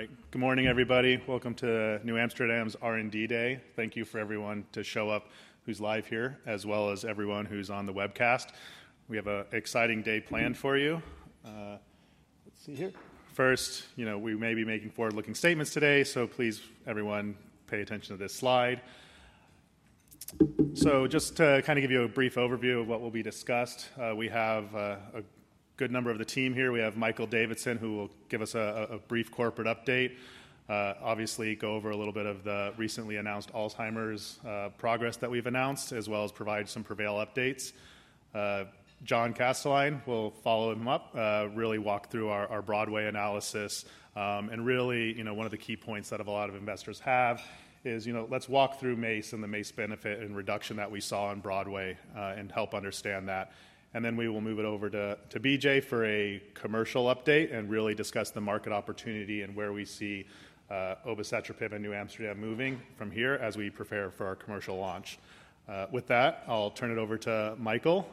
All right. Good morning, everybody. Welcome to NewAmsterdam's R&D Day. Thank you for everyone to show up who's live here, as well as everyone who's on the webcast. We have an exciting day planned for you. Let's see here. First, you know, we may be making forward-looking statements today, so please, everyone, pay attention to this slide. Just to kind of give you a brief overview of what will be discussed, we have a good number of the team here. We have Michael Davidson, who will give us a brief corporate update, obviously go over a little bit of the recently announced Alzheimer's progress that we've announced, as well as provide some PREVAIL updates. John Kastelein will follow him up, really walk through our BROADWAY analysis. Really, you know, one of the key points that a lot of investors have is, you know, let's walk through MACE and the MACE benefit and reduction that we saw on BROADWAY and help understand that. Then we will move it over to BJ for a commercial update and really discuss the market opportunity and where we see obicetrapib and NewAmsterdam moving from here as we prepare for our commercial launch. With that, I'll turn it over to Michael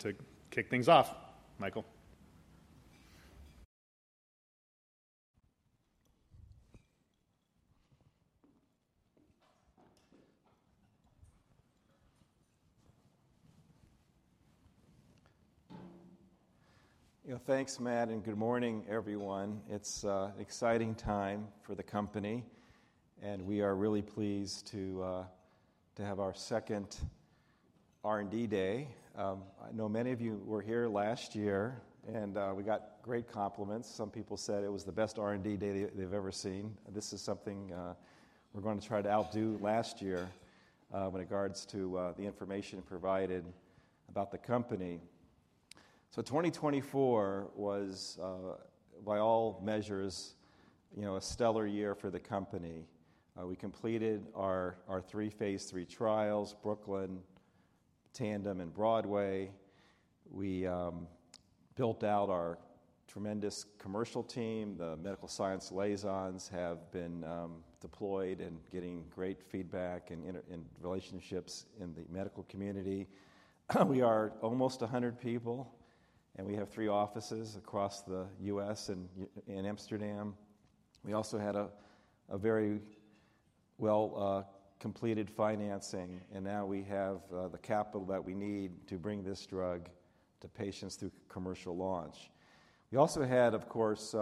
to kick things off. Michael. You know, thanks, Matt, and good morning, everyone. It's an exciting time for the company, and we are really pleased to have our second R&D Day. I know many of you were here last year, and we got great compliments. Some people said it was the best R&D Day they've ever seen. This is something we're going to try to outdo last year in regards to the information provided about the company. So 2024 was, by all measures, you know, a stellar year for the company. We completed our three phase three trials: Brooklyn, Tandem, and Broadway. We built out our tremendous commercial team. The medical science liaisons have been deployed and getting great feedback and relationships in the medical community. We are almost 100 people, and we have three offices across the U.S. and in Amsterdam. We also had a very well-completed financing, and now we have the capital that we need to bring this drug to patients through commercial launch. We also had, of course,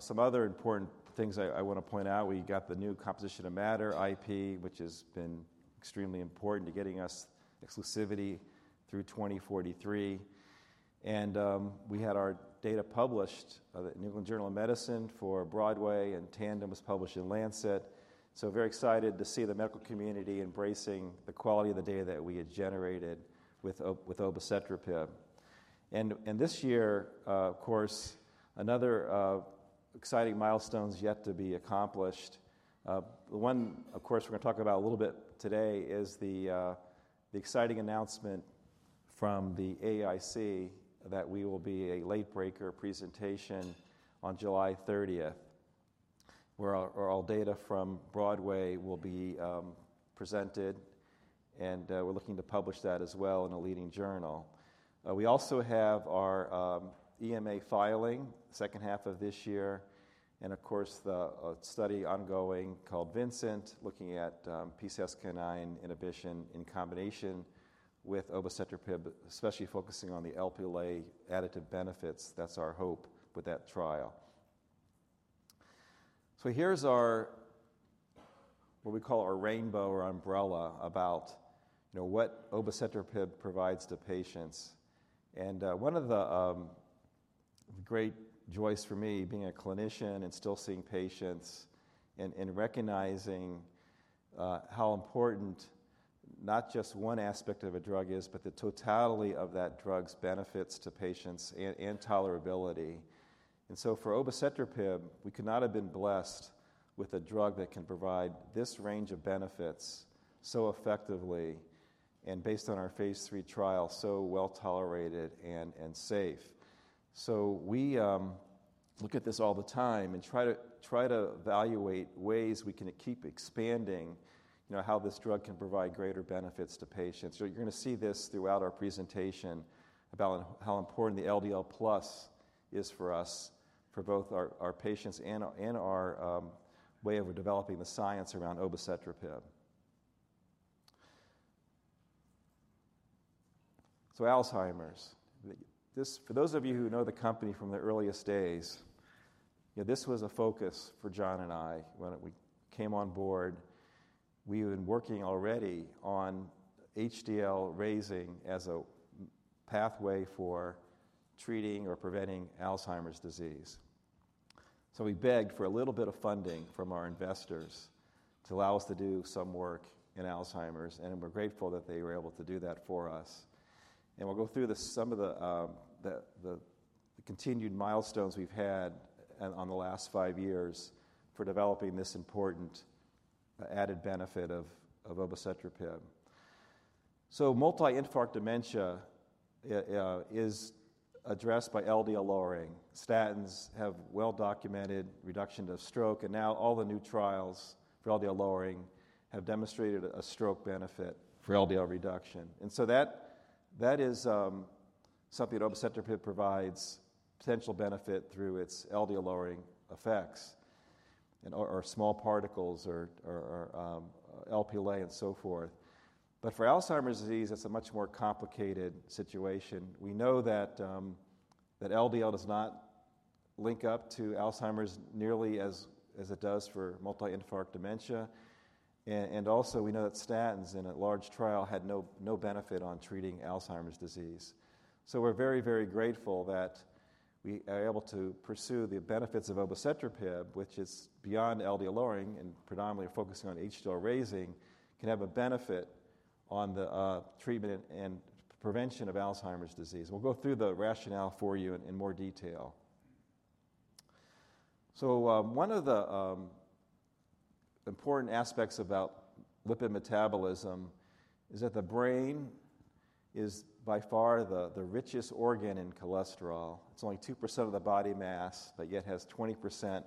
some other important things I want to point out. We got the new composition of matter IP, which has been extremely important to getting us exclusivity through 2043. We had our data published in the New England Journal of Medicine for Broadway, and Tandem was published in Lancet. Very excited to see the medical community embracing the quality of the data that we had generated with obicetrapib. This year, of course, another exciting milestone is yet to be accomplished. The one, of course, we're going to talk about a little bit today is the exciting announcement from the AAIC that we will be a late breaker presentation on July 30th, where all data from Broadway will be presented, and we're looking to publish that as well in a leading journal. We also have our EMA filing second half of this year, and of course, the study ongoing called Vincent looking at PCSK9 inhibition in combination with obicetrapib, especially focusing on the Lp(a) additive benefits. That's our hope with that trial. Here is what we call our rainbow or umbrella about what obicetrapib provides to patients. One of the great joys for me, being a clinician and still seeing patients and recognizing how important not just one aspect of a drug is, but the totality of that drug's benefits to patients and tolerability. For obicetrapib, we could not have been blessed with a drug that can provide this range of benefits so effectively and, based on our phase three trial, so well tolerated and safe. We look at this all the time and try to evaluate ways we can keep expanding how this drug can provide greater benefits to patients. You're going to see this throughout our presentation about how important the LDL+ is for us, for both our patients and our way of developing the science around obicetrapib. Alzheimer's, for those of you who know the company from the earliest days, this was a focus for John and I. When we came on board, we had been working already on HDL raising as a pathway for treating or preventing Alzheimer's disease. We begged for a little bit of funding from our investors to allow us to do some work in Alzheimer's, and we're grateful that they were able to do that for us. We'll go through some of the continued milestones we've had on the last five years for developing this important added benefit of obicetrapib. Multi-infarct dementia is addressed by LDL lowering. Statins have well-documented reduction to stroke, and now all the new trials for LDL lowering have demonstrated a stroke benefit for LDL reduction. That is something that obicetrapib provides potential benefit through its LDL lowering effects or small particles or Lp(a) and so forth. For Alzheimer's disease, it's a much more complicated situation. We know that LDL does not link up to Alzheimer's nearly as it does for multi-infarct dementia. We know that statins in a large trial had no benefit on treating Alzheimer's disease. We are very, very grateful that we are able to pursue the benefits of obicetrapib, which is beyond LDL lowering and predominantly focusing on HDL raising, can have a benefit on the treatment and prevention of Alzheimer's disease. We'll go through the rationale for you in more detail. One of the important aspects about lipid metabolism is that the brain is by far the richest organ in cholesterol. It's only 2% of the body mass, but yet has 20%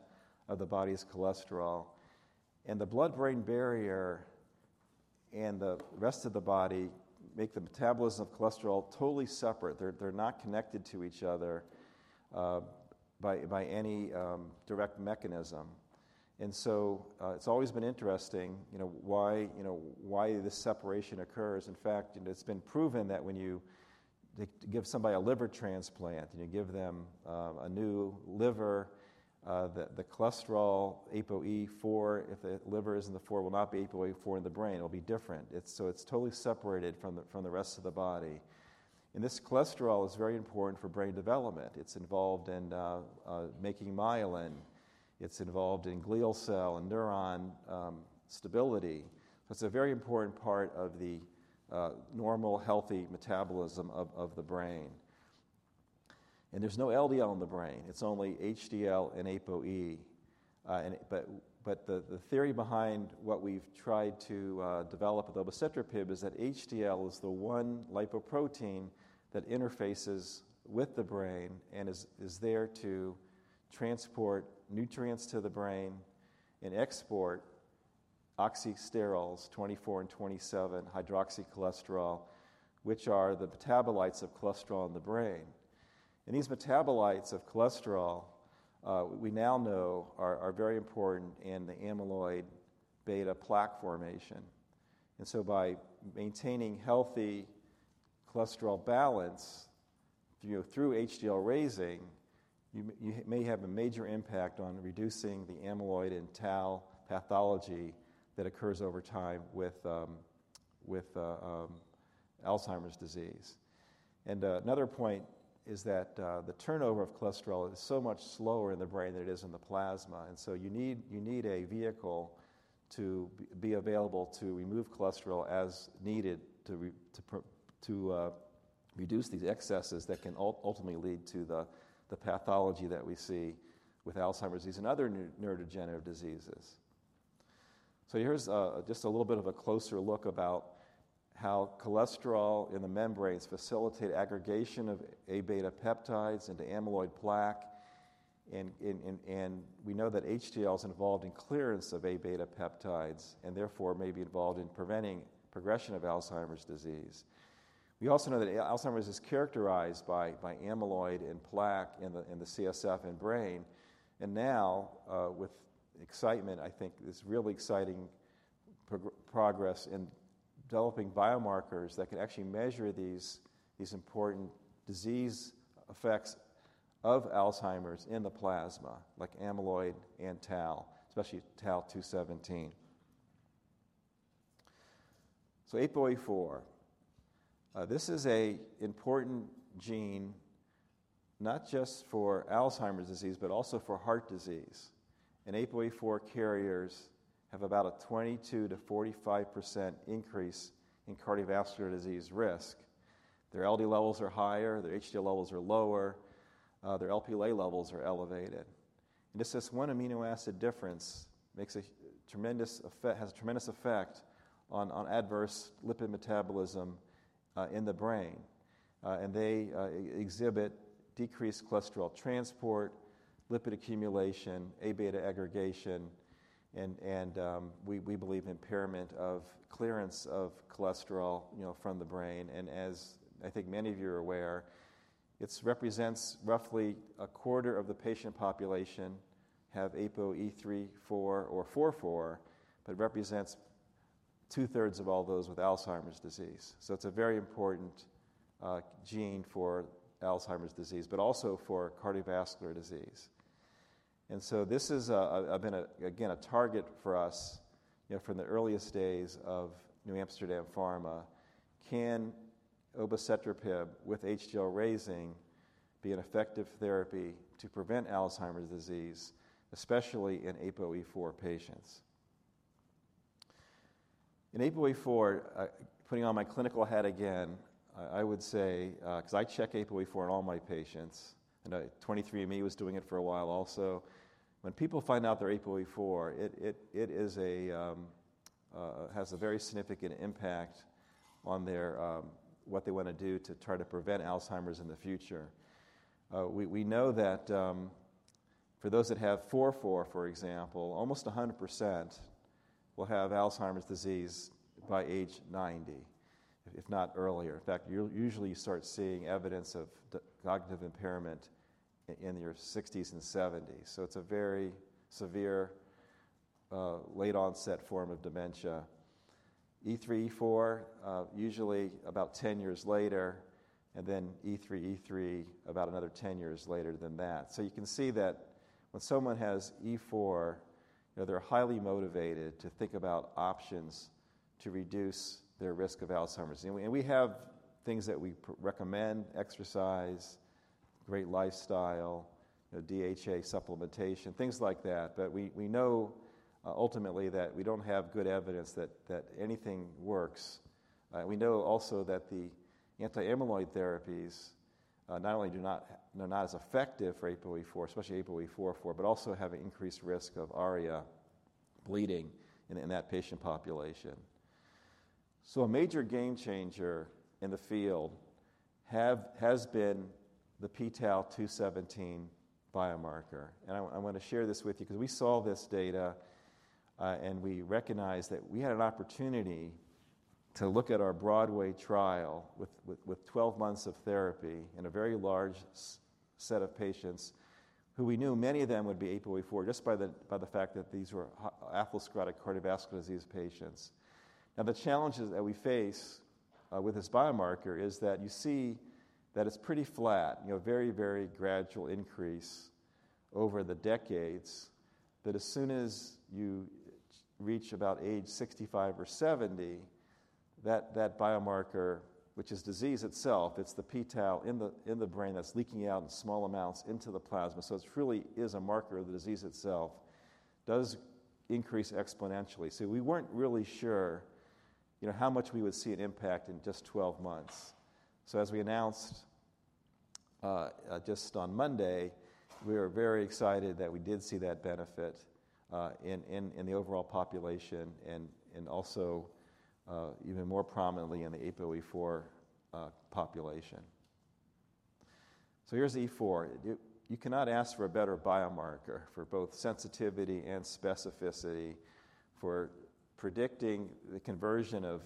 of the body's cholesterol. The blood-brain barrier and the rest of the body make the metabolism of cholesterol totally separate. They're not connected to each other by any direct mechanism. It's always been interesting why this separation occurs. In fact, it's been proven that when you give somebody a liver transplant and you give them a new liver, the cholesterol ApoE4, if the liver isn't the four, will not be ApoE4 in the brain. It'll be different. It is totally separated from the rest of the body. This cholesterol is very important for brain development. It's involved in making myelin. It's involved in glial cell and neuron stability. It's a very important part of the normal healthy metabolism of the brain. There is no LDL in the brain. It's only HDL and ApoE. The theory behind what we've tried to develop with obicetrapib is that HDL is the one lipoprotein that interfaces with the brain and is there to transport nutrients to the brain and export oxysterols, 24 and 27 hydroxycholesterol, which are the metabolites of cholesterol in the brain. These metabolites of cholesterol, we now know, are very important in the amyloid beta plaque formation. By maintaining healthy cholesterol balance through HDL raising, you may have a major impact on reducing the amyloid and tau pathology that occurs over time with Alzheimer's disease. Another point is that the turnover of cholesterol is so much slower in the brain than it is in the plasma. You need a vehicle to be available to remove cholesterol as needed to reduce these excesses that can ultimately lead to the pathology that we see with Alzheimer's disease and other neurodegenerative diseases. Here is just a little bit of a closer look about how cholesterol in the membranes facilitates aggregation of A beta peptides into amyloid plaque. We kndow that HDL is involved in clearance of Aβ peptides and therefore may be involved in preventing progression of Alzheimer's disease. We also know that Alzheimer's is characterized by amyloid and plaque in the CSF and brain. Now, with excitement, I think this really exciting progress in developing biomarkers that can actually measure these important disease effects of Alzheimer's in the plasma, like amyloid and tau, especially tau-217. ApoE4, this is an important gene not just for Alzheimer's disease, but also for heart disease. ApoE4 carriers have about a 22-45% increase in cardiovascular disease risk. Their LDL levels are higher. Their HDL levels are lower. Their Lp(a) levels are elevated. Just this one amino acid difference has a tremendous effect on adverse lipid metabolism in the brain. They exhibit decreased cholesterol transport, lipid accumulation, Aβ aggregation, and we believe impairment of clearance of cholesterol from the brain. As I think many of you are aware, it represents roughly a quarter of the patient population have ApoE3/4 or 4/4, but represents two-thirds of all those with Alzheimer's disease. It is a very important gene for Alzheimer's disease, but also for cardiovascular disease. This has been, again, a target for us from the earliest days of NewAmsterdam Pharma. Can obicetrapib with HDL raising be an effective therapy to prevent Alzheimer's disease, especially in ApoE4 patients? In ApoE4, putting on my clinical hat again, I would say, because I check ApoE4 in all my patients, and 23andMe was doing it for a while also, when people find out their ApoE4, it has a very significant impact on what they want to do to try to prevent Alzheimer's in the future. We know that for those that have 4/4, for example, almost 100% will have Alzheimer's disease by age 90, if not earlier. In fact, usually you start seeing evidence of cognitive impairment in your 60s and 70s. It is a very severe late-onset form of dementia. E3/E4, usually about 10 years later, and then E3/E3 about another 10 years later than that. You can see that when someone has E4, they're highly motivated to think about options to reduce their risk of Alzheimer's. We have things that we recommend: exercise, great lifestyle, DHA supplementation, things like that. However, we know ultimately that we do not have good evidence that anything works. We know also that the anti-amyloid therapies not only are not as effective for ApoE4, especially ApoE44, but also have an increased risk of ARIA bleeding in that patient population. A major game changer in the field has been the p-tau-217 biomarker. I want to share this with you because we saw this data and we recognized that we had an opportunity to look at our Broadway trial with 12 months of therapy in a very large set of patients who we knew many of them would be ApoE4 just by the fact that these were atherosclerotic cardiovascular disease patients. Now, the challenges that we face with this biomarker is that you see that it's pretty flat, very, very gradual increase over the decades, but as soon as you reach about age 65 or 70, that biomarker, which is disease itself, it's the p-tau in the brain that's leaking out in small amounts into the plasma. It really is a marker of the disease itself, does increase exponentially. We weren't really sure how much we would see an impact in just 12 months. As we announced just on Monday, we were very excited that we did see that benefit in the overall population and also even more prominently in the ApoE4 population. Here's E4. You cannot ask for a better biomarker for both sensitivity and specificity for predicting the conversion of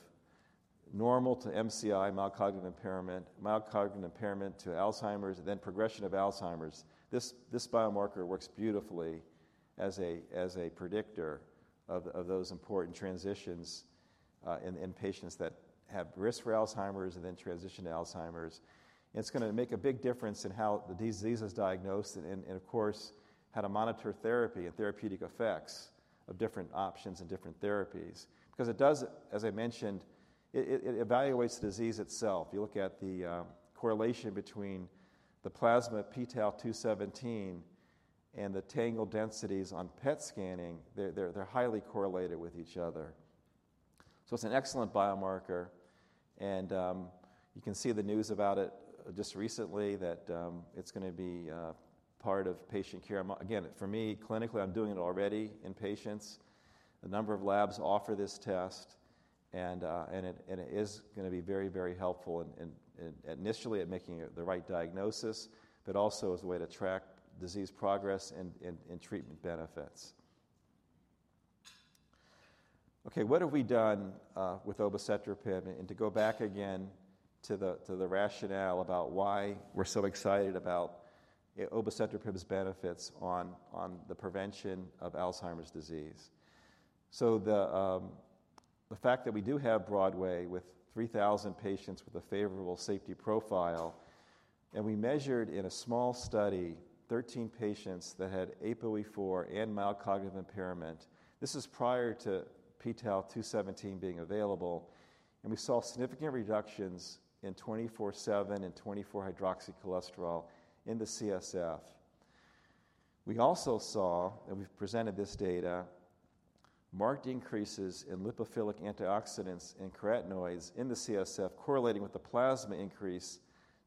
normal to MCI, mild cognitive impairment, mild cognitive impairment to Alzheimer's, then progression of Alzheimer's. This biomarker works beautifully as a predictor of those important transitions in patients that have risk for Alzheimer's and then transition to Alzheimer's. It is going to make a big difference in how the disease is diagnosed and, of course, how to monitor therapy and therapeutic effects of different options and different therapies. Because it does, as I mentioned, it evaluates the disease itself. You look at the correlation between the plasma p-tau-217 and the tangle densities on PET scanning, they are highly correlated with each other. It is an excellent biomarker. You can see the news about it just recently that it is going to be part of patient care. Again, for me, clinically, I am doing it already in patients. A number of labs offer this test, and it is going to be very, very helpful initially at making the right diagnosis, but also as a way to track disease progress and treatment benefits. Okay, what have we done with obicetrapib? To go back again to the rationale about why we're so excited about obicetrapib's benefits on the prevention of Alzheimer's disease. The fact that we do have BROADWAY with 3,000 patients with a favorable safety profile, and we measured in a small study 13 patients that had ApoE4 and mild cognitive impairment. This is prior to p-tau-217 being available. We saw significant reductions in 24/7 and 24-hydroxycholesterol in the CSF. We also saw, and we've presented this data, marked increases in lipophilic antioxidants and carotenoids in the CSF correlating with the plasma increase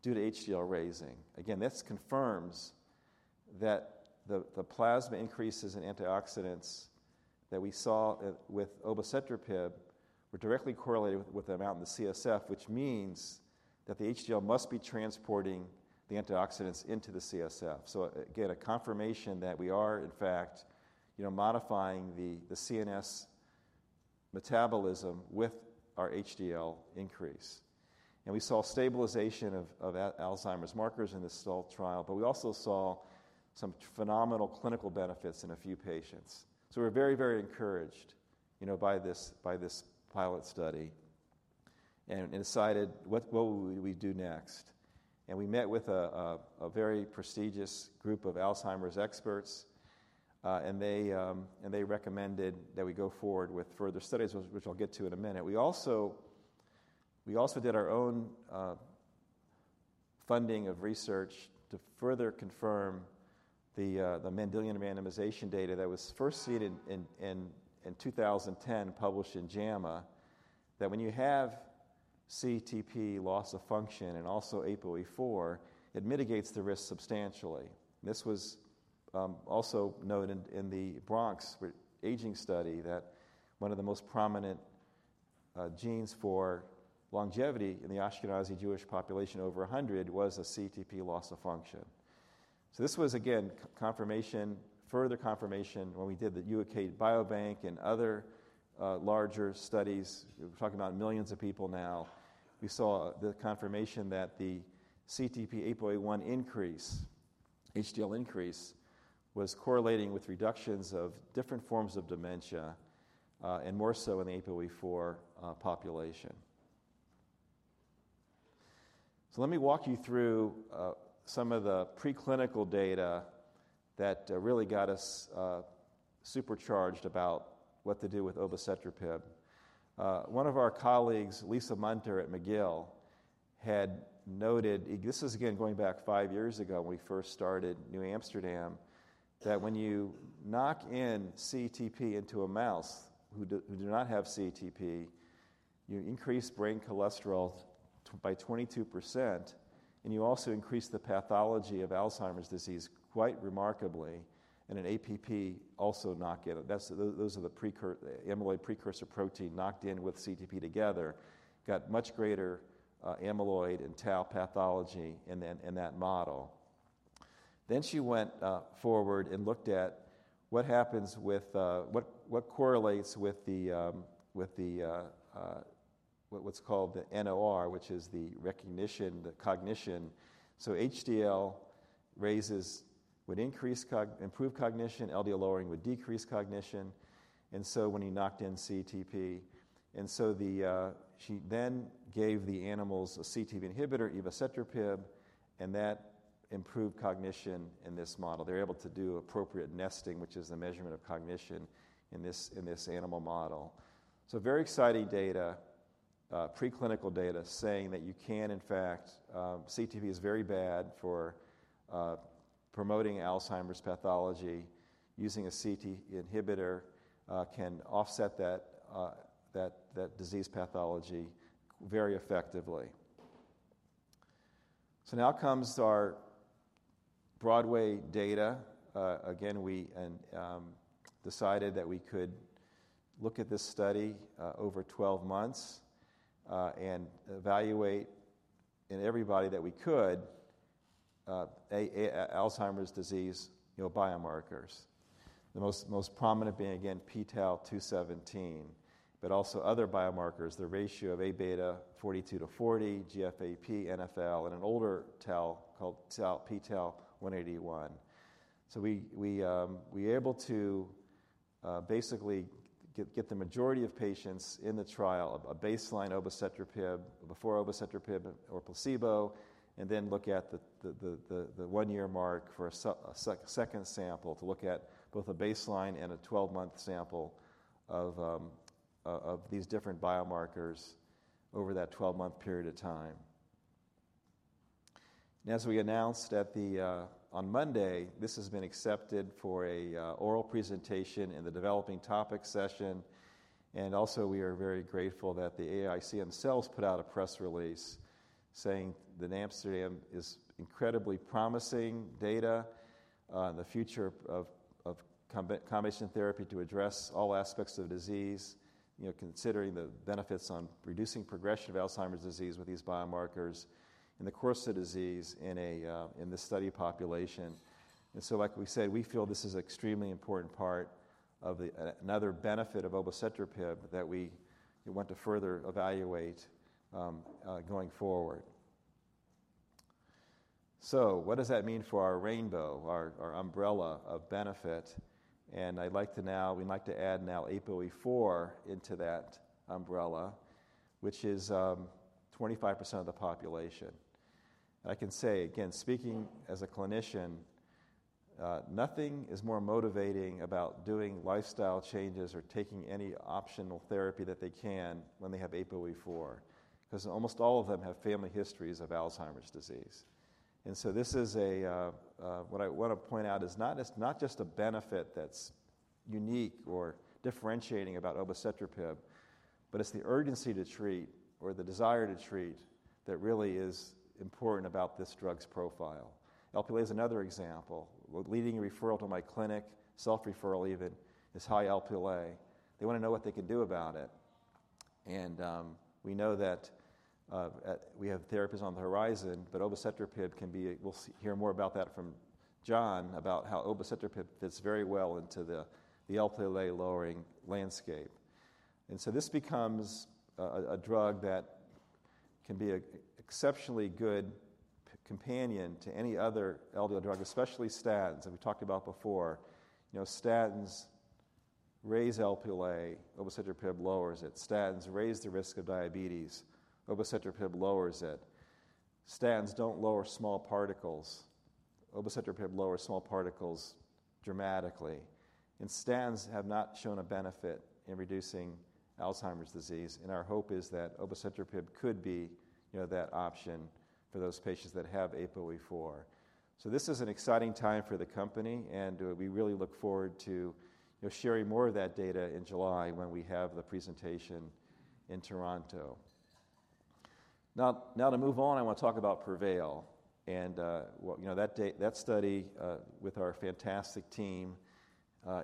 due to HDL raising. Again, this confirms that the plasma increases in antioxidants that we saw with obicetrapib were directly correlated with the amount in the CSF, which means that the HDL must be transporting the antioxidants into the CSF. Again, a confirmation that we are, in fact, modifying the CNS metabolism with our HDL increase. We saw stabilization of Alzheimer's markers in this small trial, but we also saw some phenomenal clinical benefits in a few patients. We are very, very encouraged by this pilot study and decided what will we do next. We met with a very prestigious group of Alzheimer's experts, and they recommended that we go forward with further studies, which I'll get to in a minute. We also did our own funding of research to further confirm the Mendelian randomization data that was first seen in 2010, published in JAMA, that when you have CETP loss of function and also ApoE4, it mitigates the risk substantially. This was also noted in the Bronx Aging Study that one of the most prominent genes for longevity in the Ashkenazi Jewish population over 100 was a CETP loss of function. This was, again, further confirmation when we did the U.K. Biobank and other larger studies. We're talking about millions of people now. We saw the confirmation that the CETP ApoE1 increase, HDL increase, was correlating with reductions of different forms of dementia and more so in the ApoE4 population. Let me walk you through some of the preclinical data that really got us supercharged about what to do with obicetrapib. One of our colleagues, Lisa Munter at McGill, had noted—this is, again, going back five years ago when we first started NewAmsterdam—that when you knock in CETP into a mouse who do not have CETP, you increase brain cholesterol by 22%, and you also increase the pathology of Alzheimer's disease quite remarkably in an APP also knocked in. Those are the amyloid precursor protein knocked in with CETP together, got much greater amyloid and tau pathology in that model. Then she went forward and looked at what happens with what correlates with what's called the NOR, which is the recognition, the cognition. HDL raises would improve cognition, LDL lowering would decrease cognition. When you knocked in CETP. She then gave the animals a CETP inhibitor, obicetrapib, and that improved cognition in this model. They're able to do appropriate nesting, which is the measurement of cognition in this animal model. Very exciting data, preclinical data saying that you can, in fact, CETP is very bad for promoting Alzheimer's pathology. Using a CETP inhibitor can offset that disease pathology very effectively. Now comes our Broadway data. Again, we decided that we could look at this study over 12 months and evaluate in everybody that we could Alzheimer's disease biomarkers. The most prominent being, again, p-tau-217, but also other biomarkers, the ratio of Aβ42/40, GFAP, NFL, and an older tau called p-tau-181. We were able to basically get the majority of patients in the trial at a baseline obicetrapib before obicetrapib or placebo, and then look at the one-year mark for a second sample to look at both a baseline and a 12-month sample of these different biomarkers over that 12-month period of time. As we announced on Monday, this has been accepted for an oral presentation in the developing topic session. Also, we are very grateful that the AAIC themselves put out a press release saying that NewAmsterdam is incredibly promising data on the future of combination therapy to address all aspects of disease, considering the benefits on reducing progression of Alzheimer's disease with these biomarkers in the course of disease in this study population. Like we said, we feel this is an extremely important part of another benefit of obicetrapib that we want to further evaluate going forward. What does that mean for our rainbow, our umbrella of benefit? We'd like to add now ApoE4 into that umbrella, which is 25% of the population. I can say, again, speaking as a clinician, nothing is more motivating about doing lifestyle changes or taking any optional therapy that they can when they have ApoE4, because almost all of them have family histories of Alzheimer's disease. What I want to point out is not just a benefit that's unique or differentiating about obicetrapib, but it's the urgency to treat or the desire to treat that really is important about this drug's profile. Alpila is another example. Leading referral to my clinic, self-referral even, is high Lp(a). They want to know what they can do about it. We know that we have therapies on the horizon, but obicetrapib can be—we'll hear more about that from John about how obicetrapib fits very well into the Lp(a) lowering landscape. This becomes a drug that can be an exceptionally good companion to any other LDL drug, especially statins, as we talked about before. Statins raise Lp(a), obicetrapib lowers it. Statins raise the risk of diabetes. Obicetrapib lowers it. Statins don't lower small particles. Obicetrapib lowers small particles dramatically. Statins have not shown a benefit in reducing Alzheimer's disease. Our hope is that obicetrapib could be that option for those patients that have ApoE4. This is an exciting time for the company, and we really look forward to sharing more of that data in July when we have the presentation in Toronto. Now, to move on, I want to talk about PREVAIL. That study with our fantastic team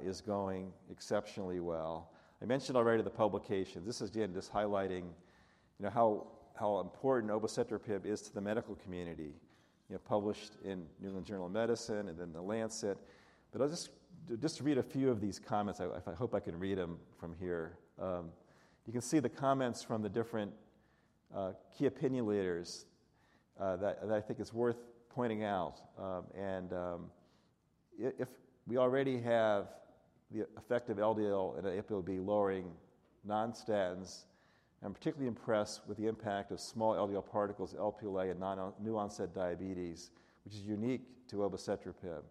is going exceptionally well. I mentioned already the publication. This is, again, just highlighting how important obicetrapib is to the medical community, published in New England Journal of Medicine and then The Lancet. I'll just read a few of these comments. I hope I can read them from here. You can see the comments from the different key opinion leaders that I think it's worth pointing out. If we already have the effect of LDL and ApoB lowering non-statins, I'm particularly impressed with the impact of small LDL particles, Lp(a), and new-onset diabetes, which is unique to obicetrapib.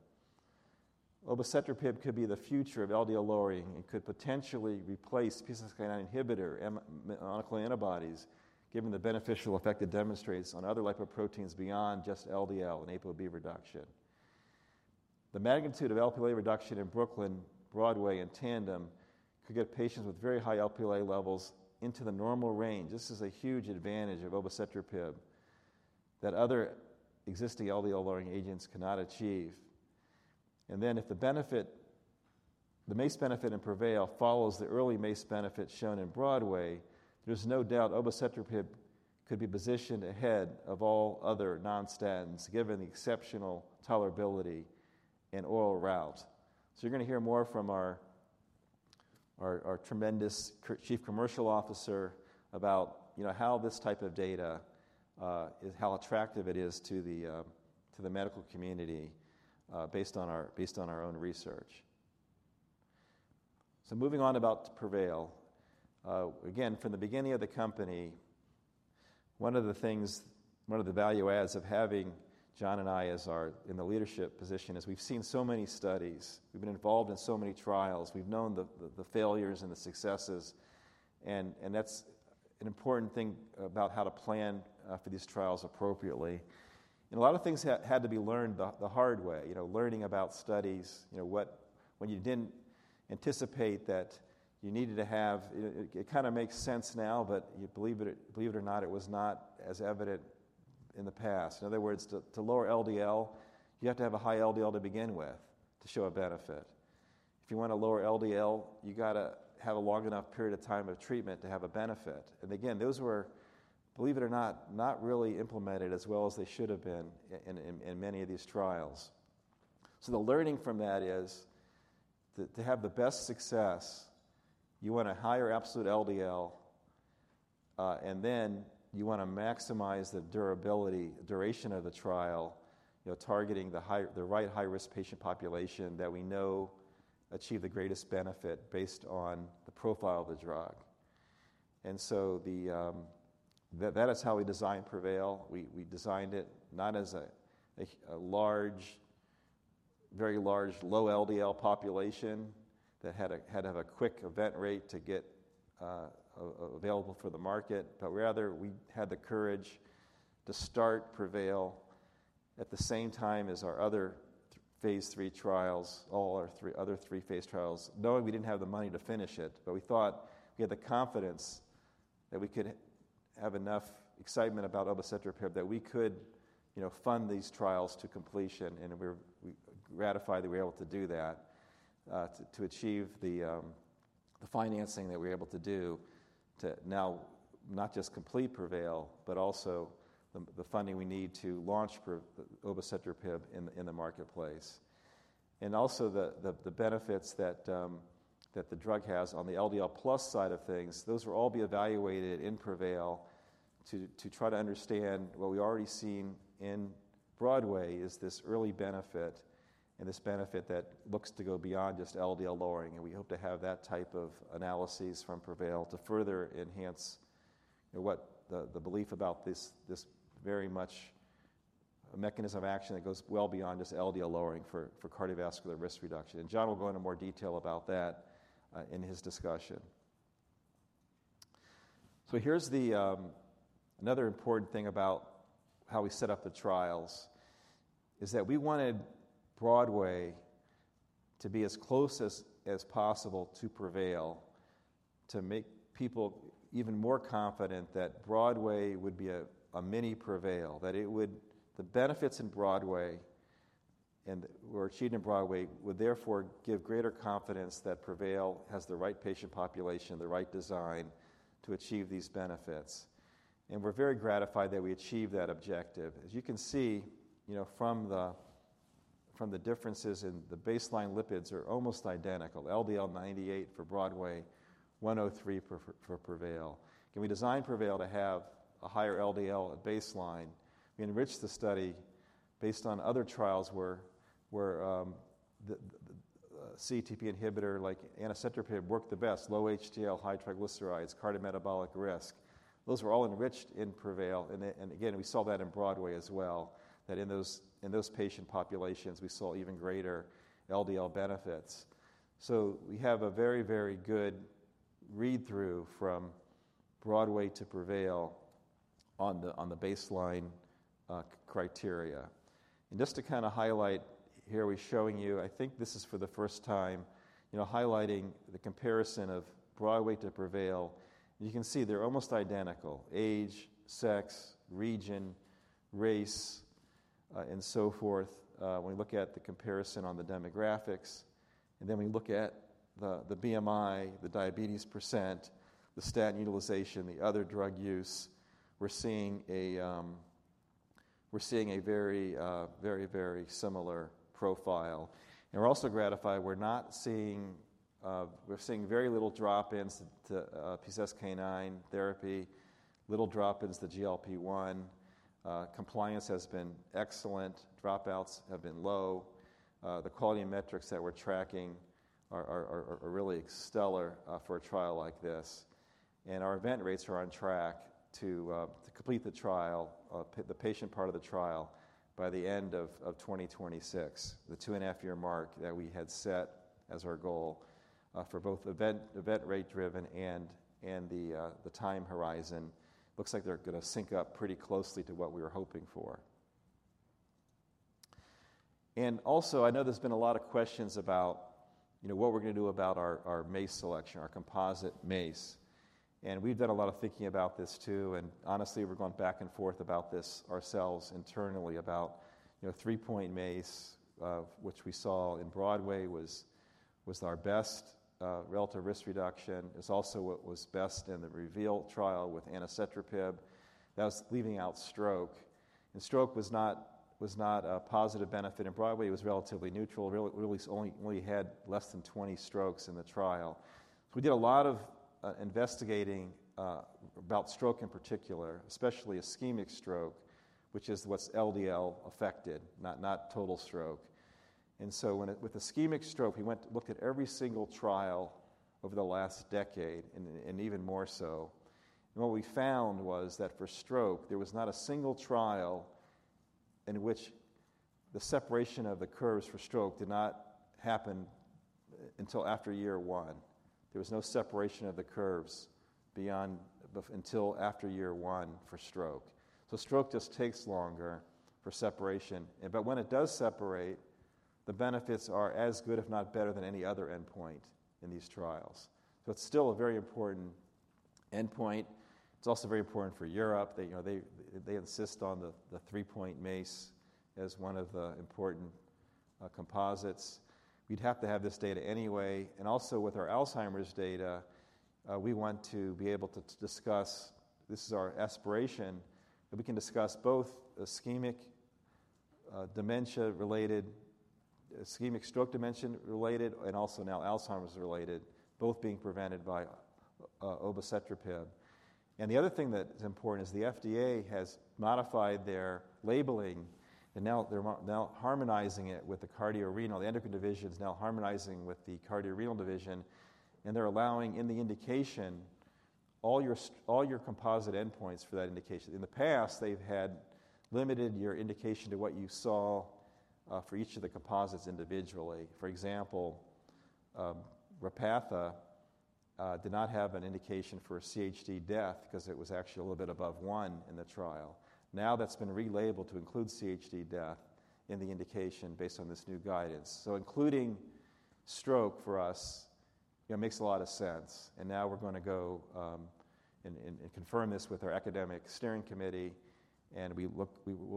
Obicetrapib could be the future of LDL lowering and could potentially replace PCSK9 inhibitor monoclonal antibodies, given the beneficial effect it demonstrates on other lipoproteins beyond just LDL and ApoB reduction. The magnitude of Lp(a) reduction in Brooklyn, Broadway, in TANDEM could get patients with very high Lp(a) levels into the normal range. This is a huge advantage of obicetrapib that other existing LDL lowering agents cannot achieve. If the MACE benefit in PREVAIL follows the early MACE benefit shown in Broadway, there is no doubt obicetrapib could be positioned ahead of all other non-statins given the exceptional tolerability and oral route. You are going to hear more from our tremendous Chief Commercial Officer about how this type of data, how attractive it is to the medical community based on our own research. Moving on about PREVAIL. Again, from the beginning of the company, one of the things, one of the value adds of having John and I in the leadership position is we've seen so many studies. We've been involved in so many trials. We've known the failures and the successes. That's an important thing about how to plan for these trials appropriately. A lot of things had to be learned the hard way, learning about studies. When you didn't anticipate that you needed to have—it kind of makes sense now, but believe it or not, it was not as evident in the past. In other words, to lower LDL, you have to have a high LDL to begin with to show a benefit. If you want to lower LDL, you got to have a long enough period of time of treatment to have a benefit. Those were, believe it or not, not really implemented as well as they should have been in many of these trials. The learning from that is to have the best success, you want a higher absolute LDL, and then you want to maximize the duration of the trial, targeting the right high-risk patient population that we know achieve the greatest benefit based on the profile of the drug. That is how we designed PREVAIL. We designed it not as a very large low LDL population that had to have a quick event rate to get available for the market, but rather we had the courage to start PREVAIL at the same time as our other phase three trials, all our other phase three trials, knowing we didn't have the money to finish it, but we thought we had the confidence that we could have enough excitement about obicetrapib that we could fund these trials to completion. We're gratified that we were able to do that to achieve the financing that we were able to do to now not just complete PREVAIL, but also the funding we need to launch obicetrapib in the marketplace. Also, the benefits that the drug has on the LDL plus side of things, those will all be evaluated in PREVAIL to try to understand what we've already seen in BROADWAY is this early benefit and this benefit that looks to go beyond just LDL lowering. We hope to have that type of analysis from PREVAIL to further enhance the belief about this very much a mechanism of action that goes well beyond just LDL lowering for cardiovascular risk reduction. John will go into more detail about that in his discussion. Here's another important thing about how we set up the trials is that we wanted Broadway to be as close as possible to PREVAIL to make people even more confident that Broadway would be a mini PREVAIL, that the benefits in Broadway and what we're achieving in Broadway would therefore give greater confidence that PREVAIL has the right patient population, the right design to achieve these benefits. We're very gratified that we achieved that objective. As you can see from the differences in the baseline lipids, they are almost identical, LDL 98 for Broadway, 103 for PREVAIL. Can we design PREVAIL to have a higher LDL at baseline? We enriched the study based on other trials where CETP inhibitor like anacetrapib worked the best, low HDL, high triglycerides, cardiometabolic risk. Those were all enriched in PREVAIL. Again, we saw that in Broadway as well, that in those patient populations, we saw even greater LDL benefits. We have a very, very good read-through from Broadway to PREVAIL on the baseline criteria. Just to kind of highlight here, we're showing you, I think this is for the first time, highlighting the comparison of Broadway to PREVAIL. You can see they're almost identical: age, sex, region, race, and so forth when we look at the comparison on the demographics. Then we look at the BMI, the diabetes %, the statin utilization, the other drug use. We're seeing a very, very, very similar profile. We're also gratified we're seeing very little drop-ins to PCSK9 therapy, little drop-ins to GLP-1. Compliance has been excellent. Dropouts have been low. The quality metrics that we're tracking are really stellar for a trial like this. Our event rates are on track to complete the trial, the patient part of the trial, by the end of 2026, the two-and-a-half-year mark that we had set as our goal for both event rate-driven and the time horizon. It looks like they are going to sync up pretty closely to what we were hoping for. Also, I know there has been a lot of questions about what we are going to do about our MACE selection, our composite MACE. We have done a lot of thinking about this too. Honestly, we are going back and forth about this ourselves internally about three-point MACE, which we saw in BROADWAY was our best relative risk reduction. It was also what was best in the REVEAL trial with anacetrapib. That was leaving out stroke. Stroke was not a positive benefit in BROADWAY. It was relatively neutral. It really only had less than 20 strokes in the trial. We did a lot of investigating about stroke in particular, especially ischemic stroke, which is what's LDL affected, not total stroke. With ischemic stroke, we looked at every single trial over the last decade and even more so. What we found was that for stroke, there was not a single trial in which the separation of the curves for stroke did not happen until after year one. There was no separation of the curves until after year one for stroke. Stroke just takes longer for separation. When it does separate, the benefits are as good, if not better, than any other endpoint in these trials. It is still a very important endpoint. It is also very important for Europe. They insist on the three-point MACE as one of the important composites. We'd have to have this data anyway. Also, with our Alzheimer's data, we want to be able to discuss—this is our aspiration—that we can discuss both ischemic dementia-related, ischemic stroke dementia-related, and also now Alzheimer's-related, both being prevented by obicetrapib. The other thing that's important is the FDA has modified their labeling and now they're harmonizing it with the cardiorenal. The endocrine division is now harmonizing with the cardiorenal division. They're allowing in the indication all your composite endpoints for that indication. In the past, they've limited your indication to what you saw for each of the composites individually. For example, Repatha did not have an indication for CHD death because it was actually a little bit above one in the trial. Now that's been relabeled to include CHD death in the indication based on this new guidance. Including stroke for us makes a lot of sense. Now we're going to go and confirm this with our academic steering committee. We will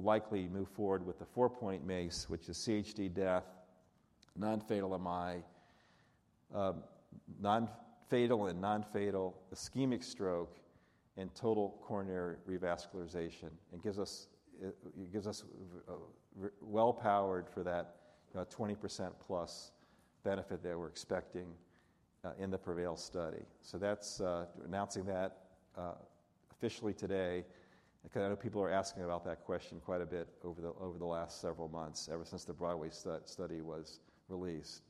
likely move forward with the four-point MACE, which is CHD death, non-fatal MI, non-fatal ischemic stroke, and total coronary revascularization. It gives us well-powered for that 20%+ benefit that we're expecting in the PREVAIL study. That's announcing that officially today because I know people are asking about that question quite a bit over the last several months, ever since the BROADWAY study was released.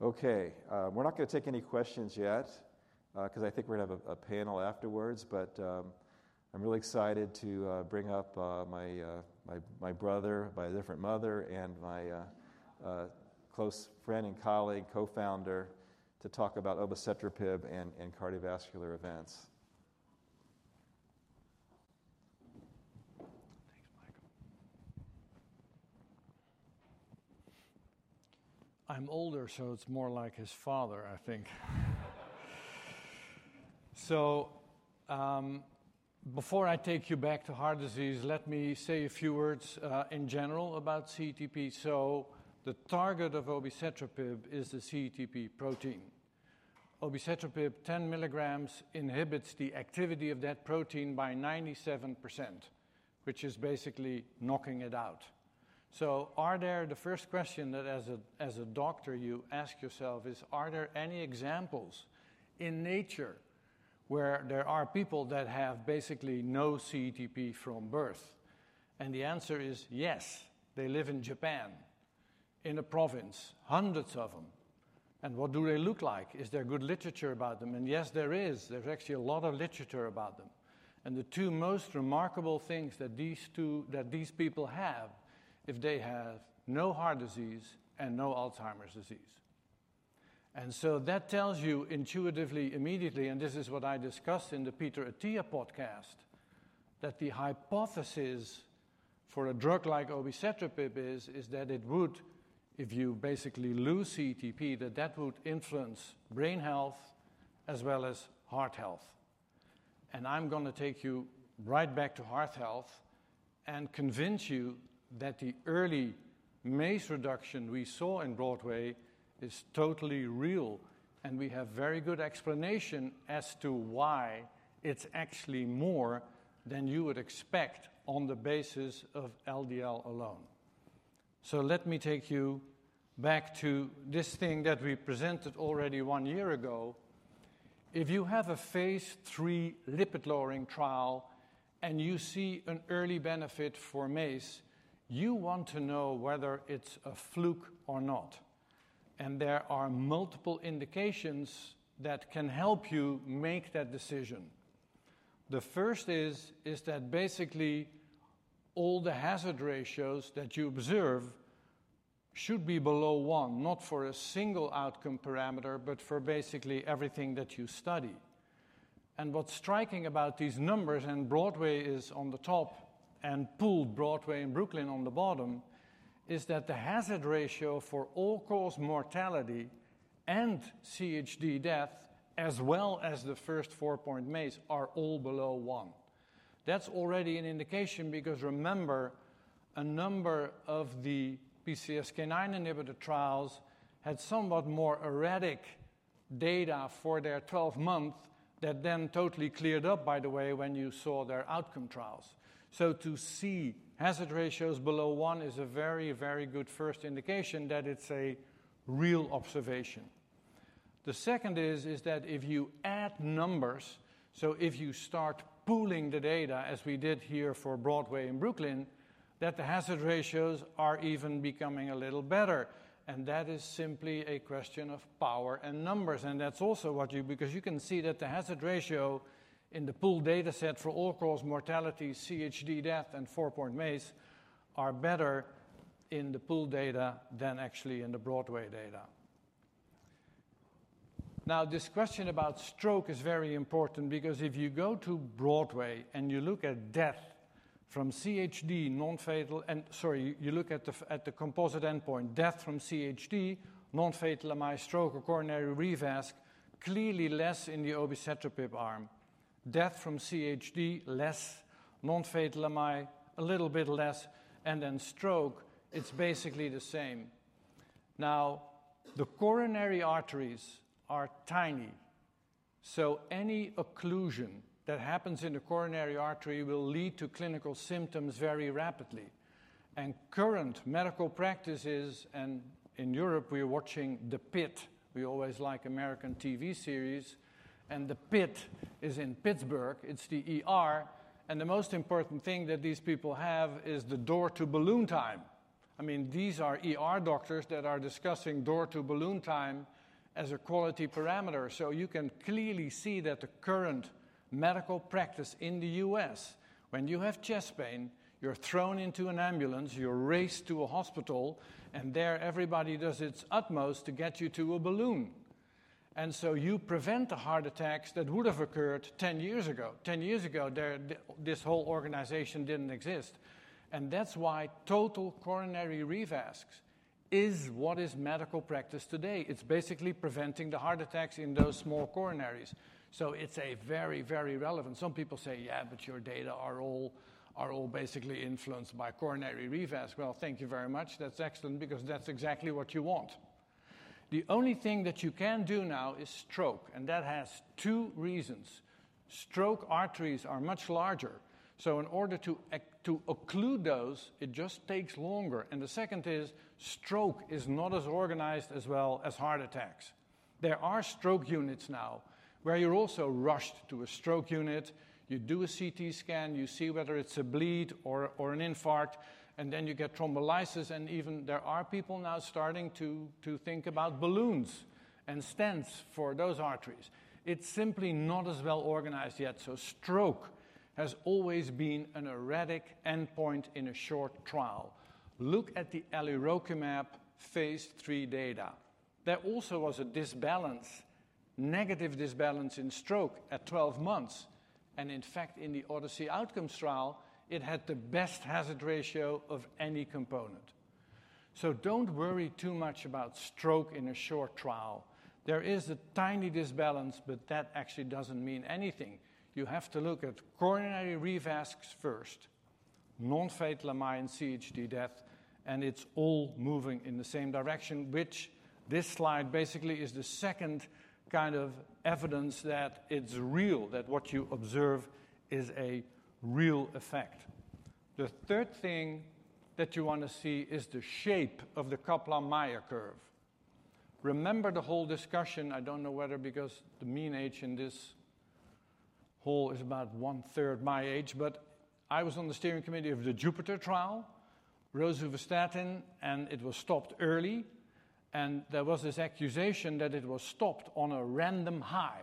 Okay. We're not going to take any questions yet because I think we're going to have a panel afterwards. I'm really excited to bring up my brother by a different mother and my close friend and colleague, co-founder, to talk about obicetrapib and cardiovascular events. Thanks, Michael. I'm older, so it's more like his father, I think. Before I take you back to heart disease, let me say a few words in general about CETP. The target of obicetrapib is the CETP protein. Obicetrapib 10 milligrams inhibits the activity of that protein by 97%, which is basically knocking it out. The first question that as a doctor you ask yourself is, are there any examples in nature where there are people that have basically no CETP from birth? The answer is yes. They live in Japan in a province, hundreds of them. What do they look like? Is there good literature about them? Yes, there is. There's actually a lot of literature about them. The two most remarkable things that these people have is they have no heart disease and no Alzheimer's disease. That tells you intuitively immediately, and this is what I discussed in the Peter Attia podcast, that the hypothesis for a drug like obicetrapib is that it would, if you basically lose CETP, that that would influence brain health as well as heart health. I'm going to take you right back to heart health and convince you that the early MACE reduction we saw in BROADWAY is totally real. We have very good explanation as to why it's actually more than you would expect on the basis of LDL alone. Let me take you back to this thing that we presented already one year ago. If you have a phase three lipid-lowering trial and you see an early benefit for MACE, you want to know whether it's a fluke or not. There are multiple indications that can help you make that decision. The first is that basically all the hazard ratios that you observe should be below one, not for a single outcome parameter, but for basically everything that you study. What's striking about these numbers, and BROADWAY is on the top and pooled BROADWAY and BROOKLYN on the bottom, is that the hazard ratio for all-cause mortality and CHD death, as well as the first four-point MACE, are all below one. That's already an indication because remember, a number of the PCSK9 inhibitor trials had somewhat more erratic data for their 12-month that then totally cleared up, by the way, when you saw their outcome trials. To see hazard ratios below one is a very, very good first indication that it's a real observation. The second is thdat if you add numbers, so if you start pooling the data as we did here for Broadway and Brooklyn, the hazard ratios are even becoming a little better. That is simply a question of power and numbers. That is also what you see because you can see that the hazard ratio in the pooled data set for all-cause mortality, CHD death, and four-point MACE are better in the pooled data than actually in the Broadway data. Now, this question about stroke is very important because if you go to Broadway and you look at death from CHD, non-fatal MI, sorry, you look at the composite endpoint, death from CHD, non-fatal MI, stroke, or coronary revascularization, clearly less in the obicetrapib arm. Death from CHD, less. Non-fatal MI, a little bit less. Then stroke, it's basically the same. Now, the coronary arteries are tiny. Any occlusion that happens in the coronary artery will lead to clinical symptoms very rapidly. Current medical practices, and in Europe, we're watching The Pit. We always like American TV series. The Pit is in Pittsburgh. The most important thing that these people have is the door-to-balloon time. I mean, these are doctors that are discussing door-to-balloon time as a quality parameter. You can clearly see that the current medical practice in the U.S., when you have chest pain, you're thrown into an ambulance, you're raced to a hospital, and there everybody does its utmost to get you to a balloon. You prevent the heart attacks that would have occurred 10 years ago. Ten years ago, this whole organization didn't exist. That's why total coronary revascularization is what is medical practice today. It's basically preventing the heart attacks in those small coronaries. So it's very, very relevant. Some people say, "Yeah, but your data are all basically influenced by coronary revascularization." Thank you very much. That's excellent because that's exactly what you want. The only thing that you can do now is stroke. And that has two reasons. Stroke arteries are much larger. In order to occlude those, it just takes longer. The second is stroke is not as organized as well as heart attacks. There are stroke units now where you're also rushed to a stroke unit. You do a CT scan. You see whether it's a bleed or an infarct. Then you get thrombolysis. Even there are people now starting to think about balloons and stents for those arteries. It's simply not as well organized yet. Stroke has always been an erratic endpoint in a short trial. Look at the Elli-Rokimab phase three data. There also was a disbalance, negative disbalance in stroke at 12 months. In fact, in the Odyssey outcomes trial, it had the best hazard ratio of any component. Do not worry too much about stroke in a short trial. There is a tiny disbalance, but that actually does not mean anything. You have to look at coronary revascularization first, non-fatal MI and CHD death. It is all moving in the same direction, which this slide basically is the second kind of evidence that it is real, that what you observe is a real effect. The third thing that you want to see is the shape of the Kaplan-Meier curve. Remember the whole discussion. I do not know whether because the mean age in this hall is about one-third my age. I was on the steering committee of the Jupiter trial, rosuvastatin, and it was stopped early. There was this accusation that it was stopped on a random high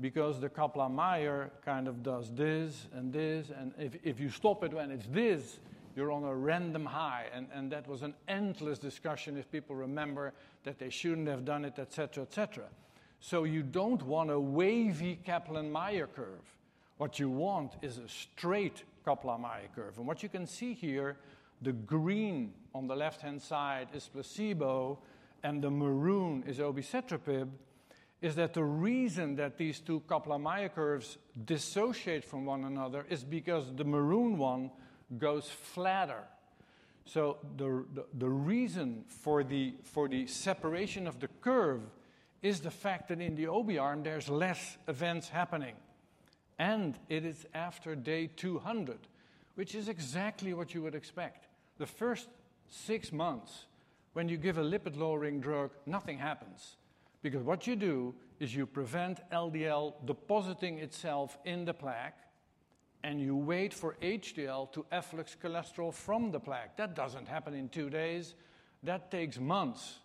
because the Kaplan-Meier kind of does this and this. If you stop it when it's this, you're on a random high. That was an endless discussion if people remember that they shouldn't have done it, et cetera, et cetera. You do not want a wavy Kaplan-Meier curve. What you want is a straight Kaplan-Meier curve. What you can see here, the green on the left-hand side is placebo, and the maroon is obicetrapib, is that the reason that these two Kaplan-Meier curves dissociate from one another is because the maroon one goes flatter. The reason for the separation of the curve is the fact that in the OB arm, there's less events happening. It is after day 200, which is exactly what you would expect. The first six months, when you give a lipid-lowering drug, nothing happens. Because what you do is you prevent LDL depositing itself in the plaque, and you wait for HDL to efflux cholesterol from the plaque. That does not happen in two days. That takes months.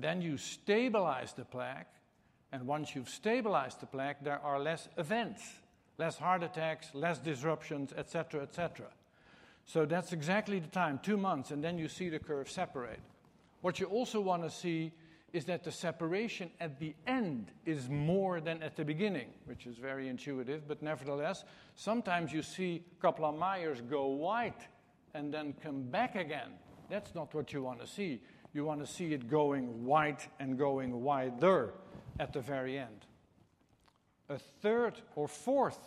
Then you stabilize the plaque. Once you have stabilized the plaque, there are less events, less heart attacks, less disruptions, et cetera, et cetera. That is exactly the time, two months. Then you see the curve separate. What you also want to see is that the separation at the end is more than at the beginning, which is very intuitive. Nevertheless, sometimes you see Kaplan-Meier go white and then come back again. That is not what you want to see. You want to see it going white and going whiter at the very end. A third or fourth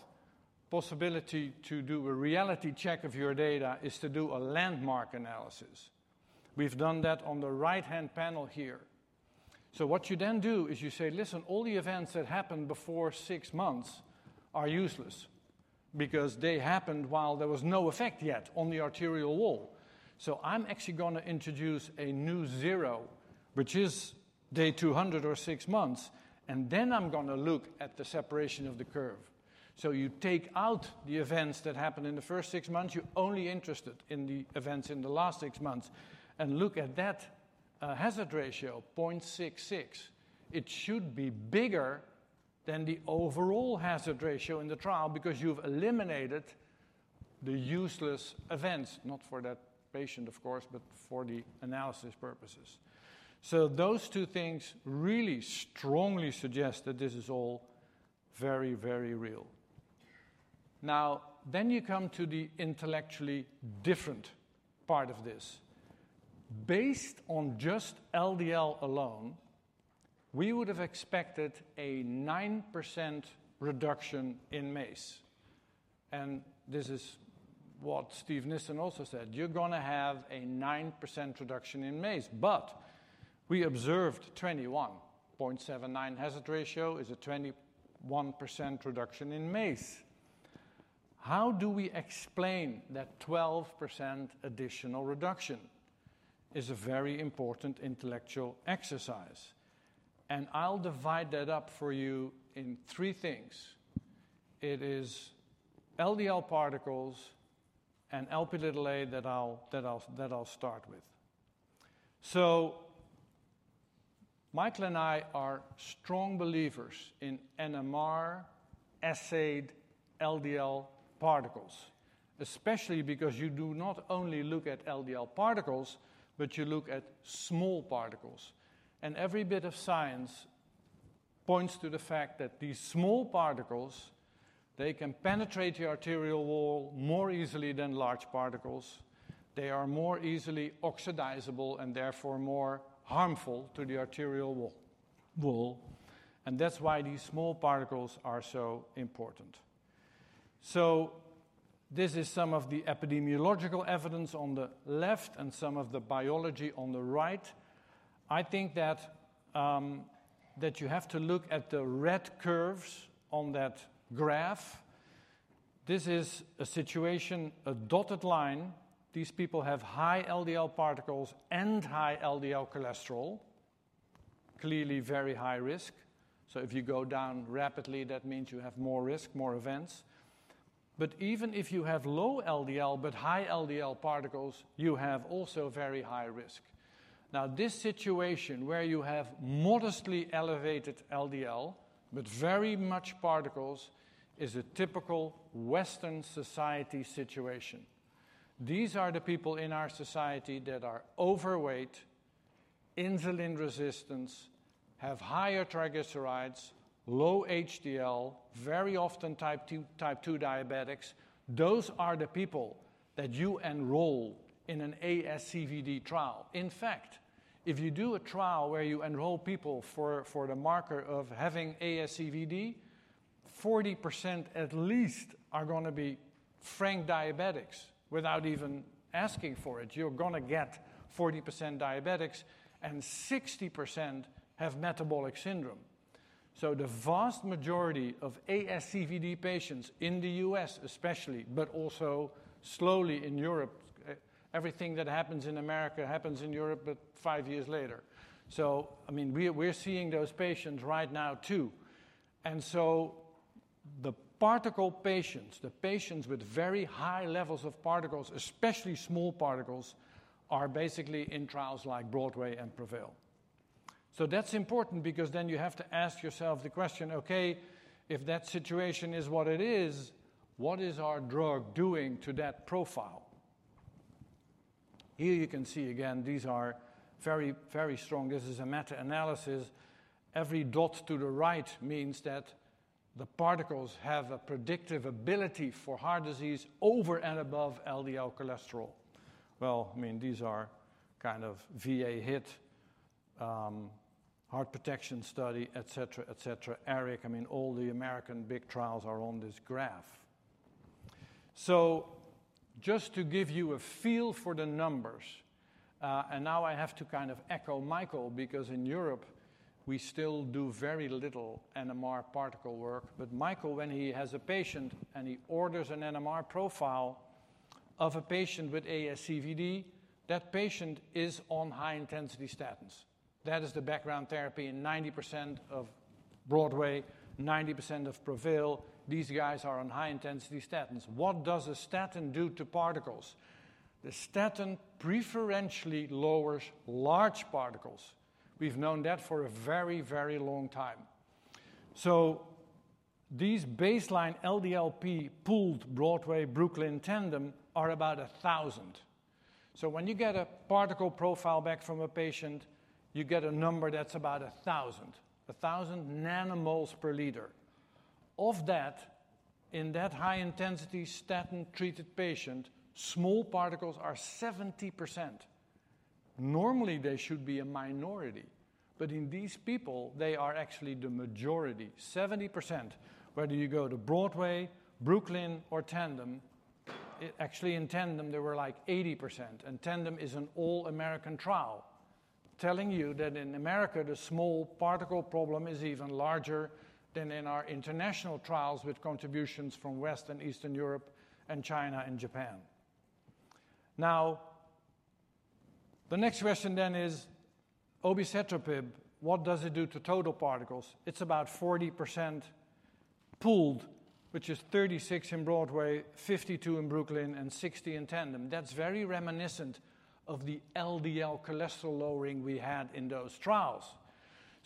possibility to do a reality check of your data is to do a landmark analysis. We've done that on the right-hand panel here. What you then do is you say, "Listen, all the events that happened before six months are useless because they happened while there was no effect yet on the arterial wall." I'm actually going to introduce a new zero, which is day 200 or six months. Then I'm going to look at the separation of the curve. You take out the events that happened in the first six months. You're only interested in the events in the last six months. Look at that hazard ratio, 0.66. It should be bigger than the overall hazard ratio in the trial because you've eliminated the useless events, not for that patient, of course, but for the analysis purposes. Those two things really strongly suggest that this is all very, very real. Now, then you come to the intellectually different part of this. Based on just LDL alone, we would have expected a 9% reduction in MACE. This is what Steve Nissen also said. You're going to have a 9% reduction in MACE. We observed 21.79 hazard ratio is a 21% reduction in MACE. How do we explain that 12% additional reduction? It's a very important intellectual exercise. I'll divide that up for you in three things. It is LDL particles and Lp(a) that I'll start with. Michael and I are strong believers in NMR assayed LDL particles, especially because you do not only look at LDL particles, but you look at small particles. Every bit of science points to the fact that these small particles, they can penetrate the arterial wall more easily than large particles. They are more easily oxidizable and therefore more harmful to the arterial wall. That is why these small particles are so important. This is some of the epidemiological evidence on the left and some of the biology on the right. I think that you have to look at the red curves on that graph. This is a situation, a dotted line. These people have high LDL particles and high LDL cholesterol, clearly very high risk. If you go down rapidly, that means you have more risk, more events. Even if you have low LDL but high LDL particles, you have also very high risk. Now, this situation where you have modestly elevated LDL but very much particles is a typical Western society situation. These are the people in our society that are overweight, insulin resistance, have higher triglycerides, low HDL, very often type 2 diabetics. Those are the people that you enroll in an ASCVD trial. In fact, if you do a trial where you enroll people for the marker of having ASCVD, 40% at least are going to be frank diabetics without even asking for it. You're going to get 40% diabetics, and 60% have metabolic syndrome. The vast majority of ASCVD patients in the U.S., especially, but also slowly in Europe. Everything that happens in America happens in Europe five years later. I mean, we're seeing those patients right now too. The particle patients, the patients with very high levels of particles, especially small particles, are basically in trials like Broadway and PREVAIL. That is important because then you have to ask yourself the question, "Okay, if that situation is what it is, what is our drug doing to that profile?" Here you can see again, these are very, very strong. This is a meta-analysis. Every dot to the right means that the particles have a predictive ability for heart disease over and above LDL cholesterol. I mean, these are kind of VA HIIT, Heart Protection Study, et cetera, et cetera. Eric, I mean, all the American big trials are on this graph. Just to give you a feel for the numbers, and now I have to kind of echo Michael because in Europe, we still do very little NMR particle work. Michael, when he has a patient and he orders an NMR profile of a patient with ASCVD, that patient is on high-intensity statins. That is the background therapy in 90% of Broadway, 90% of PREVAIL. These guys are on high-intensity statins. What does a statin do to particles? The statin preferentially lowers large particles. We've known that for a very, very long time. So these baseline LDL-P pooled Broadway-Brooklyn TANDEM are about 1,000. When you get a particle profile back from a patient, you get a number that's about 1,000, 1,000 nanomoles per liter. Of that, in that high-intensity statin-treated patient, small particles are 70%. Normally, they should be a minority. In these people, they are actually the majority, 70%. Whether you go to Broadway, Brooklyn, or TANDEM, actually in TANDEM, they were like 80%. Tandem is an all-American trial, telling you that in America, the small particle problem is even larger than in our international trials with contributions from Western and Eastern Europe and China and Japan. The next question then is, "Obicetrapib, what does it do to total particles?" It's about 40% pooled, which is 36% in Broadway, 52% in Brooklyn, and 60% in Tandem. That's very reminiscent of the LDL cholesterol lowering we had in those trials.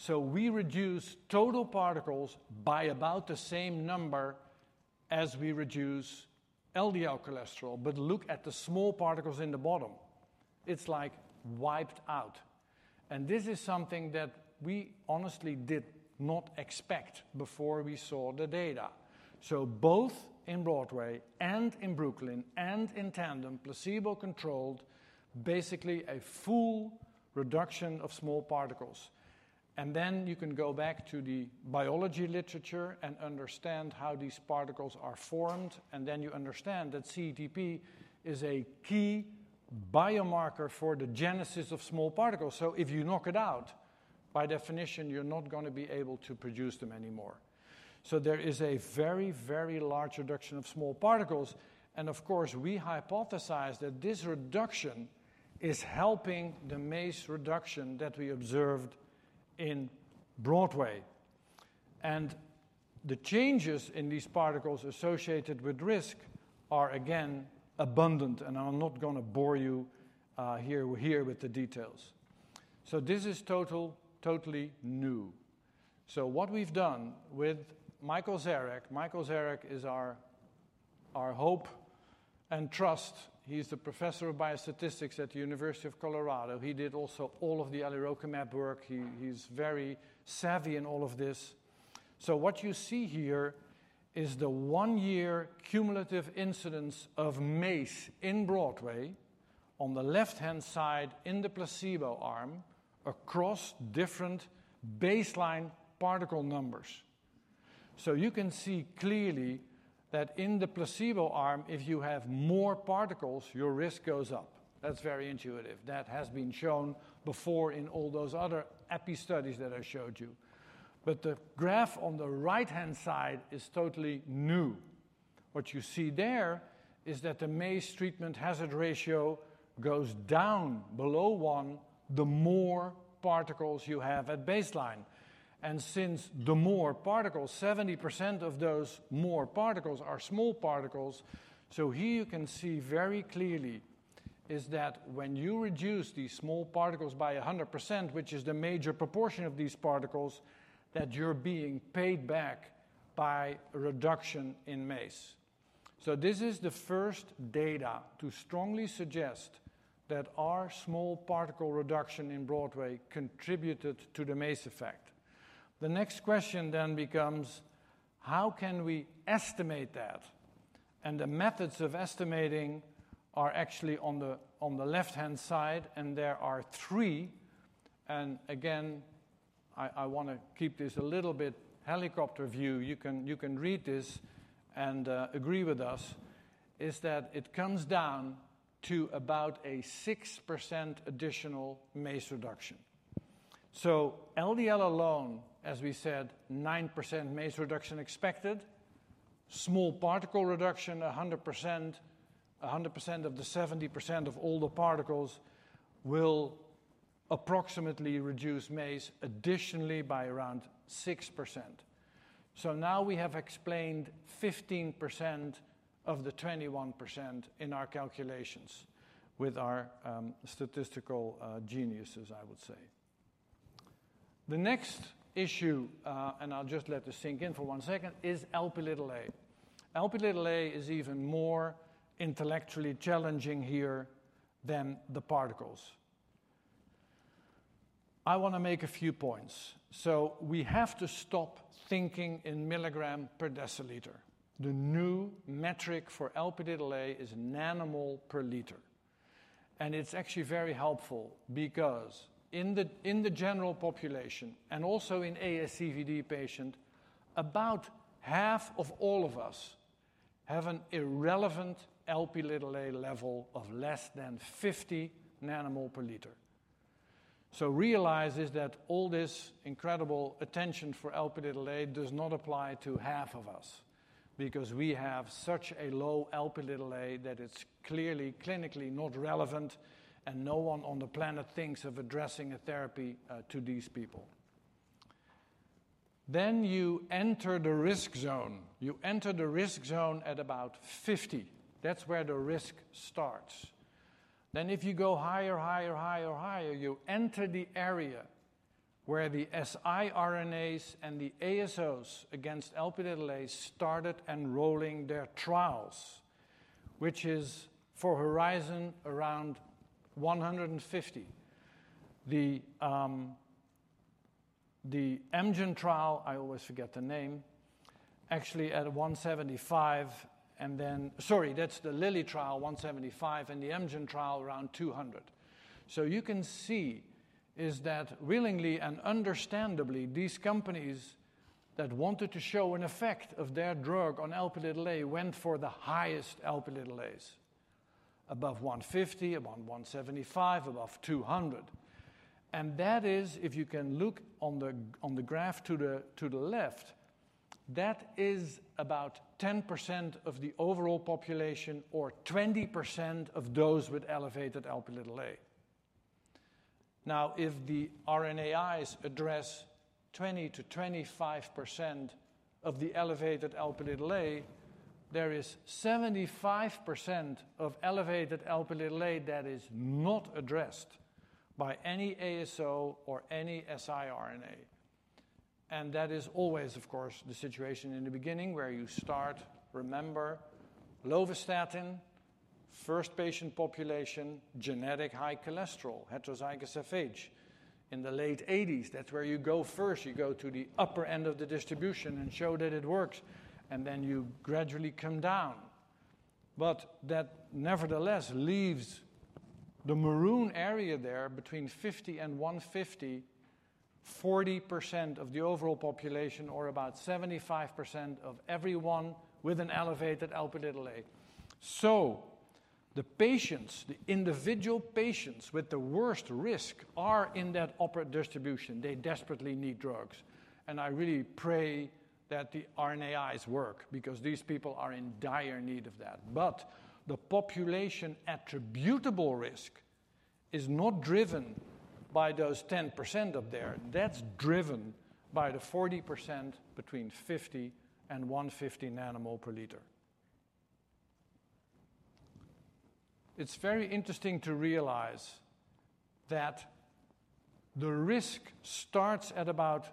We reduce total particles by about the same number as we reduce LDL cholesterol. Look at the small particles in the bottom. It's like wiped out. This is something that we honestly did not expect before we saw the data. Both in Broadway and in Brooklyn and in Tandem, placebo-controlled, basically a full reduction of small particles. You can go back to the biology literature and understand how these particles are formed. You understand that CETP is a key biomarker for the genesis of small particles. If you knock it out, by definition, you're not going to be able to produce them anymore. There is a very, very large reduction of small particles. We hypothesize that this reduction is helping the MACE reduction that we observed in Broadway. The changes in these particles associated with risk are, again, abundant. I'm not going to bore you here with the details. This is totally new. What we've done with Michael Zarek—Michael Zarek is our hope and trust. He's the professor of biostatistics at the University of Colorado. He did also all of the alirocumab work. He's very savvy in all of this. What you see here is the one-year cumulative incidence of MACE in BROADWAY on the left-hand side in the placebo arm across different baseline particle numbers. You can see clearly that in the placebo arm, if you have more particles, your risk goes up. That's very intuitive. That has been shown before in all those other epi studies that I showed you. The graph on the right-hand side is totally new. What you see there is that the MACE treatment hazard ratio goes down below one the more particles you have at baseline. Since the more particles, 70% of those more particles are small particles, here you can see very clearly that when you reduce these small particles by 100%, which is the major proportion of these particles, you're being paid back by reduction in MACE. This is the first data to strongly suggest that our small particle reduction in BROADWAY contributed to the MACE effect. The next question then becomes, how can we estimate that? The methods of estimating are actually on the left-hand side. There are three. Again, I want to keep this a little bit helicopter view. You can read this and agree with us, is that it comes down to about a 6% additional MACE reduction. LDL alone, as we said, 9% MACE reduction expected. Small particle reduction, 100% of the 70% of all the particles will approximately reduce MACE additionally by around 6%. Now we have explained 15% of the 21% in our calculations with our statistical geniuses, I would say. The next issue, and I'll just let this sink in for one second, is Lp(a). Lp(a) is even more intellectually challenging here than the particles. I want to make a few points. We have to stop thinking in milligram per deciliter. The new metric for Lp(a) is nanomole per liter. It is actually very helpful because in the general population and also in ASCVD patients, about half of all of us have an irrelevant Lp(a) level of less than 50 nanomole per liter. Realize that all this incredible attention for Lp(a) does not apply to half of us because we have such a low Lp(a) that it is clearly clinically not relevant. No one on the planet thinks of addressing a therapy to these people. You enter the risk zone at about 50. That is where the risk starts. If you go higher, higher, higher, higher, you enter the area where the siRNAs and the ASOs against Lp(a) started enrolling their trials, which is for Horizon around 150. The Amgen trial, I always forget the name, actually at 175. Sorry, that's the Lilly trial, 175. The Amgen trial around 200. You can see that willingly and understandably, these companies that wanted to show an effect of their drug on Lp(a) went for the highest Lp(a), above 150, above 175, above 200. If you look on the graph to the left, that is about 10% of the overall population or 20% of those with elevated Lp(a). Now, if the RNAi address 20%-25% of the elevated Lp(a), there is 75% of elevated Lp(a) that is not addressed by any ASO or any siRNA. That is always, of course, the situation in the beginning where you start, remember, lovastatin, first patient population, genetic high cholesterol, heterozygous FH. In the late 1980s, that is where you go first. You go to the upper end of the distribution and show that it works. You gradually come down. That nevertheless leaves the maroon area there between 50 and 150, 40% of the overall population or about 75% of everyone with an elevated Lp(a). The patients, the individual patients with the worst risk are in that upper distribution. They desperately need drugs. I really pray that the RNAi work because these people are in dire need of that. The population attributable risk is not driven by those 10% up there. That is driven by the 40% between 50 and 150 nanomole per liter. It's very interesting to realize that the risk starts at about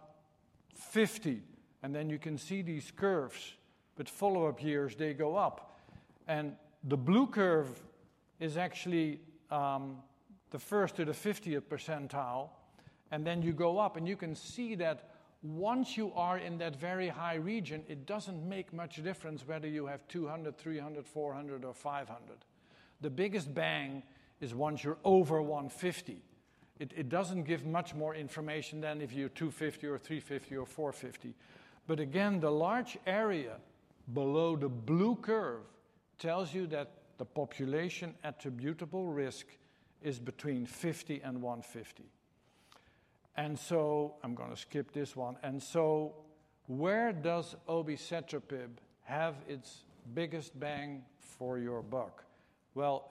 50. You can see these curves. By follow-up years, they go up. The blue curve is actually the first to the 50th percentile. You go up, and you can see that once you are in that very high region, it doesn't make much difference whether you have 200, 300, 400, or 500. The biggest bang is once you're over 150. It doesn't give much more information than if you're 250 or 350 or 450. Again, the large area below the blue curve tells you that the population attributable risk is between 50 and 150. I'm going to skip this one. Where does obicetrapib have its biggest bang for your buck?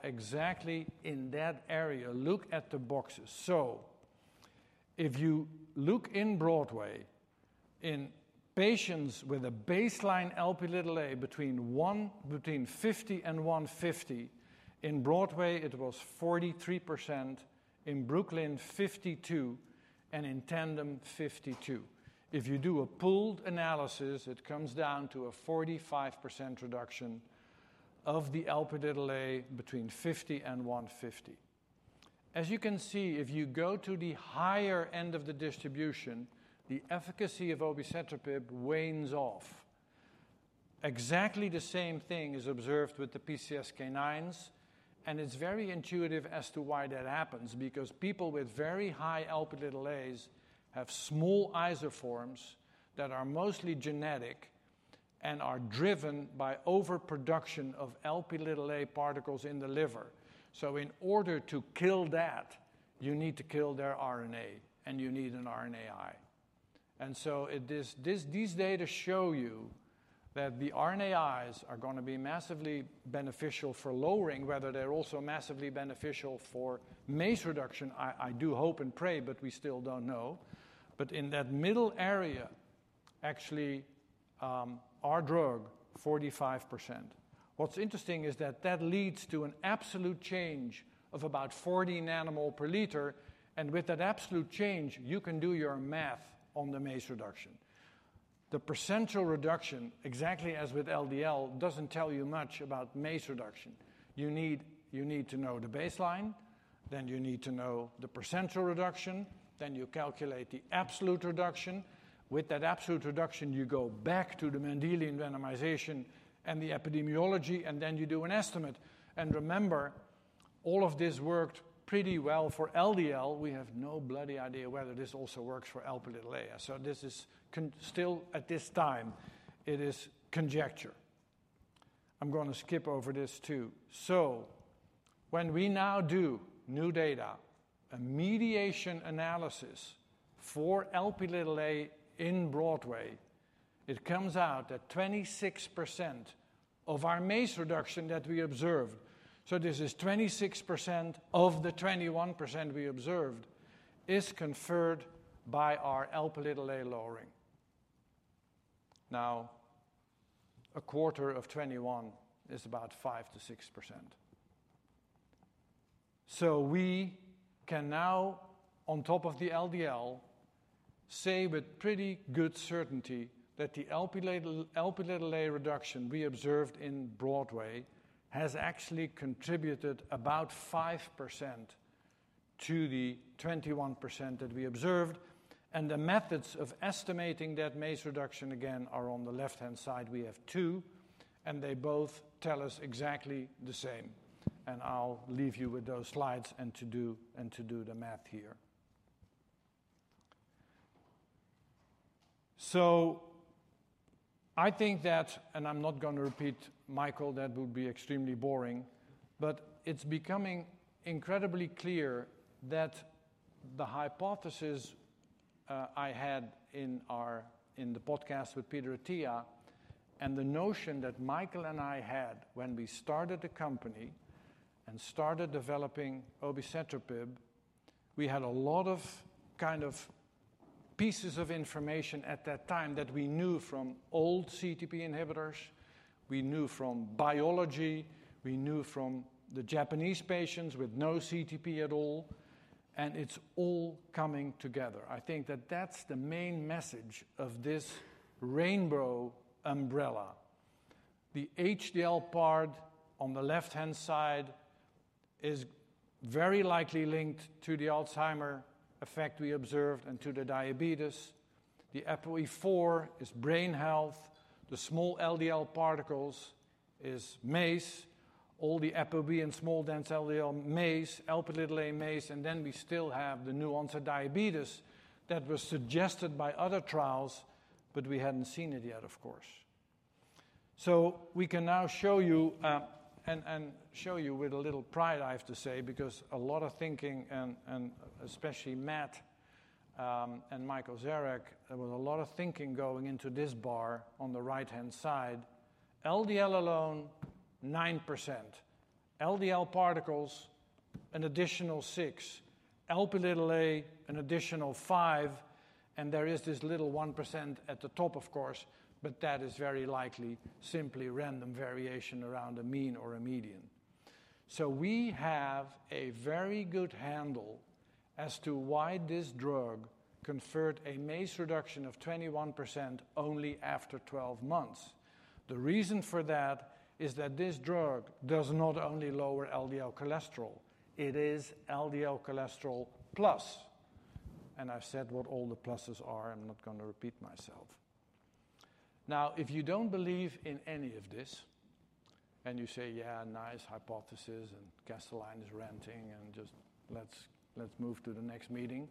Exactly in that area. Look at the boxes. If you look in BROADWAY, in patients with a baseline Lp(a) between 50 and 150, in BROADWAY, it was 43%. In BROOKLYN, 52%. And in TANDEM, 52%. If you do a pooled analysis, it comes down to a 45% reduction of the Lp(a) between 50 and 150. As you can see, if you go to the higher end of the distribution, the efficacy of obicetrapib wanes off. Exactly the same thing is observed with the PCSK9s. It is very intuitive as to why that happens because people with very high Lp(a)s have small isoforms that are mostly genetic and are driven by overproduction of Lp(a) particles in the liver. In order to kill that, you need to kill their RNA. And you need an RNAi. These data show you that the RNAi are going to be massively beneficial for lowering, whether they're also massively beneficial for MACE reduction. I do hope and pray, but we still do not know. In that middle area, actually, our drug, 45%. What's interesting is that that leads to an absolute change of about 40 nmol/L. With that absolute change, you can do your math on the MACE reduction. The percentual reduction, exactly as with LDL, does not tell you much about MACE reduction. You need to know the baseline. You need to know the percentual reduction. You calculate the absolute reduction. With that absolute reduction, you go back to the Mendelian randomization and the epidemiology. You do an estimate. Remember, all of this worked pretty well for LDL. We have no bloody idea whether this also works for Lp(a). This is still, at this time, it is conjecture. I'm going to skip over this too. When we now do new data, a mediation analysis for Lp(a) in Broadway, it comes out that 26% of our MACE reduction that we observed, so this is 26% of the 21% we observed, is conferred by our Lp(a) lowering. Now, a quarter of 21 is about 5% to 6%. We can now, on top of the LDL, say with pretty good certainty that the Lp(a) reduction we observed in Broadway has actually contributed about 5% to the 21% that we observed. The methods of estimating that MACE reduction, again, are on the left-hand side. We have two. They both tell us exactly the same. I'll leave you with those slides and to do the math here. I think that, and I'm not going to repeat Michael, that would be extremely boring. It is becoming incredibly clear that the hypothesis I had in the podcast with Peter Attia and the notion that Michael and I had when we started the company and started developing obicetrapib, we had a lot of kind of pieces of information at that time that we knew from old CETP inhibitors. We knew from biology. We knew from the Japanese patients with no CETP at all. It is all coming together. I think that that's the main message of this rainbow umbrella. The HDL part on the left-hand side is very likely linked to the Alzheimer effect we observed and to the diabetes. The ApoE4 is brain health. The small LDL particles is MACE. All the ApoE and small dense LDL, MACE, Lp(a) MACE. Then we still have the new onset diabetes that was suggested by other trials. We had not seen it yet, of course. We can now show you and show you with a little pride, I have to say, because a lot of thinking, and especially Matt and Michael Zarek, there was a lot of thinking going into this bar on the right-hand side. LDL alone, 9%. LDL particles, an additional 6%. Lp(a) an additional 5%. There is this little 1% at the top, of course. That is very likely simply random variation around a mean or a median. We have a very good handle as to why this drug conferred a MACE reduction of 21% only after 12 months. The reason for that is that this drug does not only lower LDL cholesterol. It is LDL cholesterol plus. I've said what all the pluses are. I'm not going to repeat myself. If you don't believe in any of this, and you say, yeah, nice hypothesis, and Kastelein is ranting, and just let's move to the next meeting,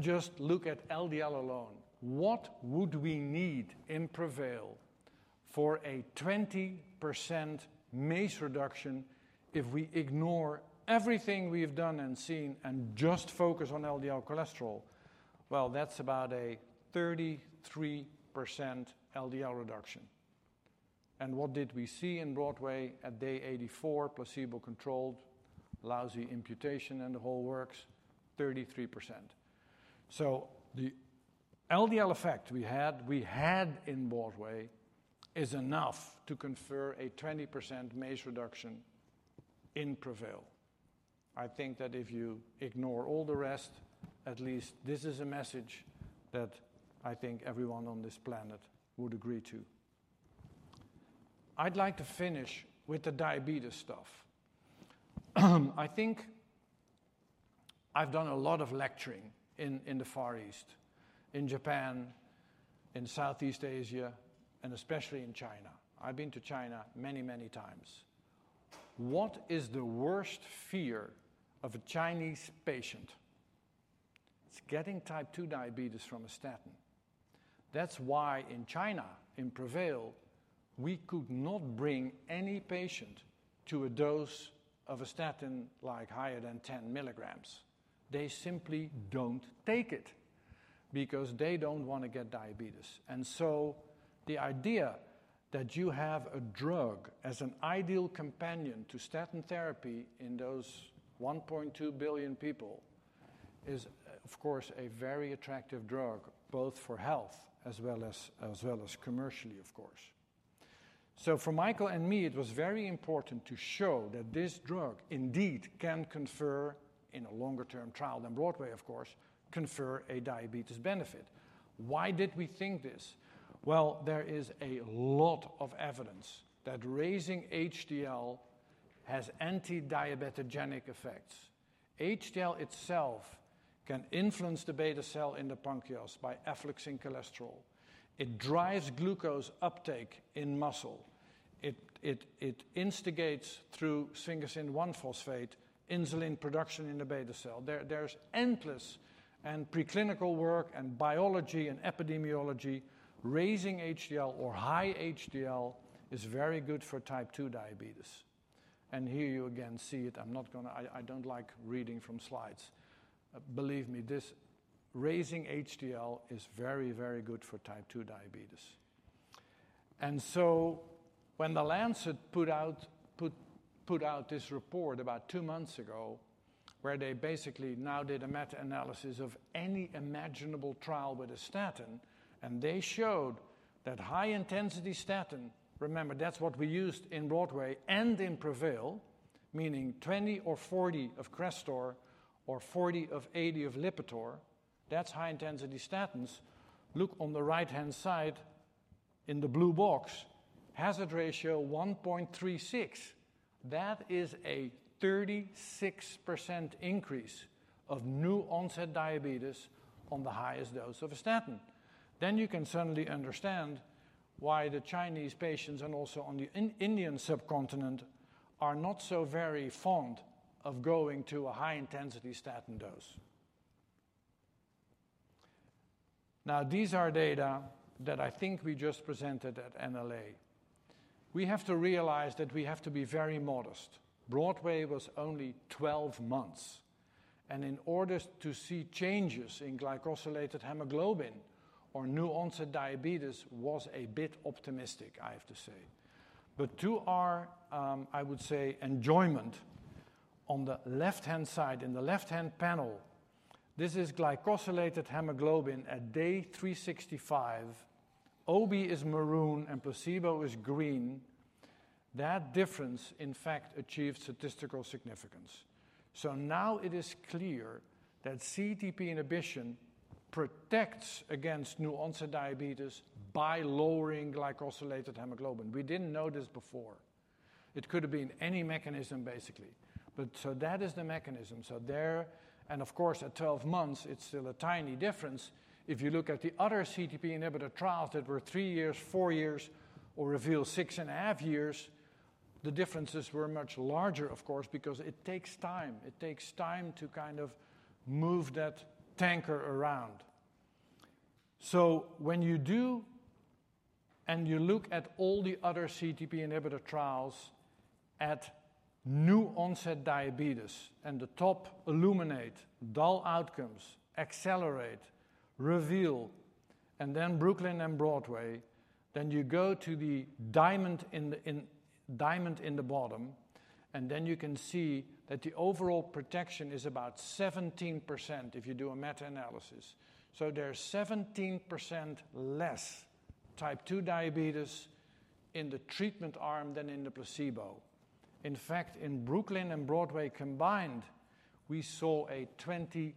just look at LDL alone. What would we need in PREVAIL for a 20% MACE reduction if we ignore everything we've done and seen and just focus on LDL cholesterol? That's about a 33% LDL reduction. What did we see in BROADWAY at day 84, placebo-controlled, lousy imputation and the whole works, 33%. The LDL effect we had in BROADWAY is enough to confer a 20% MACE reduction in PREVAIL. I think that if you ignore all the rest, at least this is a message that I think everyone on this planet would agree to. I'd like to finish with the diabetes stuff. I think I've done a lot of lecturing in the Far East, in Japan, in Southeast Asia, and especially in China. I've been to China many, many times. What is the worst fear of a Chinese patient? It's getting type 2 diabetes from a statin. That's why in China, in PREVAIL, we could not bring any patient to a dose of a statin like higher than 10 milligrams. They simply don't take it because they don't want to get diabetes. The idea that you have a drug as an ideal companion to statin therapy in those 1.2 billion people is, of course, a very attractive drug, both for health as well as commercially, of course. For Michael and me, it was very important to show that this drug indeed can confer, in a longer-term trial than BROADWAY, of course, confer a diabetes benefit. Why did we think this? There is a lot of evidence that raising HDL has antidiabetogenic effects. HDL itself can influence the beta cell in the pancreas by effluxing cholesterol. It drives glucose uptake in muscle. It instigates through sphingosine-1-phosphate insulin production in the beta cell. There is endless preclinical work and biology and epidemiology. Raising HDL or high HDL is very good for type 2 diabetes. Here you again see it. I am not going to—I do not like reading from slides. Believe me, this raising HDL is very, very good for type 2 diabetes. When The Lancet put out this report about two months ago, they basically now did a meta-analysis of any imaginable trial with a statin, and they showed that high-intensity statin—remember, that is what we used in Broadway and in PREVAIL, meaning 20 or 40 of Crestor or 40 or 80 of Lipitor. That's high-intensity statins. Look on the right-hand side in the blue box, hazard ratio 1.36. That is a 36% increase of new onset diabetes on the highest dose of a statin. You can certainly understand why the Chinese patients and also on the Indian subcontinent are not so very fond of going to a high-intensity statin dose. These are data that I think we just presented at NLA. We have to realize that we have to be very modest. Broadway was only 12 months. In order to see changes in glycosylated hemoglobin or new onset diabetes, was a bit optimistic, I have to say. To our, I would say, enjoyment, on the left-hand side, in the left-hand panel, this is glycosylated hemoglobin at day 365. OB is maroon and placebo is green. That difference, in fact, achieves statistical significance. Now it is clear that CETP inhibition protects against new onset diabetes by lowering glycosylated hemoglobin. We did not know this before. It could have been any mechanism, basically. That is the mechanism. There, and of course, at 12 months, it is still a tiny difference. If you look at the other CETP inhibitor trials that were three years, four years, or REVEAL six and a half years, the differences were much larger, of course, because it takes time. It takes time to kind of move that tanker around. When you do and you look at all the other CETP inhibitor trials at new onset diabetes and the top ILLUMINATE, dal-OUTCOMES, ACCELERATE, REVEAL, and then BROOKLYN and BROADWAY, then you go to the diamond in the bottom, and then you can see that the overall protection is about 17% if you do a meta-analysis. There is 17% less type 2 diabetes in the treatment arm than in the placebo. In fact, in Brooklyn and Broadway combined, we saw a 23%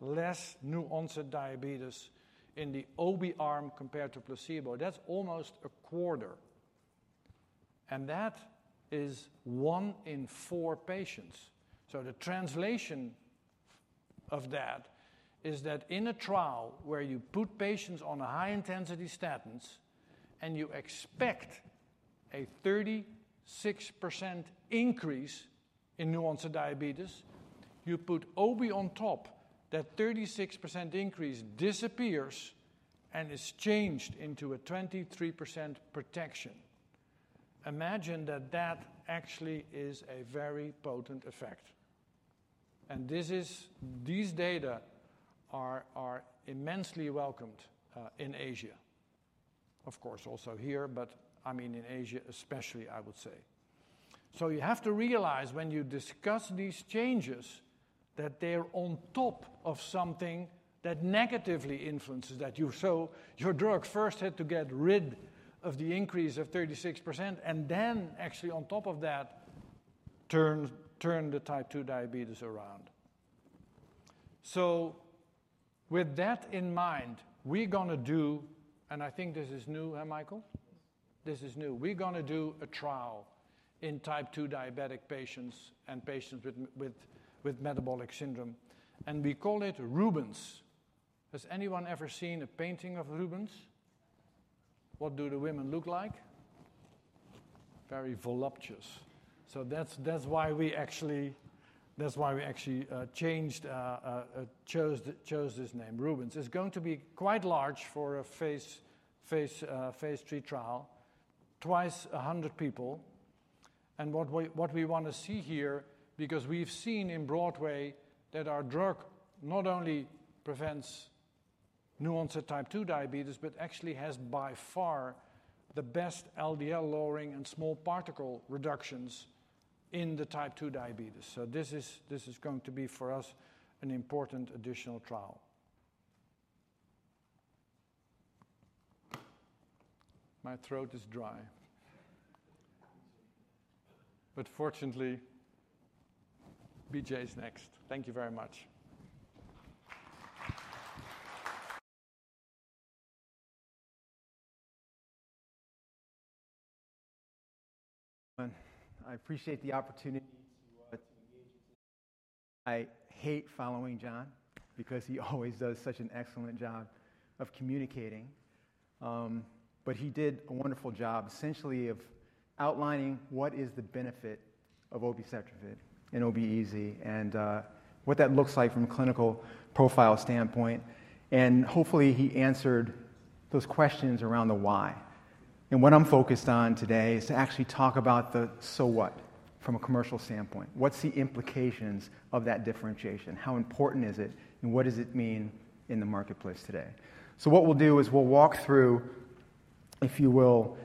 less new onset diabetes in the OB arm compared to placebo. That is almost a quarter. That is one in four patients. The translation of that is that in a trial where you put patients on high-intensity statins and you expect a 36% increase in new onset diabetes, you put OB on top, that 36% increase disappears and is changed into a 23% protection. Imagine that that actually is a very potent effect. These data are immensely welcomed in Asia. Of course, also here, but in Asia especially, I would say. You have to realize when you discuss these changes that they are on top of something that negatively influences that. Your drug first had to get rid of the increase of 36% and then actually on top of that, turn the type 2 diabetes around. With that in mind, we're going to do, and I think this is new, huh, Michael? This is new. We're going to do a trial in type 2 diabetic patients and patients with metabolic syndrome. We call it Rubens. Has anyone ever seen a painting of Rubens? What do the women look like? Very voluptuous. That's why we actually chose this name, Rubens. It's going to be quite large for a phase 3 trial, twice 100 people. What we want to see here, because we've seen in Broadway that our drug not only prevents new onset type 2 diabetes, but actually has by far the best LDL lowering and small particle reductions in the type 2 diabetes. This is going to be for us an important additional trial. My throat is dry. Fortunately, BJ is next. Thank you very much. I appreciate the opportunity to engage with today's panel. I hate following John because he always does such an excellent job of communicating. He did a wonderful job, essentially of outlining what is the benefit of obicetrapib and OB-EZ and what that looks like from a clinical profile standpoint. Hopefully, he answered those questions around the why. What I'm focused on today is to actually talk about the so what from a commercial standpoint. What's the implications of that differentiation? How important is it? What does it mean in the marketplace today? What we'll do is we'll walk through, if you will,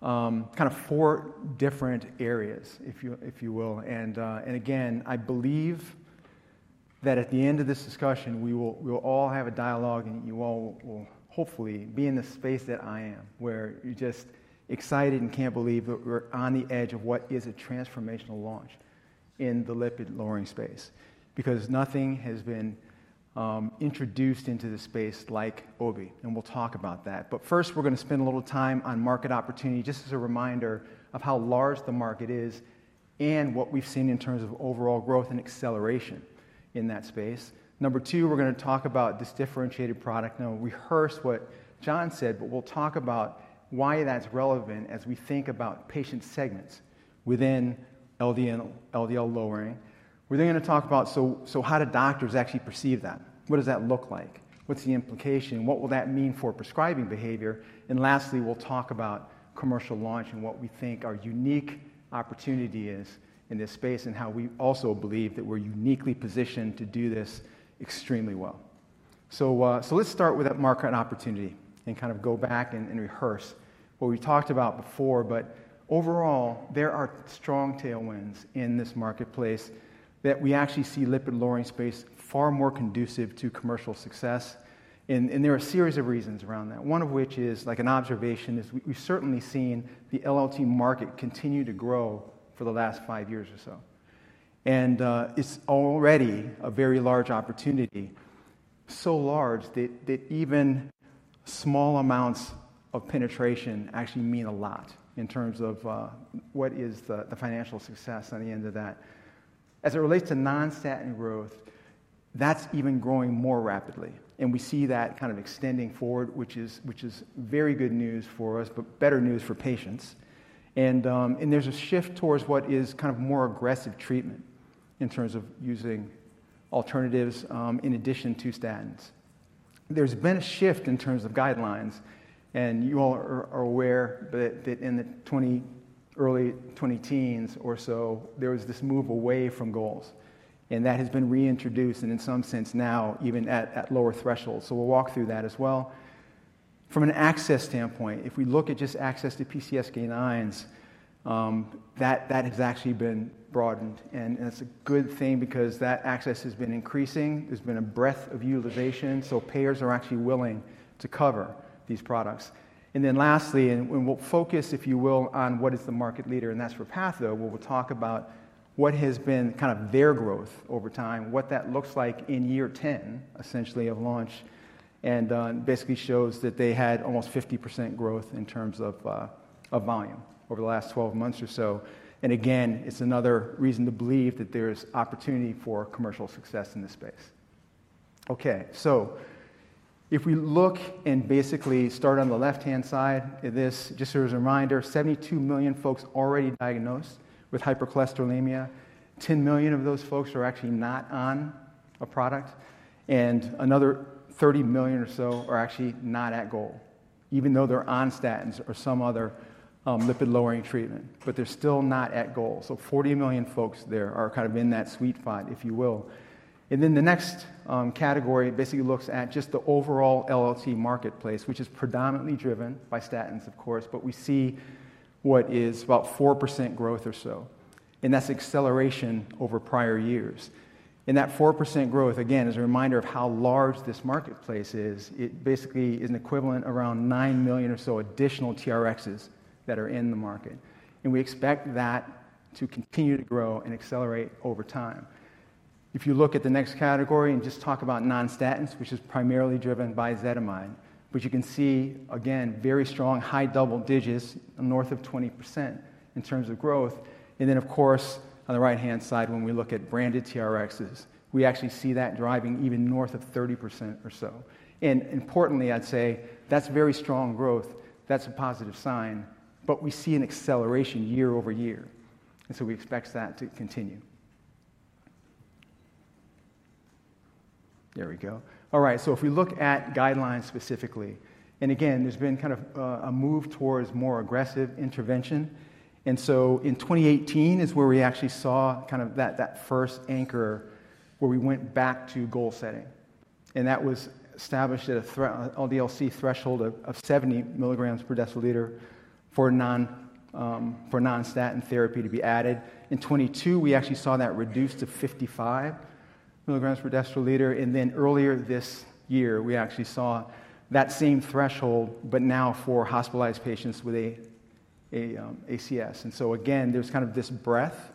kind of four different areas, if you will. Again, I believe that at the end of this discussion, we will all have a dialogue, and you all will hopefully be in the space that I am, where you're just excited and can't believe that we're on the edge of what is a transformational launch in the lipid-lowering space. Nothing has been introduced into the space like OB. We'll talk about that. First, we're going to spend a little time on market opportunity, just as a reminder of how large the market is and what we've seen in terms of overall growth and acceleration in that space. Number two, we're going to talk about this differentiated product. We rehearsed what John said, but we'll talk about why that's relevant as we think about patient segments within LDL lowering. We're then going to talk about how do doctors actually perceive that? What does that look like? What's the implication? What will that mean for prescribing behavior? Lastly, we'll talk about commercial launch and what we think our unique opportunity is in this space and how we also believe that we're uniquely positioned to do this extremely well. Let's start with that market opportunity and kind of go back and rehearse what we talked about before. Overall, there are strong tailwinds in this marketplace that we actually see lipid-lowering space far more conducive to commercial success. There are a series of reasons around that. One of which is, like an observation, we've certainly seen the LLT market continue to grow for the last five years or so. It is already a very large opportunity, so large that even small amounts of penetration actually mean a lot in terms of what is the financial success on the end of that. As it relates to non-statin growth, that is even growing more rapidly. We see that kind of extending forward, which is very good news for us, but better news for patients. There is a shift towards what is kind of more aggressive treatment in terms of using alternatives in addition to statins. There has been a shift in terms of guidelines. You all are aware that in the early 2010s or so, there was this move away from goals. That has been reintroduced and in some sense now even at lower thresholds. We will walk through that as well. From an access standpoint, if we look at just access to PCSK9s, that has actually been broadened. It's a good thing because that access has been increasing. There's been a breadth of utilization. Payers are actually willing to cover these products. Lastly, we'll focus, if you will, on what is the market leader. That's Repatha, where we'll talk about what has been kind of their growth over time, what that looks like in year 10, essentially of launch, and basically shows that they had almost 50% growth in terms of volume over the last 12 months or so. Again, it's another reason to believe that there is opportunity for commercial success in this space. If we look and basically start on the left-hand side, just as a reminder, 72 million folks already diagnosed with hypercholesterolemia. 10 million of those folks are actually not on a product. Another 30 million or so are actually not at goal, even though they're on statins or some other lipid-lowering treatment. They're still not at goal. Forty million folks there are kind of in that sweet spot, if you will. The next category basically looks at just the overall LLT marketplace, which is predominantly driven by statins, of course. We see what is about 4% growth or so. That's acceleration over prior years. That 4% growth, again, is a reminder of how large this marketplace is. It basically is an equivalent around 9 million or so additional TRXs that are in the market. We expect that to continue to grow and accelerate over time. If you look at the next category and just talk about non-statins, which is primarily driven by ezetimibe, which you can see, again, very strong high double digits north of 20% in terms of growth. Of course, on the right-hand side, when we look at branded TRXs, we actually see that driving even north of 30% or so. Importantly, I'd say that's very strong growth. That's a positive sign. We see an acceleration year over year. We expect that to continue. There we go. All right. If we look at guidelines specifically, and again, there's been kind of a move towards more aggressive intervention. In 2018 is where we actually saw kind of that first anchor where we went back to goal setting. That was established at an LDL-C threshold of 70 milligrams per deciliter for non-statin therapy to be added. In 2022, we actually saw that reduced to 55 milligrams per deciliter. Earlier this year, we actually saw that same threshold, but now for hospitalized patients with ACS. Again, there is kind of this breadth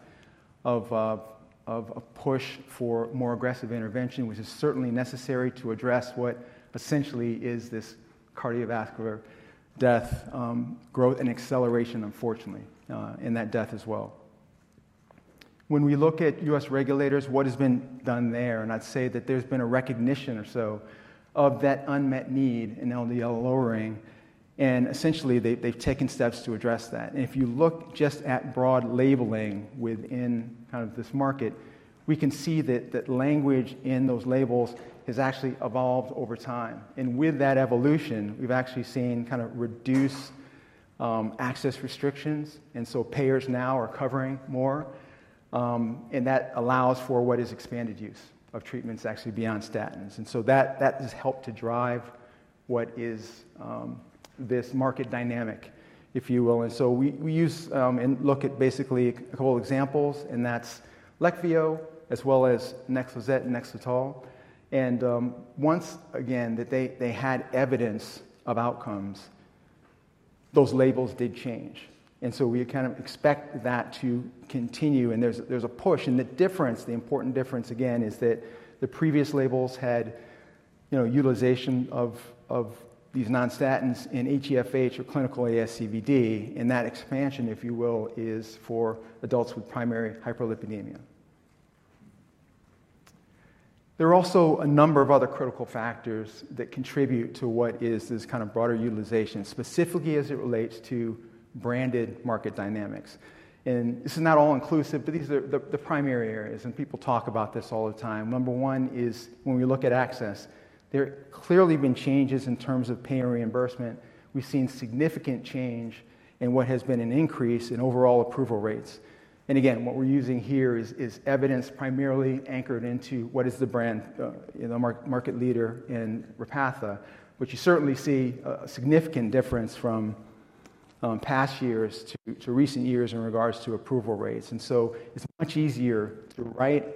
of push for more aggressive intervention, which is certainly necessary to address what essentially is this cardiovascular death growth and acceleration, unfortunately, in that death as well. When we look at U.S. regulators, what has been done there? I'd say that there has been a recognition or so of that unmet need in LDL lowering. Essentially, they have taken steps to address that. If you look just at broad labeling within kind of this market, we can see that language in those labels has actually evolved over time. With that evolution, we've actually seen kind of reduced access restrictions. Payers now are covering more. That allows for what is expanded use of treatments actually beyond statins. That has helped to drive what is this market dynamic, if you will. We use and look at basically a couple of examples. That's Leqvio, as well as Nexlizet and Nexletol. Once, again, that they had evidence of outcomes, those labels did change. We kind of expect that to continue. There's a push. The difference, the important difference, again, is that the previous labels had utilization of these non-statins in HeFH or clinical ASCVD. That expansion, if you will, is for adults with primary hyperlipidemia. There are also a number of other critical factors that contribute to what is this kind of broader utilization, specifically as it relates to branded market dynamics. This is not all-inclusive, but these are the primary areas. People talk about this all the time. Number one is when we look at access, there have clearly been changes in terms of pay and reimbursement. We have seen significant change in what has been an increase in overall approval rates. What we are using here is evidence primarily anchored into what is the brand, the market leader in Repatha, which you certainly see a significant difference from past years to recent years in regards to approval rates. It is much easier to write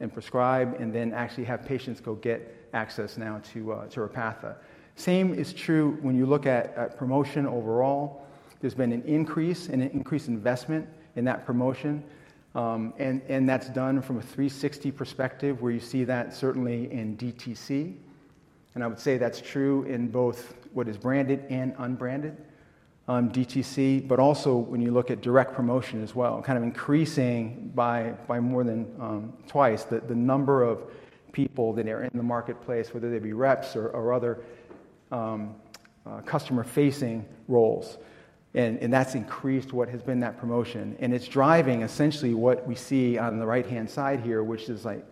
and prescribe and then actually have patients go get access now to Repatha. The same is true when you look at promotion overall. There's been an increase and an increased investment in that promotion. That's done from a 360 perspective where you see that certainly in DTC. I would say that's true in both what is branded and unbranded DTC. Also, when you look at direct promotion as well, kind of increasing by more than twice the number of people that are in the marketplace, whether they be reps or other customer-facing roles. That's increased what has been that promotion. It's driving essentially what we see on the right-hand side here, which is like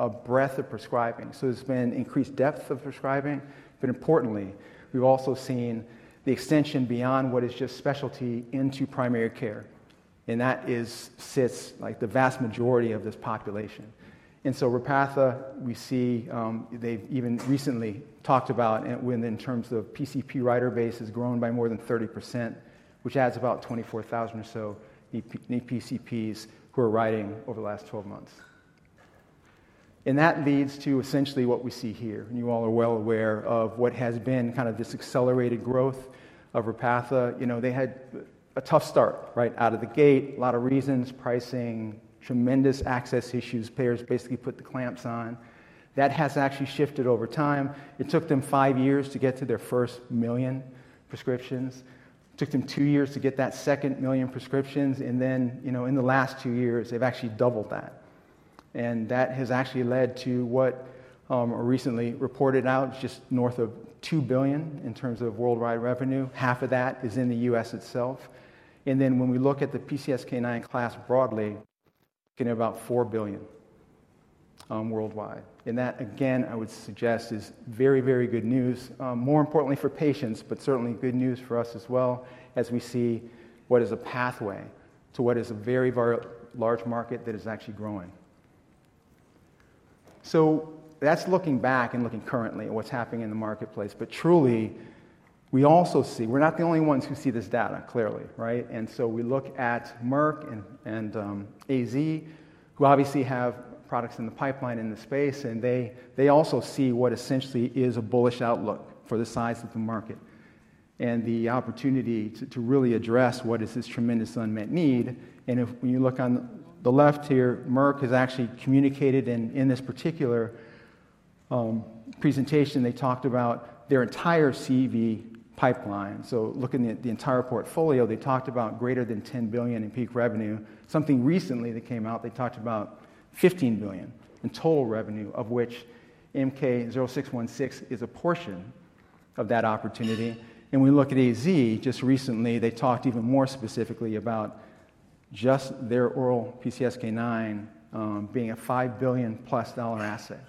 a breadth of prescribing. There's been increased depth of prescribing. Importantly, we've also seen the extension beyond what is just specialty into primary care. That sits like the vast majority of this population. Repatha, we see they've even recently talked about when in terms of PCP writer base has grown by more than 30%, which adds about 24,000 or so new PCPs who are writing over the last 12 months. That leads to essentially what we see here. You all are well aware of what has been kind of this accelerated growth of Repatha. They had a tough start right out of the gate, a lot of reasons, pricing, tremendous access issues. Payers basically put the clamps on. That has actually shifted over time. It took them five years to get to their first million prescriptions. It took them two years to get that second million prescriptions. In the last two years, they've actually doubled that. That has actually led to what recently reported out is just north of $2 billion in terms of worldwide revenue. Half of that is in the U.S. itself. When we look at the PCSK9 class broadly, looking at about $4 billion worldwide. That, again, I would suggest is very, very good news, more importantly for patients, but certainly good news for us as well as we see what is a pathway to what is a very, very large market that is actually growing. That is looking back and looking currently at what is happening in the marketplace. Truly, we also see we are not the only ones who see this data clearly, right? We look at Merck and AZ, who obviously have products in the pipeline in the space. They also see what essentially is a bullish outlook for the size of the market and the opportunity to really address what is this tremendous unmet need. When you look on the left here, Merck has actually communicated in this particular presentation, they talked about their entire CV pipeline. Looking at the entire portfolio, they talked about greater than $10 billion in peak revenue. Something recently that came out, they talked about $15 billion in total revenue, of which MK0616 is a portion of that opportunity. When we look at AZ, just recently, they talked even more specifically about just their oral PCSK9 being a $5 billion-plus asset.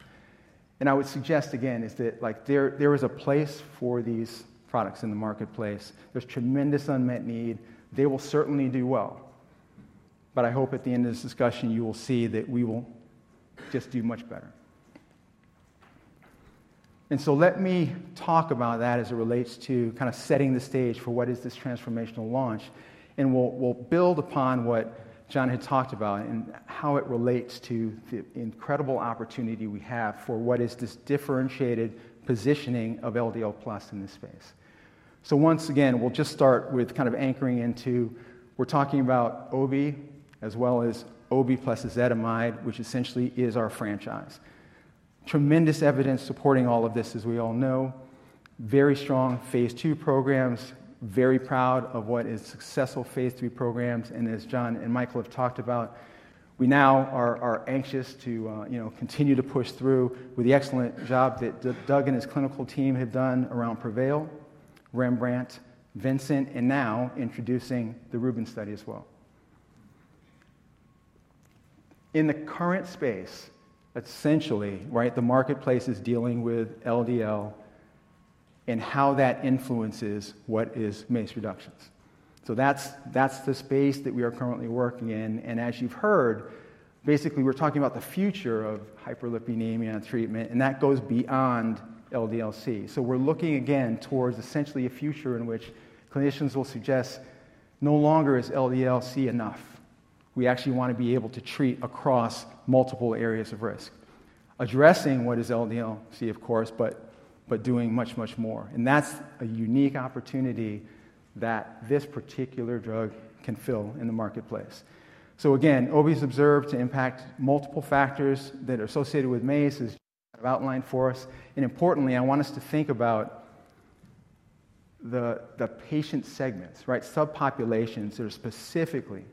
I would suggest, again, that there is a place for these products in the marketplace. There is tremendous unmet need. They will certainly do well. I hope at the end of this discussion, you will see that we will just do much better. Let me talk about that as it relates to kind of setting the stage for what is this transformational launch. We'll build upon what John had talked about and how it relates to the incredible opportunity we have for what is this differentiated positioning of LDL Plus in this space. Once again, we'll just start with kind of anchoring into we're talking about OV as well as OV plus ezetimibe, which essentially is our franchise. Tremendous evidence supporting all of this, as we all know. Very strong phase two programs. Very proud of what is successful phase three programs. As John and Michael have talked about, we now are anxious to continue to push through with the excellent job that Doug and his clinical team have done around PREVAIL, Rembrandt, Vincent, and now introducing the Rubens study as well. In the current space, essentially, right, the marketplace is dealing with LDL and how that influences what is MACE reductions. That is the space that we are currently working in. As you've heard, basically, we're talking about the future of hyperlipidemia and treatment. That goes beyond LDL-C. We are looking again towards essentially a future in which clinicians will suggest no longer is LDL-C enough. We actually want to be able to treat across multiple areas of risk, addressing what is LDL-C, of course, but doing much, much more. That is a unique opportunity that this particular drug can fill in the marketplace. Again, OV is observed to impact multiple factors that are associated with MACE as outlined for us. Importantly, I want us to think about the patient segments, right, subpopulations that are specifically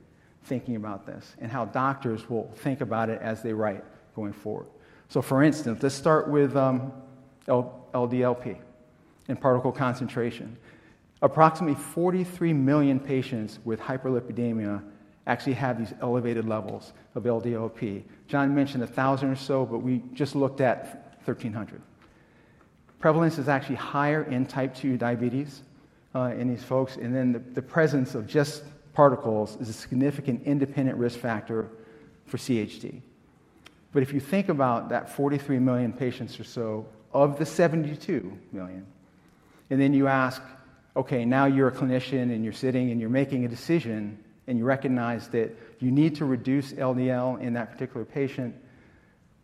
thinking about this and how doctors will think about it as they write going forward. For instance, let's start with LDL-P and particle concentration. Approximately 43 million patients with hyperlipidemia actually have these elevated levels of LDL-P. John mentioned 1,000 or so, but we just looked at 1,300. Prevalence is actually higher in type 2 diabetes in these folks. The presence of just particles is a significant independent risk factor for CHD. If you think about that 43 million patients or so of the 72 million, and then you ask, "Okay, now you're a clinician and you're sitting and you're making a decision and you recognize that you need to reduce LDL in that particular patient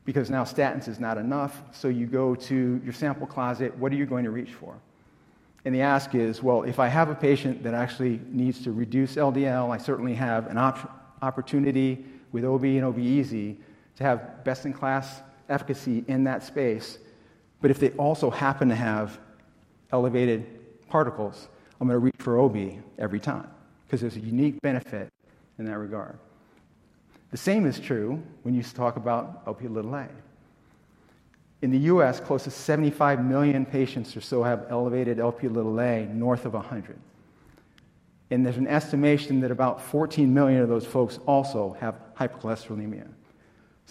because now statins is not enough." You go to your sample closet, what are you going to reach for? The ask is, "If I have a patient that actually needs to reduce LDL, I certainly have an opportunity with OV and OV-EZ to have best-in-class efficacy in that space. If they also happen to have elevated particles, I'm going to reach for OV every time because there's a unique benefit in that regard." The same is true when you talk about Lp(a) in the U.S., close to 75 million patients or so have elevated Lp(a) north of 100. There is an estimation that about 14 million of those folks also have hypercholesterolemia.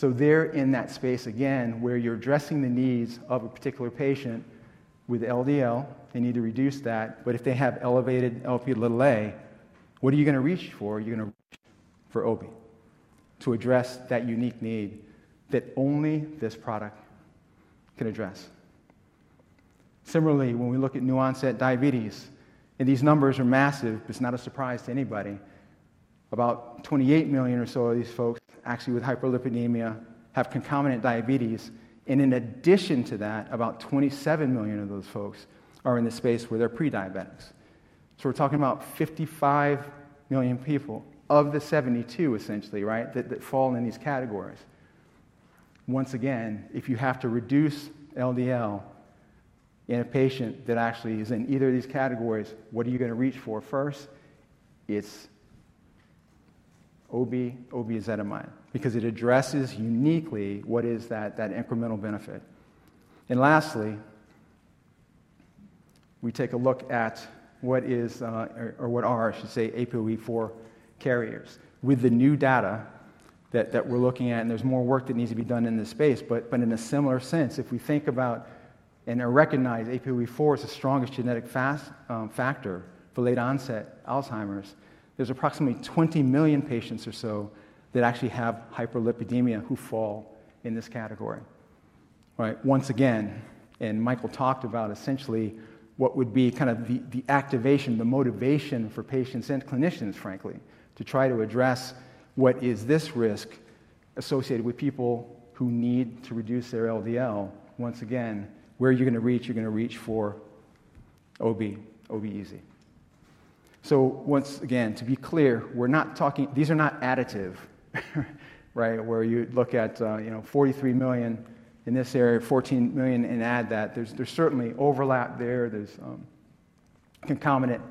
They are in that space again where you are addressing the needs of a particular patient with LDL. They need to reduce that. If they have elevated Lp(a), what are you going to reach for? You are going to reach for OV to address that unique need that only this product can address. Similarly, when we look at new-onset diabetes, and these numbers are massive, it is not a surprise to anybody. About 28 million or so of these folks actually with hyperlipidemia have concomitant diabetes. In addition to that, about 27 million of those folks are in the space where they are pre-diabetics. We are talking about 55 million people of the 72, essentially, right, that fall in these categories. Once again, if you have to reduce LDL in a patient that actually is in either of these categories, what are you going to reach for first? It's OB, OB ezetimibe, because it addresses uniquely what is that incremental benefit. Lastly, we take a look at what is, or what are, I should say, ApoE4 carriers with the new data that we're looking at. There's more work that needs to be done in this space. In a similar sense, if we think about and recognize ApoE4 is the strongest genetic factor for late-onset Alzheimer's, there's approximately 20 million patients or so that actually have hyperlipidemia who fall in this category. Right? Once again, and Michael talked about essentially what would be kind of the activation, the motivation for patients and clinicians, frankly, to try to address what is this risk associated with people who need to reduce their LDL. Once again, where are you going to reach? You're going to reach for OV, OV-EZ. To be clear, we're not talking these are not additive, right, where you look at 43 million in this area, 14 million, and add that. There's certainly overlap there. There's concomitant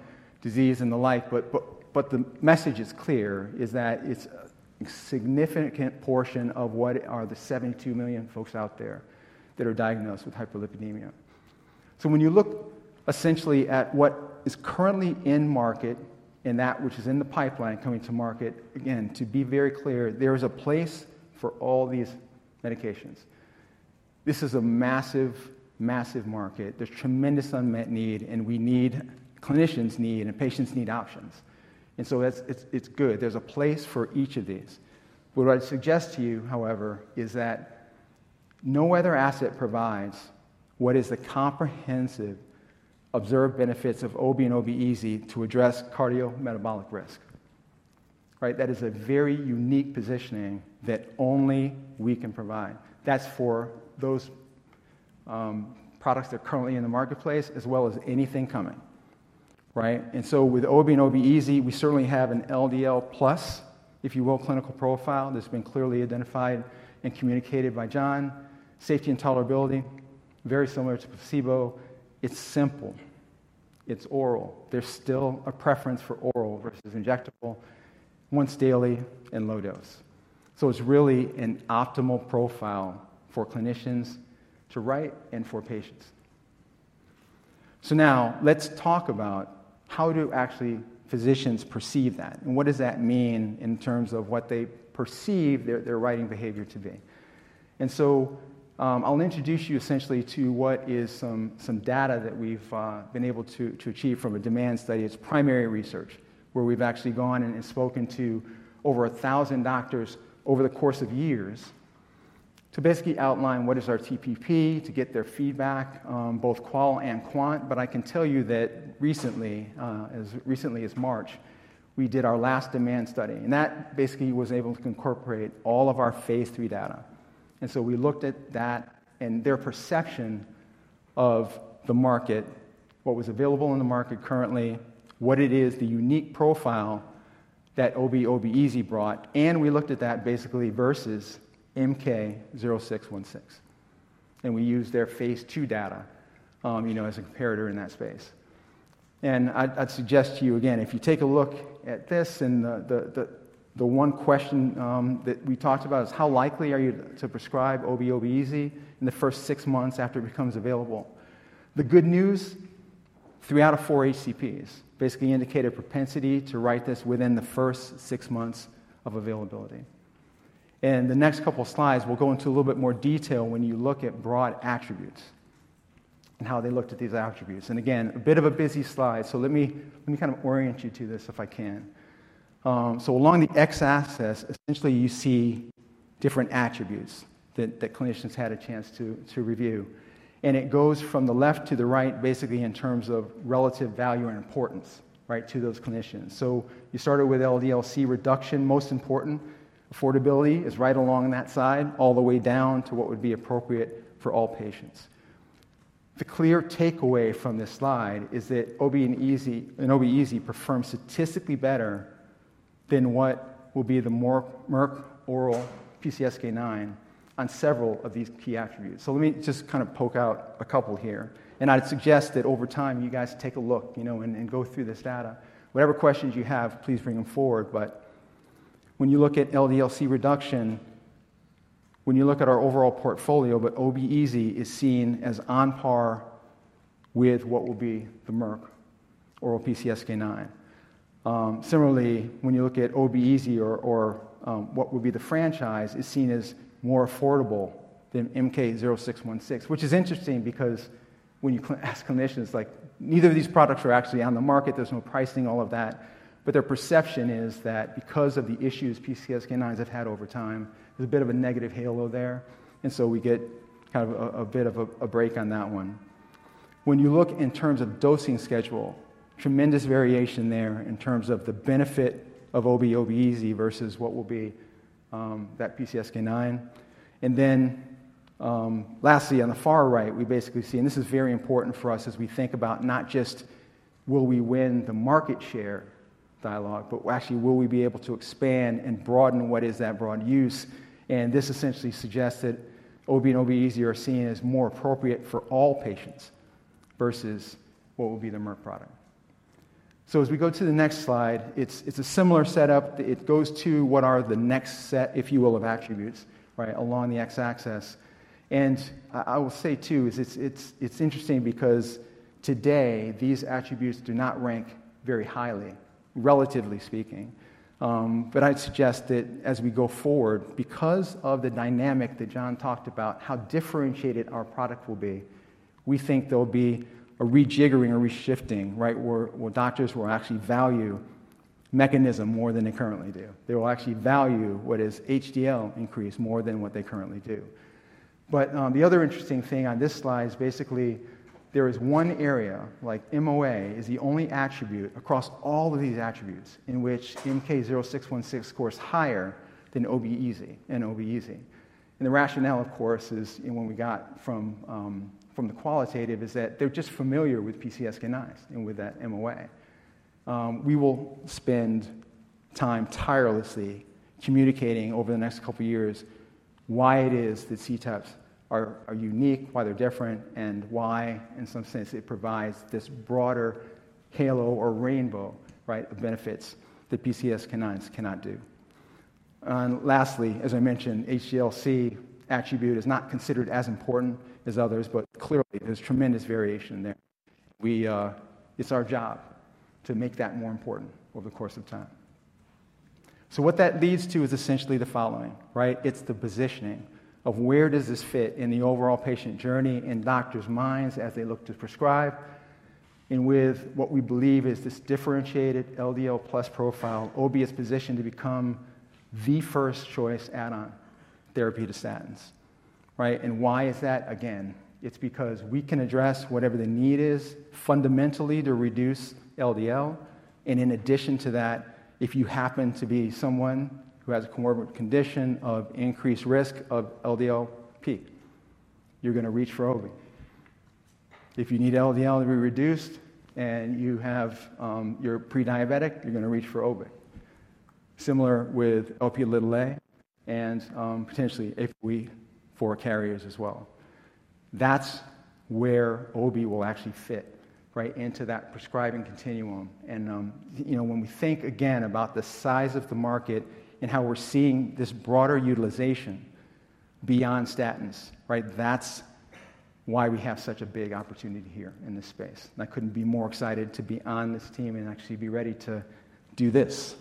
disease and the like. The message is clear is that it's a significant portion of what are the 72 million folks out there that are diagnosed with hyperlipidemia. When you look essentially at what is currently in market and that which is in the pipeline coming to market, again, to be very clear, there is a place for all these medications. This is a massive, massive market. There is tremendous unmet need. We need clinicians need and patients need options. It is good. There is a place for each of these. What I would suggest to you, however, is that no other asset provides what is the comprehensive observed benefits of OV and OV-EZ to address cardiometabolic risk, right? That is a very unique positioning that only we can provide. That is for those products that are currently in the marketplace as well as anything coming, right? With OV and OV-EZ, we certainly have an LDL plus, if you will, clinical profile that has been clearly identified and communicated by John. Safety and tolerability, very similar to placebo. It is simple. It is oral. There is still a preference for oral versus injectable once daily and low dose. It is really an optimal profile for clinicians to write and for patients. Now let's talk about how do actually physicians perceive that? What does that mean in terms of what they perceive their writing behavior to be? I'll introduce you essentially to what is some data that we've been able to achieve from a demand study. It's primary research where we've actually gone and spoken to over 1,000 doctors over the course of years to basically outline what is our TPP to get their feedback, both qual and quant. I can tell you that recently, as recently as March, we did our last demand study. That basically was able to incorporate all of our phase three data. We looked at that and their perception of the market, what was available in the market currently, what it is, the unique profile that OV, OV-EZ brought. We looked at that basically versus MK0616. We used their phase two data as a comparator in that space. I'd suggest to you again, if you take a look at this and the one question that we talked about is how likely are you to prescribe OV, OV-EZ in the first six months after it becomes available? The good news, three out of four HCPs basically indicate a propensity to write this within the first six months of availability. The next couple of slides, we'll go into a little bit more detail when you look at broad attributes and how they looked at these attributes. A bit of a busy slide. Let me kind of orient you to this if I can. Along the x-axis, essentially you see different attributes that clinicians had a chance to review. It goes from the left to the right basically in terms of relative value and importance, right, to those clinicians. You started with LDL-C reduction, most important, affordability is right along that side all the way down to what would be appropriate for all patients. The clear takeaway from this slide is that OV and OV-EZ perform statistically better than what will be the Merck oral PCSK9 on several of these key attributes. Let me just kind of poke out a couple here. I'd suggest that over time you guys take a look and go through this data. Whatever questions you have, please bring them forward. When you look at LDL-C reduction, when you look at our overall portfolio, OV-EZ is seen as on par with what will be the Merck oral PCSK9. Similarly, when you look at OB-EZ or what will be the franchise, it's seen as more affordable than MK0616, which is interesting because when you ask clinicians, like, neither of these products are actually on the market, there's no pricing, all of that. Their perception is that because of the issues PCSK9s have had over time, there's a bit of a negative halo there. We get kind of a bit of a break on that one. When you look in terms of dosing schedule, tremendous variation there in terms of the benefit of OB, OB-EZ versus what will be that PCSK9. Lastly, on the far right, we basically see, and this is very important for us as we think about not just will we win the market share dialogue, but actually will we be able to expand and broaden what is that broad use? This essentially suggests that OV and OV-EZ are seen as more appropriate for all patients versus what will be the Merck product. As we go to the next slide, it's a similar setup. It goes to what are the next set, if you will, of attributes, right, along the x-axis. I will say too, it's interesting because today these attributes do not rank very highly, relatively speaking. I'd suggest that as we go forward, because of the dynamic that John talked about, how differentiated our product will be, we think there will be a rejiggering or reshifting, right, where doctors will actually value mechanism more than they currently do. They will actually value what is HDL increase more than what they currently do. The other interesting thing on this slide is basically there is one area, like MOA is the only attribute across all of these attributes in which MK0616 scores higher than OB-EZ and OB-EZ. The rationale, of course, is when we got from the qualitative is that they're just familiar with PCSK9s and with that MOA. We will spend time tirelessly communicating over the next couple of years why it is that CETPs are unique, why they're different, and why in some sense it provides this broader halo or rainbow, right, of benefits that PCSK9s cannot do. Lastly, as I mentioned, HDL-C attribute is not considered as important as others, but clearly there's tremendous variation there. It's our job to make that more important over the course of time. What that leads to is essentially the following, right? It's the positioning of where does this fit in the overall patient journey in doctors' minds as they look to prescribe and with what we believe is this differentiated LDL plus profile, OV is positioned to become the first choice add-on therapy to statins, right? Why is that? Again, it's because we can address whatever the need is fundamentally to reduce LDL. In addition to that, if you happen to be someone who has a comorbid condition of increased risk of LDL peak, you're going to reach for OV. If you need LDL to be reduced and you're pre-diabetic, you're going to reach for OV. Similar with Lp(a) and potentially ApoE4 carriers as well. That's where OV will actually fit, right, into that prescribing continuum. When we think again about the size of the market and how we're seeing this broader utilization beyond statins, right, that's why we have such a big opportunity here in this space. I couldn't be more excited to be on this team and actually be ready to do this,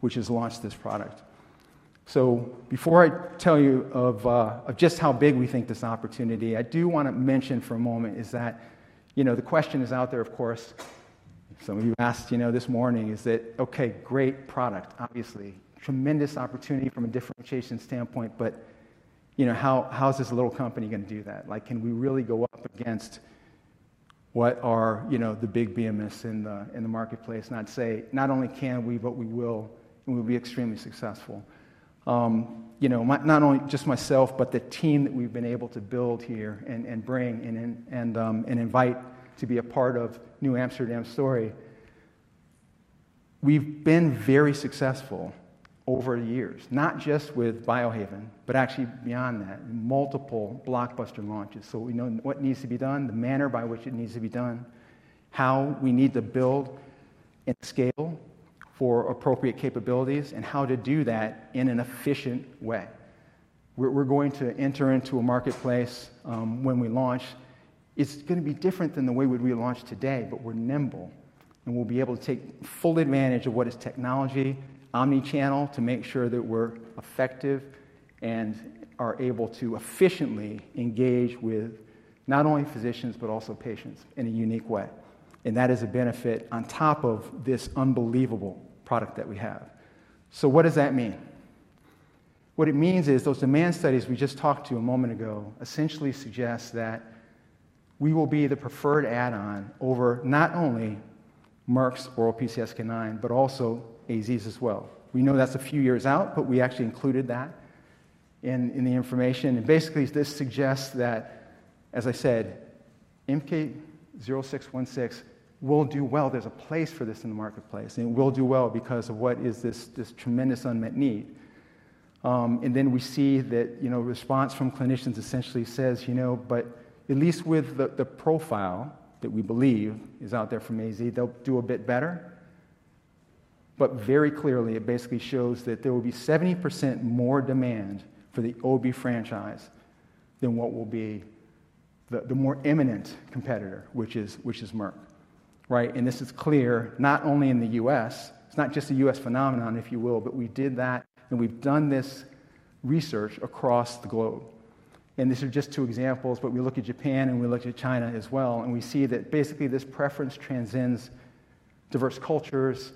which is launch this product. Before I tell you just how big we think this opportunity is, I do want to mention for a moment that the question is out there, of course, some of you asked this morning, is that, okay, great product, obviously, tremendous opportunity from a differentiation standpoint, but how is this little company going to do that? Like, can we really go up against what are the big BMS in the marketplace and not say, not only can we, but we will and we'll be extremely successful? Not only just myself, but the team that we've been able to build here and bring and invite to be a part of NewAmsterdam's story. We've been very successful over the years, not just with Biohaven, but actually beyond that, multiple blockbuster launches. So we know what needs to be done, the manner by which it needs to be done, how we need to build and scale for appropriate capabilities, and how to do that in an efficient way. We're going to enter into a marketplace when we launch. It's going to be different than the way we launch today, but we're nimble and we'll be able to take full advantage of what is technology, omnichannel to make sure that we're effective and are able to efficiently engage with not only physicians, but also patients in a unique way. That is a benefit on top of this unbelievable product that we have. What does that mean? What it means is those demand studies we just talked to a moment ago essentially suggest that we will be the preferred add-on over not only Merck's oral PCSK9, but also AZ's as well. We know that's a few years out, but we actually included that in the information. Basically, this suggests that, as I said, MK0616 will do well. There's a place for this in the marketplace. It will do well because of what is this tremendous unmet need. We see that response from clinicians essentially says, at least with the profile that we believe is out there from AZ, they'll do a bit better. Very clearly, it basically shows that there will be 70% more demand for the OV franchise than what will be the more eminent competitor, which is Merck, right? This is clear not only in the U.S. It's not just a U.S. phenomenon, if you will, but we did that and we've done this research across the globe. These are just two examples, but we look at Japan and we look at China as well. We see that basically this preference transcends diverse cultures,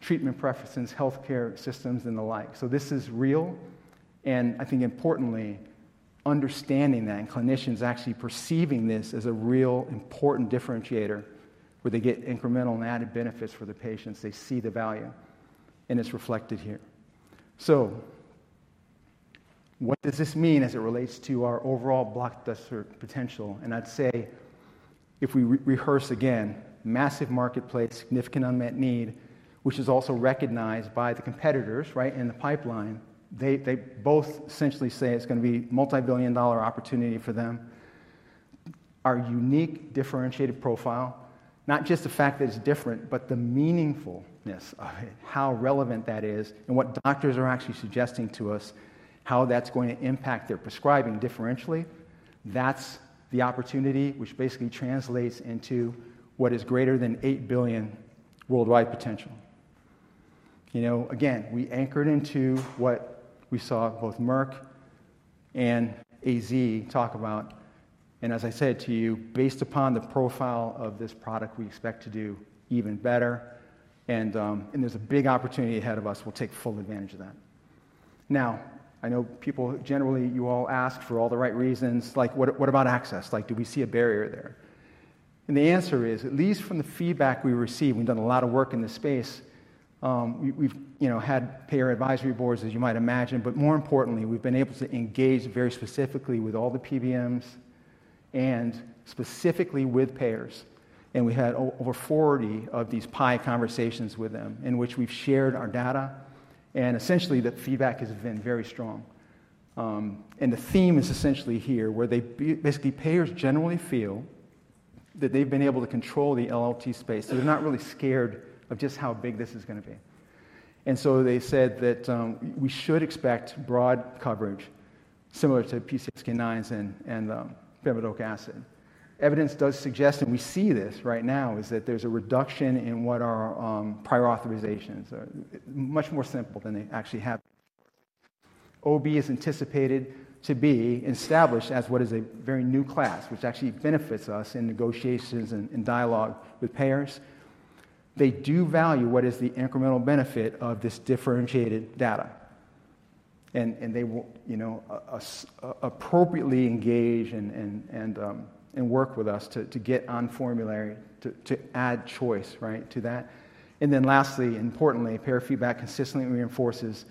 treatment preferences, healthcare systems, and the like. This is real. I think importantly, understanding that and clinicians actually perceiving this as a real important differentiator where they get incremental and added benefits for the patients, they see the value and it's reflected here. What does this mean as it relates to our overall blockbuster potential? I'd say if we rehearse again, massive marketplace, significant unmet need, which is also recognized by the competitors, right, in the pipeline, they both essentially say it's going to be multi-billion dollar opportunity for them. Our unique differentiated profile, not just the fact that it's different, but the meaningfulness of it, how relevant that is, and what doctors are actually suggesting to us, how that's going to impact their prescribing differentially, that's the opportunity, which basically translates into what is greater than $8 billion worldwide potential. Again, we anchored into what we saw both Merck and AstraZeneca talk about. As I said to you, based upon the profile of this product, we expect to do even better. There's a big opportunity ahead of us. We'll take full advantage of that. I know people generally, you all ask for all the right reasons, like what about access? Like, do we see a barrier there? The answer is, at least from the feedback we received, we've done a lot of work in this space. We've had payer advisory boards, as you might imagine, but more importantly, we've been able to engage very specifically with all the PBMs and specifically with payers. We had over 40 of these PI conversations with them in which we've shared our data. Essentially, the feedback has been very strong. The theme is essentially here where they basically, payers generally feel that they've been able to control the LLT space. They're not really scared of just how big this is going to be. They said that we should expect broad coverage similar to PCSK9s and bempedoic acid. Evidence does suggest, and we see this right now, is that there's a reduction in what are prior authorizations. Much more simple than they actually have before. OB is anticipated to be established as what is a very new class, which actually benefits us in negotiations and dialogue with payers. They do value what is the incremental benefit of this differentiated data. They will appropriately engage and work with us to get on formulary, to add choice, right, to that. Lastly, importantly, payer feedback consistently reinforces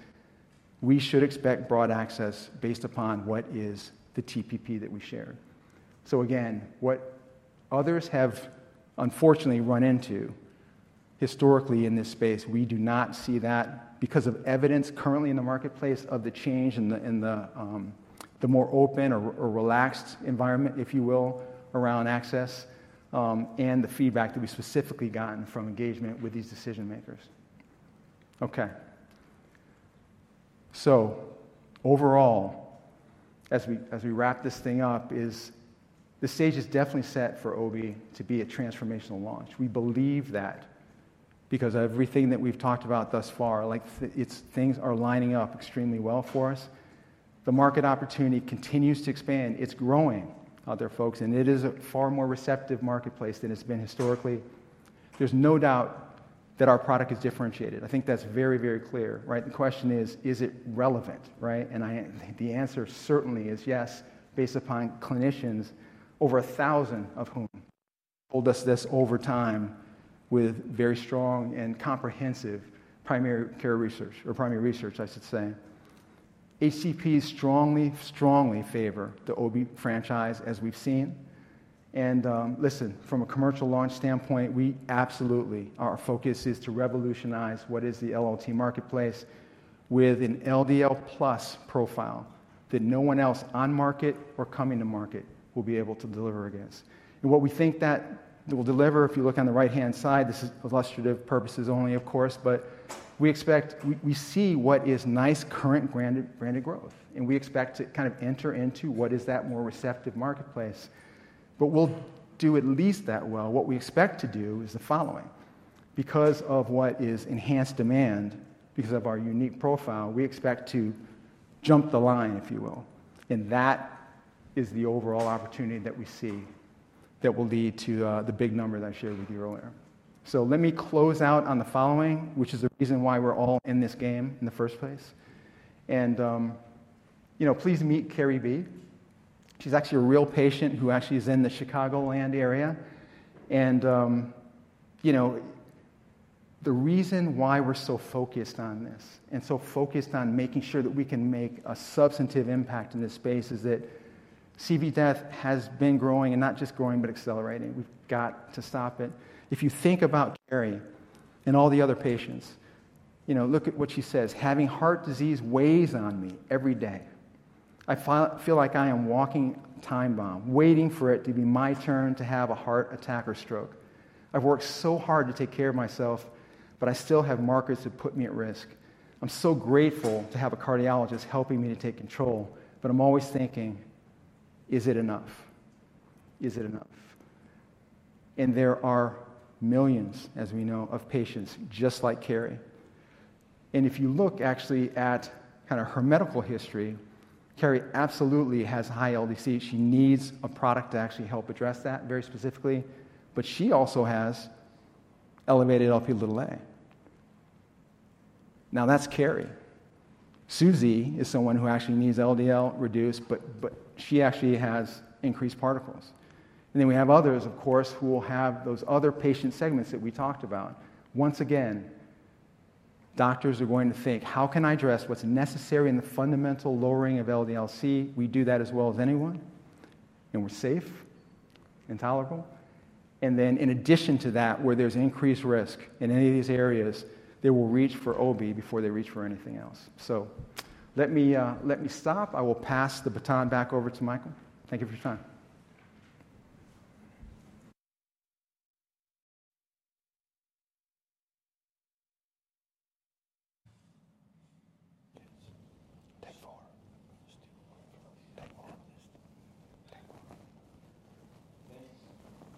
we should expect broad access based upon what is the TPP that we share. Again, what others have unfortunately run into historically in this space, we do not see that because of evidence currently in the marketplace of the change in the more open or relaxed environment, if you will, around access and the feedback that we specifically gotten from engagement with these decision makers. Okay. Overall, as we wrap this thing up, the stage is definitely set for OB to be a transformational launch. We believe that because everything that we have talked about thus far, like things are lining up extremely well for us. The market opportunity continues to expand. It is growing, other folks, and it is a far more receptive marketplace than it has been historically. There is no doubt that our product is differentiated. I think that is very, very clear, right? The question is, is it relevant, right? And the answer certainly is yes, based upon clinicians, over a thousand of whom told us this over time with very strong and comprehensive primary care research, or primary research, I should say. HCP strongly, strongly favor the OB franchise as we have seen. Listen, from a commercial launch standpoint, we absolutely are focused to revolutionize what is the LLT marketplace with an LDL plus profile that no one else on market or coming to market will be able to deliver against. What we think that will deliver, if you look on the right-hand side, this is illustrative purposes only, of course, but we expect, we see what is nice current branded growth, and we expect to kind of enter into what is that more receptive marketplace. We will do at least that well. What we expect to do is the following. Because of what is enhanced demand, because of our unique profile, we expect to jump the line, if you will. That is the overall opportunity that we see that will lead to the big number that I shared with you earlier. Let me close out on the following, which is the reason why we're all in this game in the first place. Please meet Kerry B. She's actually a real patient who actually is in the Chicago land area. The reason why we're so focused on this and so focused on making sure that we can make a substantive impact in this space is that CV death has been growing and not just growing, but accelerating. We've got to stop it. If you think about Kerry and all the other patients, look at what she says, "Having heart disease weighs on me every day. I feel like I am walking a time bomb, waiting for it to be my turn to have a heart attack or stroke. I've worked so hard to take care of myself, but I still have markers that put me at risk. I'm so grateful to have a cardiologist helping me to take control, but I'm always thinking, is it enough? Is it enough? There are millions, as we know, of patients just like Kerry. If you look actually at kind of her medical history, Kerry absolutely has high LDL-C. She needs a product to actually help address that very specifically, but she also has elevated Lp(a). Now that's Kerry. Suzie is someone who actually needs LDL reduced, but she actually has increased particles. We have others, of course, who will have those other patient segments that we talked about. Once again, doctors are going to think, how can I address what's necessary in the fundamental lowering of LDL-C? We do that as well as anyone, and we're safe and tolerable. In addition to that, where there's increased risk in any of these areas, they will reach for OB before they reach for anything else. Let me stop. I will pass the baton back over to Michael. Thank you for your time.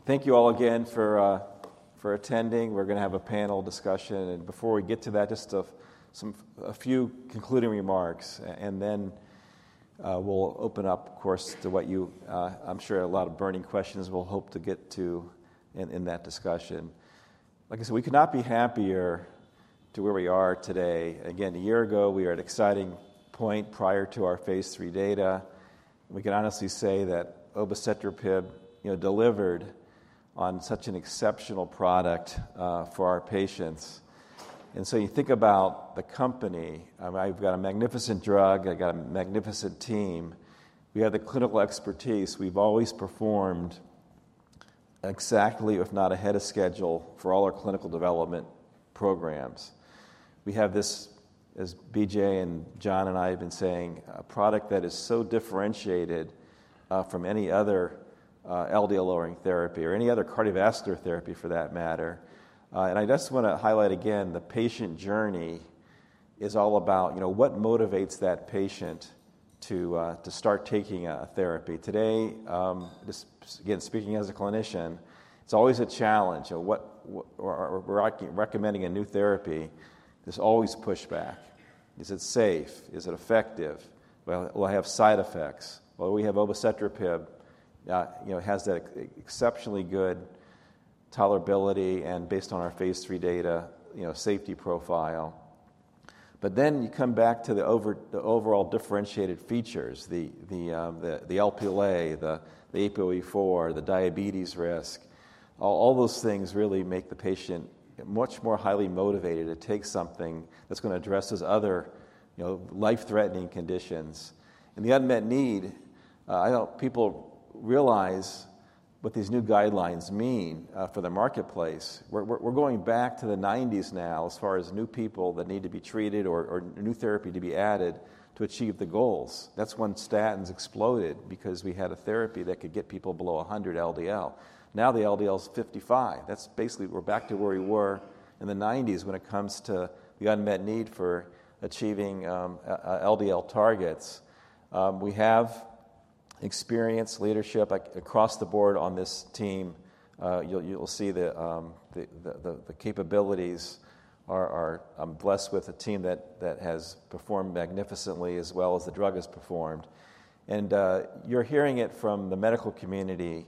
Thank you all again for attending. We're going to have a panel discussion. Before we get to that, just a few concluding remarks, and then we'll open up, of course, to what you, I'm sure, a lot of burning questions we'll hope to get to in that discussion. Like I said, we could not be happier to be where we are today. Again, a year ago, we were at an exciting point prior to our phase three data. We can honestly say that obicetrapib delivered on such an exceptional product for our patients. You think about the company, I've got a magnificent drug, I've got a magnificent team. We have the clinical expertise. We've always performed exactly, if not ahead of schedule for all our clinical development programs. We have this, as BJ and John and I have been saying, a product that is so differentiated from any other LDL lowering therapy or any other cardiovascular therapy for that matter. I just want to highlight again, the patient journey is all about what motivates that patient to start taking a therapy. Today, again, speaking as a clinician, it's always a challenge. We're recommending a new therapy. There's always pushback. Is it safe? Is it effective? Will I have side effects? We have obicetrapib, has that exceptionally good tolerability and based on our phase three data safety profile. Then you come back to the overall differentiated features, the Lp(a), the ApoE4, the diabetes risk, all those things really make the patient much more highly motivated to take something that's going to address his other life-threatening conditions. The unmet need, I don't know if people realize what these new guidelines mean for the marketplace. We're going back to the 1990s now as far as new people that need to be treated or new therapy to be added to achieve the goals. That's when statins exploded because we had a therapy that could get people below 100 LDL. Now the LDL is 55. That's basically we're back to where we were in the 1990s when it comes to the unmet need for achieving LDL targets. We have experienced leadership across the board on this team. You'll see the capabilities. I'm blessed with a team that has performed magnificently as well as the drug has performed. You're hearing it from the medical community,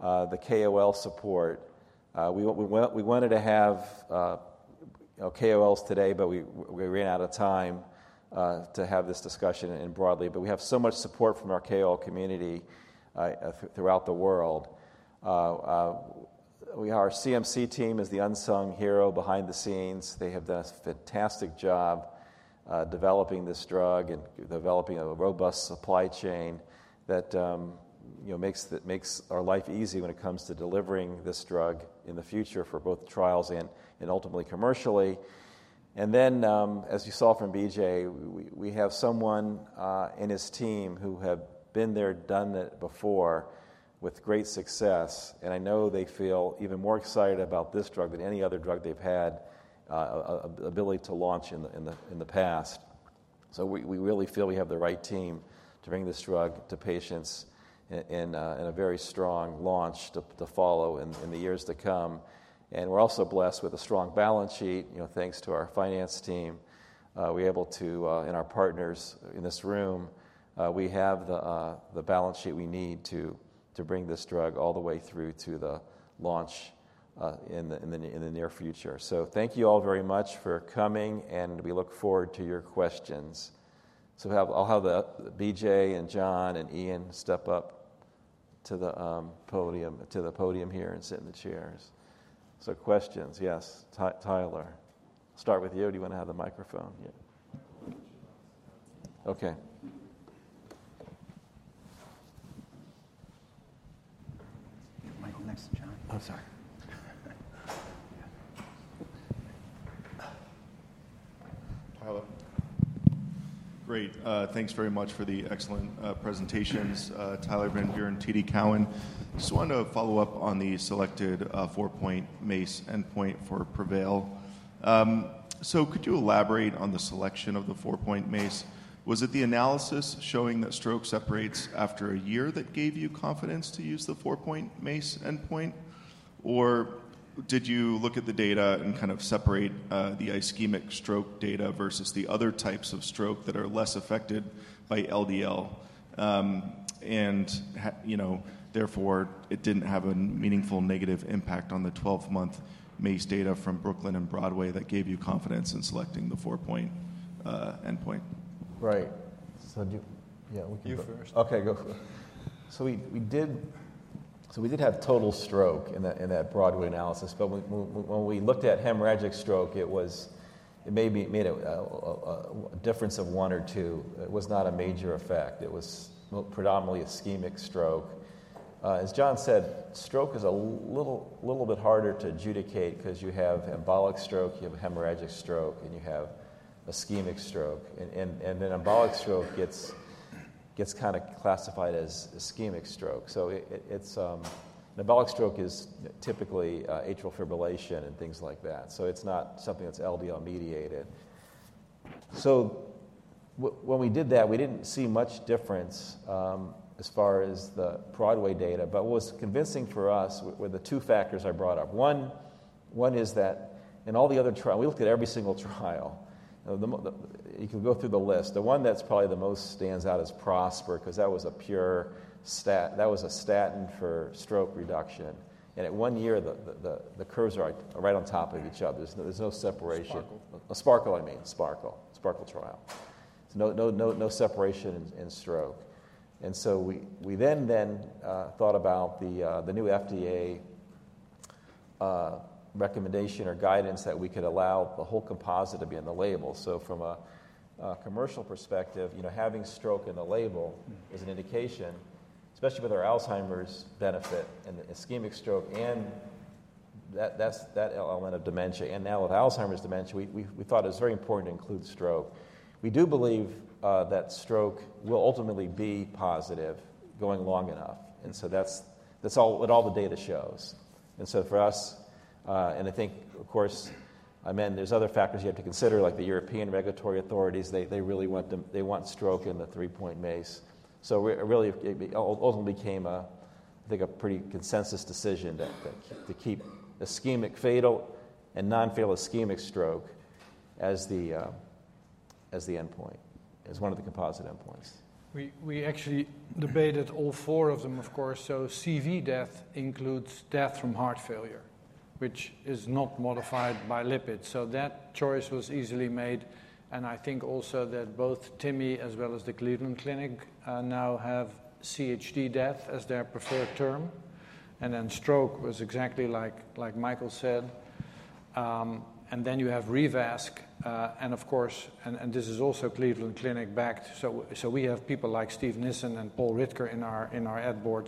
the KOL support. We wanted to have KOLs today, but we ran out of time to have this discussion broadly. We have so much support from our KOL community throughout the world. Our CMC team is the unsung hero behind the scenes. They have done a fantastic job developing this drug and developing a robust supply chain that makes our life easy when it comes to delivering this drug in the future for both trials and ultimately commercially. As you saw from BJ, we have someone in his team who have been there, done it before with great success. I know they feel even more excited about this drug than any other drug they've had the ability to launch in the past. We really feel we have the right team to bring this drug to patients and a very strong launch to follow in the years to come. We are also blessed with a strong balance sheet, thanks to our finance team. We are able to, and our partners in this room, we have the balance sheet we need to bring this drug all the way through to the launch in the near future. Thank you all very much for coming, and we look forward to your questions. I will have BJ and John and Ian step up to the podium here and sit in the chairs. Questions, yes. Tyler, start with you. Do you want to have the microphone? Okay. Michael next, John. Oh, sorry. Tyler, great. Thanks very much for the excellent presentations. Tyler Van Buren, TD Cowen. Just wanted to follow up on the selected four-point MACE endpoint for PREVAIL. Could you elaborate on the selection of the four-point MACE? Was it the analysis showing that stroke separates after a year that gave you confidence to use the four-point MACE endpoint, or did you look at the data and kind of separate the ischemic stroke data versus the other types of stroke that are less affected by LDL, and therefore it did not have a meaningful negative impact on the 12-month MACE data from BROOKLYN and BROADWAY that gave you confidence in selecting the four-point endpoint? Right. So yeah, we can go. You first. Okay, go for it. We did have total stroke in that Broadway analysis, but when we looked at hemorrhagic stroke, it made a difference of one or two. It was not a major effect. It was predominantly ischemic stroke. As John said, stroke is a little bit harder to adjudicate because you have embolic stroke, you have hemorrhagic stroke, and you have ischemic stroke. Embolic stroke gets kind of classified as ischemic stroke. An embolic stroke is typically atrial fibrillation and things like that. It is not something that is LDL mediated. When we did that, we did not see much difference as far as the Broadway data, but what was convincing for us were the two factors I brought up. One is that in all the other trials, we looked at every single trial. You can go through the list. The one that's probably the most stands out is PROSPER because that was a pure statin for stroke reduction. At one year, the curves are right on top of each other. There's no separation. Sparkle. A sparkle, I mean, sparkle. Sparkle trial. No separation in stroke. We then thought about the new FDA recommendation or guidance that we could allow the whole composite to be in the label. From a commercial perspective, having stroke in the label is an indication, especially with our Alzheimer's benefit and ischemic stroke and that element of dementia. Now with Alzheimer's dementia, we thought it was very important to include stroke. We do believe that stroke will ultimately be positive going long enough. That is what all the data shows. For us, and I think, of course, there are other factors you have to consider, like the European regulatory authorities. They really want stroke in the three-point MACE. It really ultimately became, I think, a pretty consensus decision to keep ischemic fatal and non-fatal ischemic stroke as the endpoint, as one of the composite endpoints. We actually debated all four of them, of course. CV death includes death from heart failure, which is not modified by lipids. That choice was easily made. I think also that both TIMI as well as the Cleveland Clinic now have CHD death as their preferred term. Stroke was exactly like Michael said. You have REVASK. This is also Cleveland Clinic backed. We have people like Steve Nissen and Paul Ridker in our ed board.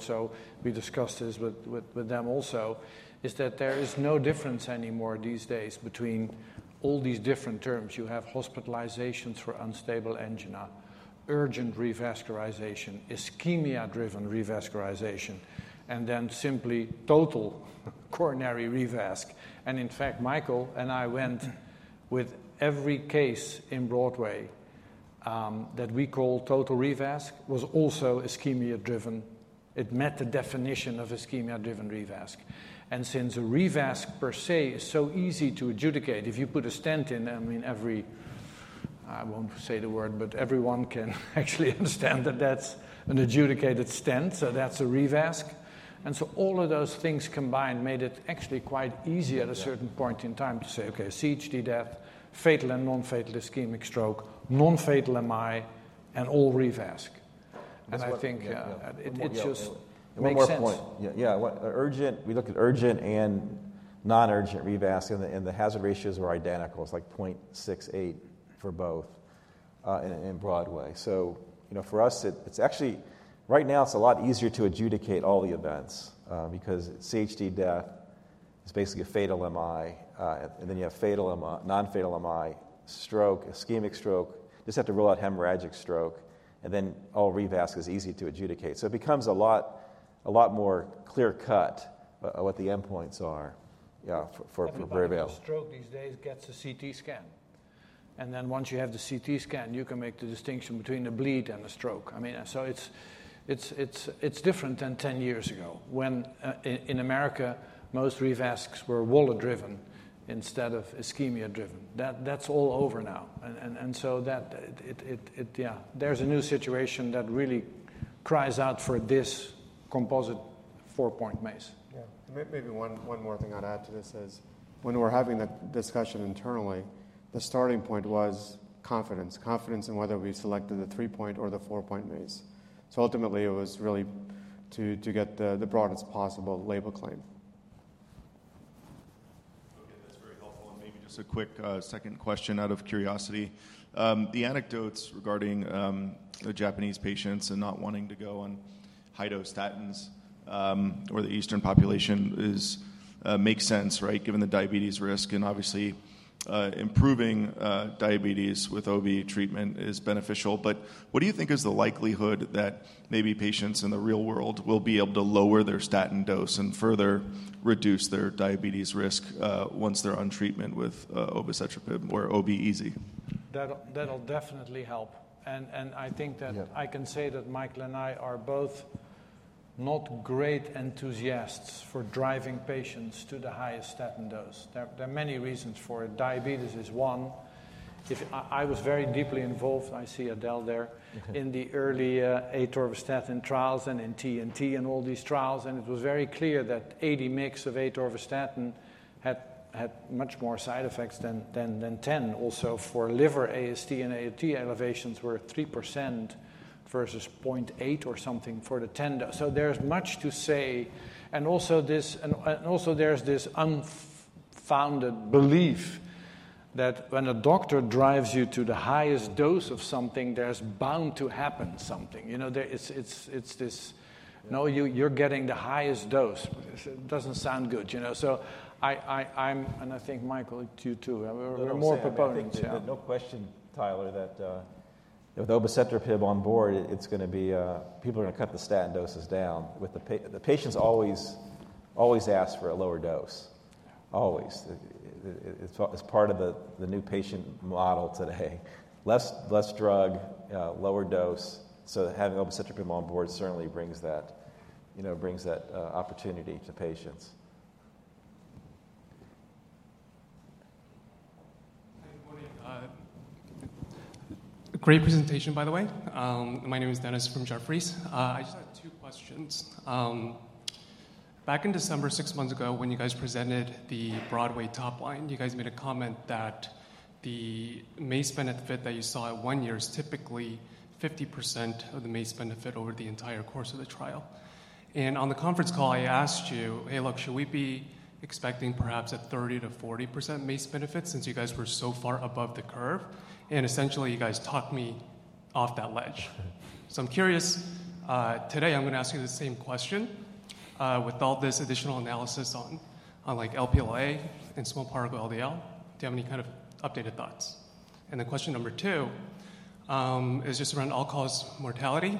We discussed this with them also, that there is no difference anymore these days between all these different terms. You have hospitalizations for unstable angina, urgent revascularization, ischemia-driven revascularization, and then simply total coronary REVASK. In fact, Michael and I went with every case in Broadway that we called total REVASK was also ischemia-driven. It met the definition of ischemia-driven REVASK. Since a REVASK per se is so easy to adjudicate, if you put a stent in, I mean, every, I won't say the word, but everyone can actually understand that that's an adjudicated stent. That's a REVASK. All of those things combined made it actually quite easy at a certain point in time to say, okay, CHD death, fatal and non-fatal ischemic stroke, non-fatal MI, and all REVASK. I think it just makes sense. Yeah, we look at urgent and non-urgent REVASK, and the hazard ratios were identical. It's like 0.68 for both in BROADWAY. For us, it's actually, right now, it's a lot easier to adjudicate all the events because CHD death is basically a fatal MI. Then you have non-fatal MI, stroke, ischemic stroke, just have to rule out hemorrhagic stroke. All REVASK is easy to adjudicate. It becomes a lot more clear-cut what the endpoints are for PREVAIL. Stroke these days gets a CT scan. And then once you have the CT scan, you can make the distinction between a bleed and a stroke. I mean, so it's different than 10 years ago when in America, most REVASKs were wallet-driven instead of ischemia-driven. That's all over now. And so yeah, there's a new situation that really cries out for this composite four-point MACE. Yeah. Maybe one more thing I'd add to this is when we were having that discussion internally, the starting point was confidence, confidence in whether we selected the three-point or the four-point MACE. Ultimately, it was really to get the broadest possible label claim. Okay, that's very helpful. Maybe just a quick second question out of curiosity. The anecdotes regarding the Japanese patients and not wanting to go on high-dose statins or the Eastern population makes sense, right, given the diabetes risk. Obviously, improving diabetes with OB treatment is beneficial. What do you think is the likelihood that maybe patients in the real world will be able to lower their statin dose and further reduce their diabetes risk once they're on treatment with obicetrapib or OB-EZ? That'll definitely help. I think that I can say that Michael and I are both not great enthusiasts for driving patients to the highest statin dose. There are many reasons for it. Diabetes is one. I was very deeply involved, I see Adele there, in the early atorvastatin trials and in TNT and all these trials. It was very clear that 80 mg of atorvastatin had much more side effects than 10. Also, for liver AST and ALT elevations were 3% versus 0.8% or something for the 10. There is much to say. Also, there is this unfounded belief that when a doctor drives you to the highest dose of something, there is bound to happen something. It is this, no, you are getting the highest dose. It does not sound good. I think, Michael, you too. We are more proponents of that. No question, Tyler, that with obicetrapib on board, it's going to be people are going to cut the statin doses down. The patients always ask for a lower dose. Always. It's part of the new patient model today. Less drug, lower dose. So having obicetrapib on board certainly brings that opportunity to patients. Great presentation, by the way. My name is Dennis from Jefferies. I just have two questions. Back in December, six months ago, when you guys presented the Broadway top line, you guys made a comment that the MACE benefit that you saw at one year is typically 50% of the MACE benefit over the entire course of the trial. On the conference call, I asked you, hey, look, should we be expecting perhaps a 30-40% MACE benefit since you guys were so far above the curve? Essentially, you guys talked me off that ledge. I'm curious. Today, I'm going to ask you the same question with all this additional analysis on Lp(a) and small particle LDL. Do you have any kind of updated thoughts? Question number two is just around all-cause mortality.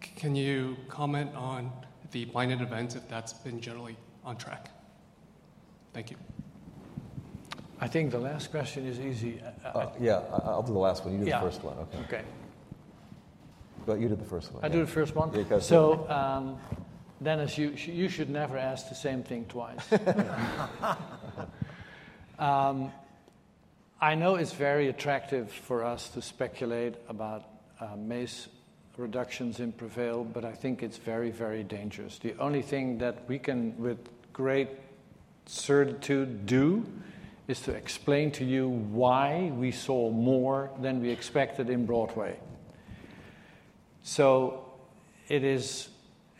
Can you comment on the blinded events if that's been generally on track? Thank you. I think the last question is easy. Yeah, I'll do the last one. You do the first one. Okay. Okay. You do the first one. I'll do the first one. Yeah, go ahead. Dennis, you should never ask the same thing twice. I know it's very attractive for us to speculate about MACE reductions in PREVAIL, but I think it's very, very dangerous. The only thing that we can with great certitude do is to explain to you why we saw more than we expected in BROADWAY.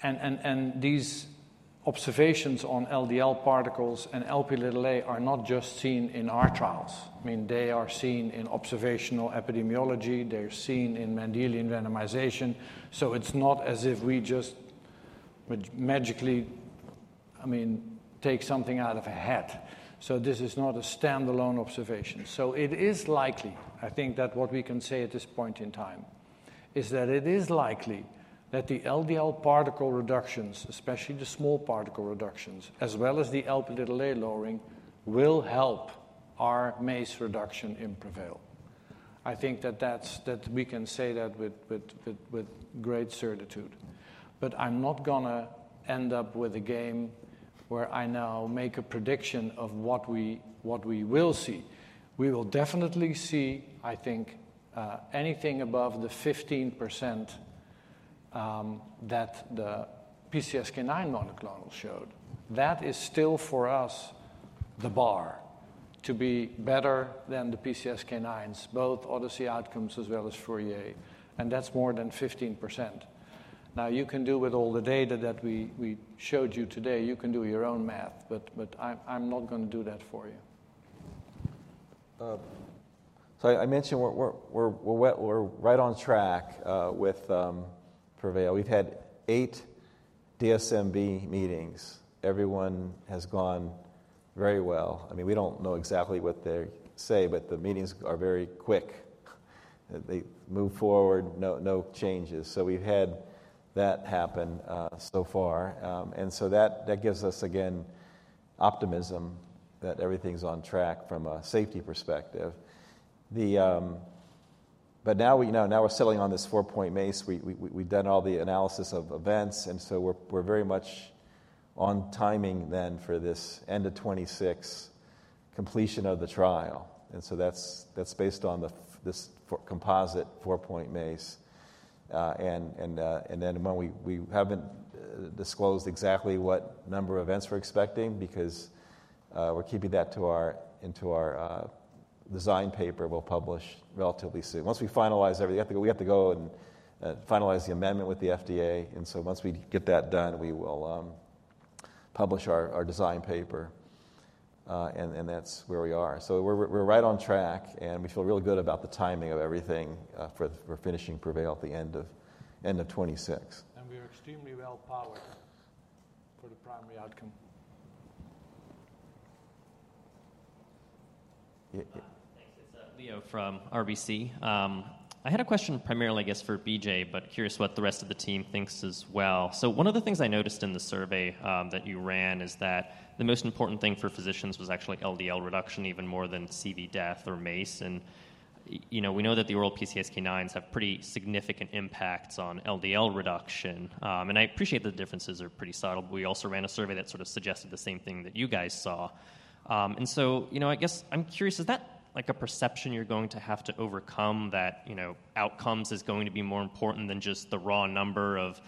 And these observations on LDL particles and Lp(a) are not just seen in our trials. I mean, they are seen in observational epidemiology. They're seen in Mendelian randomization. It's not as if we just magically, I mean, take something out of a hat. This is not a standalone observation. It is likely, I think, that what we can say at this point in time is that it is likely that the LDL particle reductions, especially the small particle reductions, as well as the Lp(a) lowering will help our MACE reduction in PREVAIL. I think that we can say that with great certitude. I'm not going to end up with a game where I now make a prediction of what we will see. We will definitely see, I think, anything above the 15% that the PCSK9 monoclonal showed. That is still for us the bar to be better than the PCSK9s, both Odyssey outcomes as well as Fourier. That is more than 15%. Now, you can do with all the data that we showed you today, you can do your own math, but I'm not going to do that for you. I mentioned we're right on track with PREVAIL. We've had eight DSMB meetings. Everyone has gone very well. I mean, we don't know exactly what they say, but the meetings are very quick. They move forward, no changes. We've had that happen so far. That gives us, again, optimism that everything's on track from a safety perspective. Now we're settling on this four-point MACE. We've done all the analysis of events. We're very much on timing then for this end of 2026 completion of the trial. That's based on this composite four-point MACE. We haven't disclosed exactly what number of events we're expecting because we're keeping that into our design paper we'll publish relatively soon. Once we finalize everything, we have to go and finalize the amendment with the FDA. Once we get that done, we will publish our design paper. That is where we are. We are right on track. We feel really good about the timing of everything for finishing PREVAIL at the end of 2026. We are extremely well powered for the primary outcome. Thanks. It's Leo from RBC. I had a question primarily, I guess, for BJ, but curious what the rest of the team thinks as well. One of the things I noticed in the survey that you ran is that the most important thing for physicians was actually LDL reduction even more than CV death or MACE. We know that the oral PCSK9s have pretty significant impacts on LDL reduction. I appreciate the differences are pretty subtle. We also ran a survey that sort of suggested the same thing that you guys saw. I guess I'm curious, is that like a perception you're going to have to overcome that outcomes is going to be more important than just the raw number of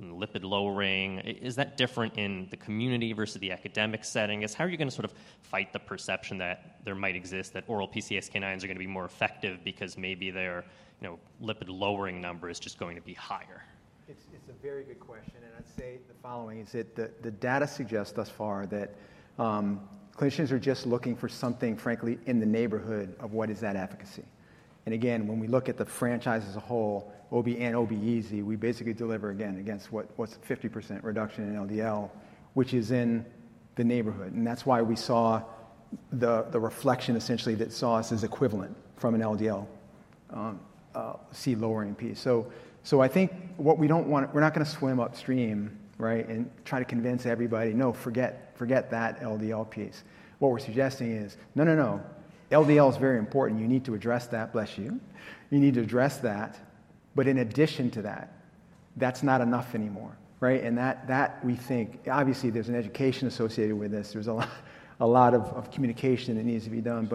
lipid lowering? Is that different in the community versus the academic setting? How are you going to sort of fight the perception that there might exist that oral PCSK9s are going to be more effective because maybe their lipid lowering number is just going to be higher? It's a very good question. I'd say the following is that the data suggests thus far that clinicians are just looking for something, frankly, in the neighborhood of what is that efficacy. Again, when we look at the franchise as a whole, OB and OB-EZ, we basically deliver again against what's 50% reduction in LDL, which is in the neighborhood. That's why we saw the reflection essentially that saw us as equivalent from an LDL-C lowering piece. I think what we don't want, we're not going to swim upstream, right, and try to convince everybody, no, forget that LDL piece. What we're suggesting is, no, no, no, LDL is very important. You need to address that, bless you. You need to address that. In addition to that, that's not enough anymore, right? We think, obviously, there's an education associated with this. There's a lot of communication that needs to be done.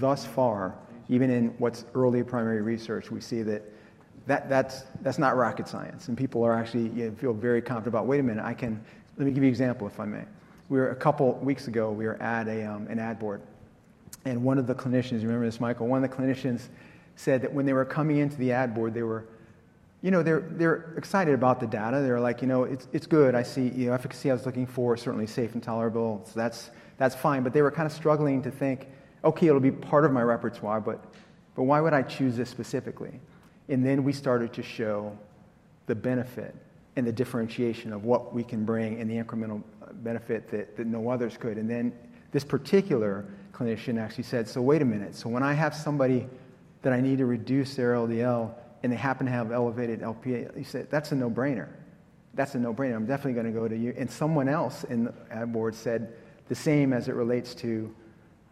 Thus far, even in what's early primary research, we see that that's not rocket science. People actually feel very confident about, wait a minute, I can, let me give you an example if I may. A couple of weeks ago, we were at an ad board. One of the clinicians, you remember this, Michael, one of the clinicians said that when they were coming into the ad board, they were excited about the data. They were like, you know, it's good. I see efficacy I was looking for, certainly safe and tolerable. That's fine. They were kind of struggling to think, okay, it'll be part of my repertoire, but why would I choose this specifically? We started to show the benefit and the differentiation of what we can bring and the incremental benefit that no others could. This particular clinician actually said, wait a minute. When I have somebody that I need to reduce their LDL and they happen to have elevated Lp(a), he said, that's a no-brainer. That's a no-brainer. I'm definitely going to go to you. Someone else in the ad board said the same as it relates to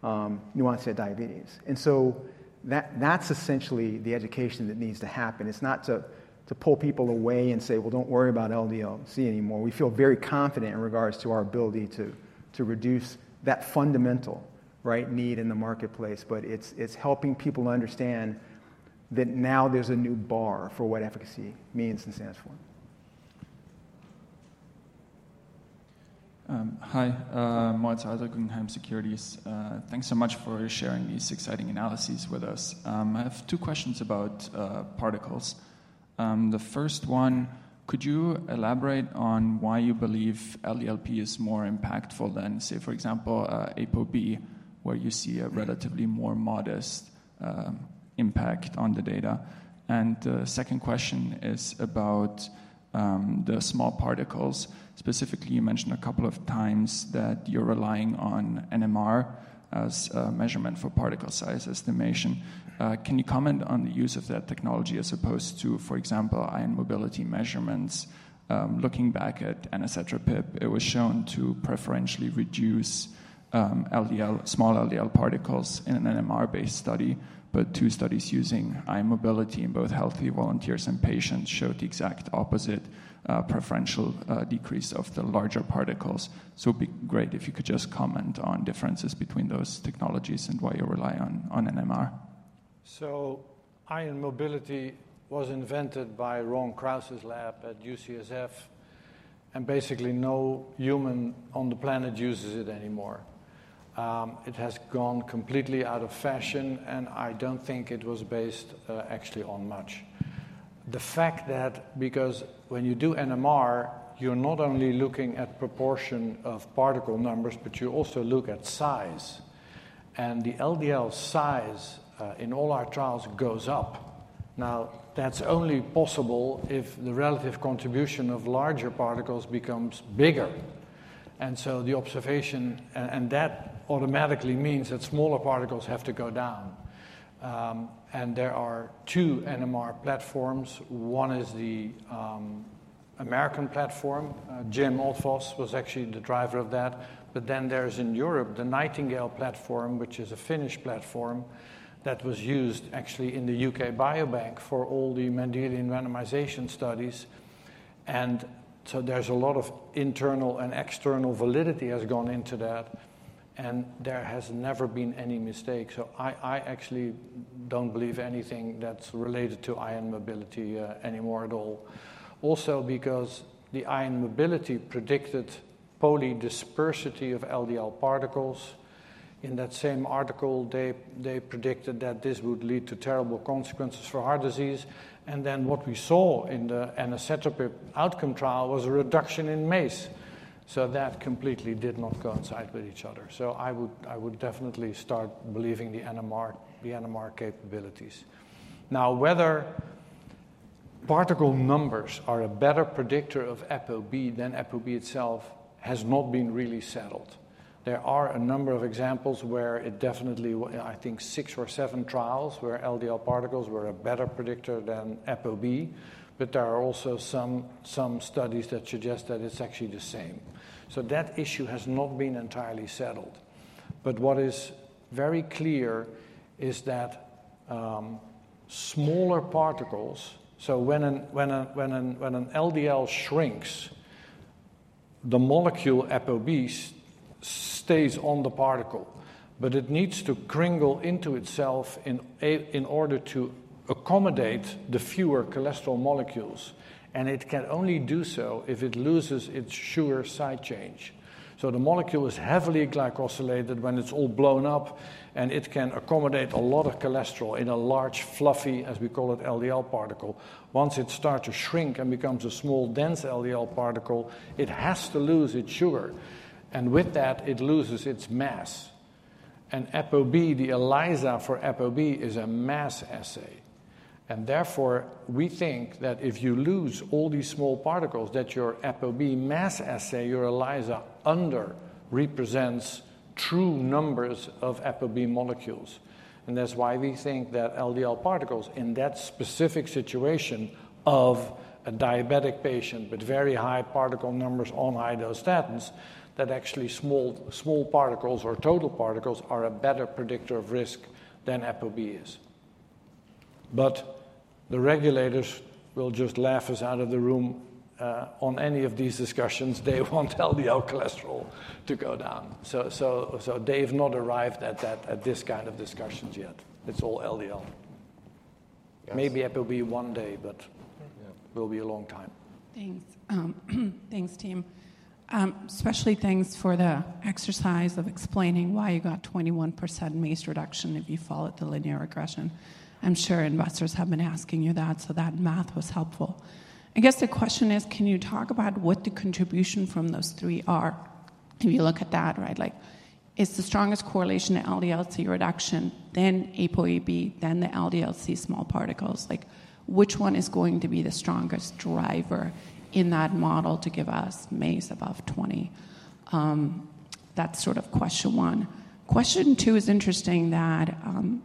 new-onset diabetes. That's essentially the education that needs to happen. It's not to pull people away and say, don't worry about LDL-C anymore. We feel very confident in regards to our ability to reduce that fundamental need in the marketplace. It's helping people understand that now there's a new bar for what efficacy means and stands for. Hi, Martz Adler Guggenheim Securities. Thanks so much for sharing these exciting analyses with us. I have two questions about particles. The first one, could you elaborate on why you believe LDL-P is more impactful than, say, for example, ApoB, where you see a relatively more modest impact on the data? The second question is about the small particles. Specifically, you mentioned a couple of times that you're relying on NMR as a measurement for particle size estimation. Can you comment on the use of that technology as opposed to, for example, ion mobility measurements? Looking back at NSHA-PIB, it was shown to preferentially reduce small LDL particles in an NMR-based study. Two studies using ion mobility in both healthy volunteers and patients showed the exact opposite preferential decrease of the larger particles. It would be great if you could just comment on differences between those technologies and why you rely on NMR. Ion mobility was invented by Ron Kraus's lab at UCSF. Basically, no human on the planet uses it anymore. It has gone completely out of fashion. I do not think it was based actually on much. The fact that when you do NMR, you are not only looking at proportion of particle numbers, but you also look at size. The LDL size in all our trials goes up. That is only possible if the relative contribution of larger particles becomes bigger. The observation, and that automatically means that smaller particles have to go down. There are two NMR platforms. One is the American platform. Jim Althus was actually the driver of that. Then there is in Europe the Nightingale platform, which is a Finnish platform that was used actually in the U.K. biobank for all the Mendelian randomization studies. There is a lot of internal and external validity that has gone into that. There has never been any mistake. I actually do not believe anything that is related to ion mobility anymore at all. Also, because the ion mobility predicted polydispersity of LDL particles. In that same article, they predicted that this would lead to terrible consequences for heart disease. What we saw in the NSHA-PIB outcome trial was a reduction in MACE. That completely did not coincide with each other. I would definitely start believing the NMR capabilities. Now, whether particle numbers are a better predictor of ApoB than ApoB itself has not been really settled. There are a number of examples where it definitely, I think six or seven trials where LDL particles were a better predictor than ApoB. There are also some studies that suggest that it is actually the same. That issue has not been entirely settled. What is very clear is that smaller particles, so when an LDL shrinks, the molecule ApoB stays on the particle. It needs to crinkle into itself in order to accommodate the fewer cholesterol molecules. It can only do so if it loses its sugar side chain. The molecule is heavily glycosylated when it is all blown up. It can accommodate a lot of cholesterol in a large fluffy, as we call it, LDL particle. Once it starts to shrink and becomes a small dense LDL particle, it has to lose its sugar. With that, it loses its mass. ApoB, the ELISA for ApoB, is a mass assay. Therefore, we think that if you lose all these small particles, your ApoB mass assay, your ELISA, underrepresents true numbers of ApoB molecules. That is why we think that LDL particles in that specific situation of a diabetic patient, but very high particle numbers on high dose statins, that actually small particles or total particles are a better predictor of risk than ApoB is. The regulators will just laugh us out of the room on any of these discussions. They want LDL cholesterol to go down. They have not arrived at this kind of discussions yet. It is all LDL. Maybe ApoB one day, but it will be a long time. Thanks. Thanks, team. Especially thanks for the exercise of explaining why you got 21% MACE reduction if you followed the linear regression. I'm sure investors have been asking you that. That math was helpful. I guess the question is, can you talk about what the contribution from those three are? If you look at that, right, like it's the strongest correlation to LDL-C reduction, then ApoB, then the LDL-C small particles. Which one is going to be the strongest driver in that model to give us MACE above 20%? That's sort of question one. Question two is interesting that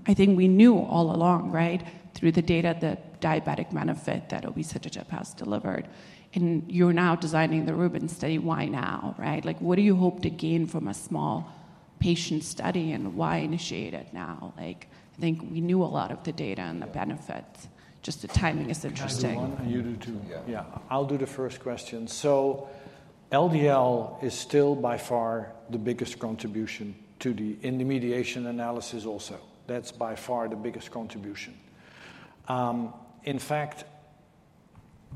I think we knew all along, right, through the data that diabetic benefit that obicetrapib has delivered. You're now designing the Rubens study. Why now, right? What do you hope to gain from a small patient study and why initiate it now? Like I think we knew a lot of the data and the benefits. Just the timing is interesting. You do two. Yeah. I'll do the first question. LDL is still by far the biggest contribution to the intermediation analysis also. That's by far the biggest contribution. In fact,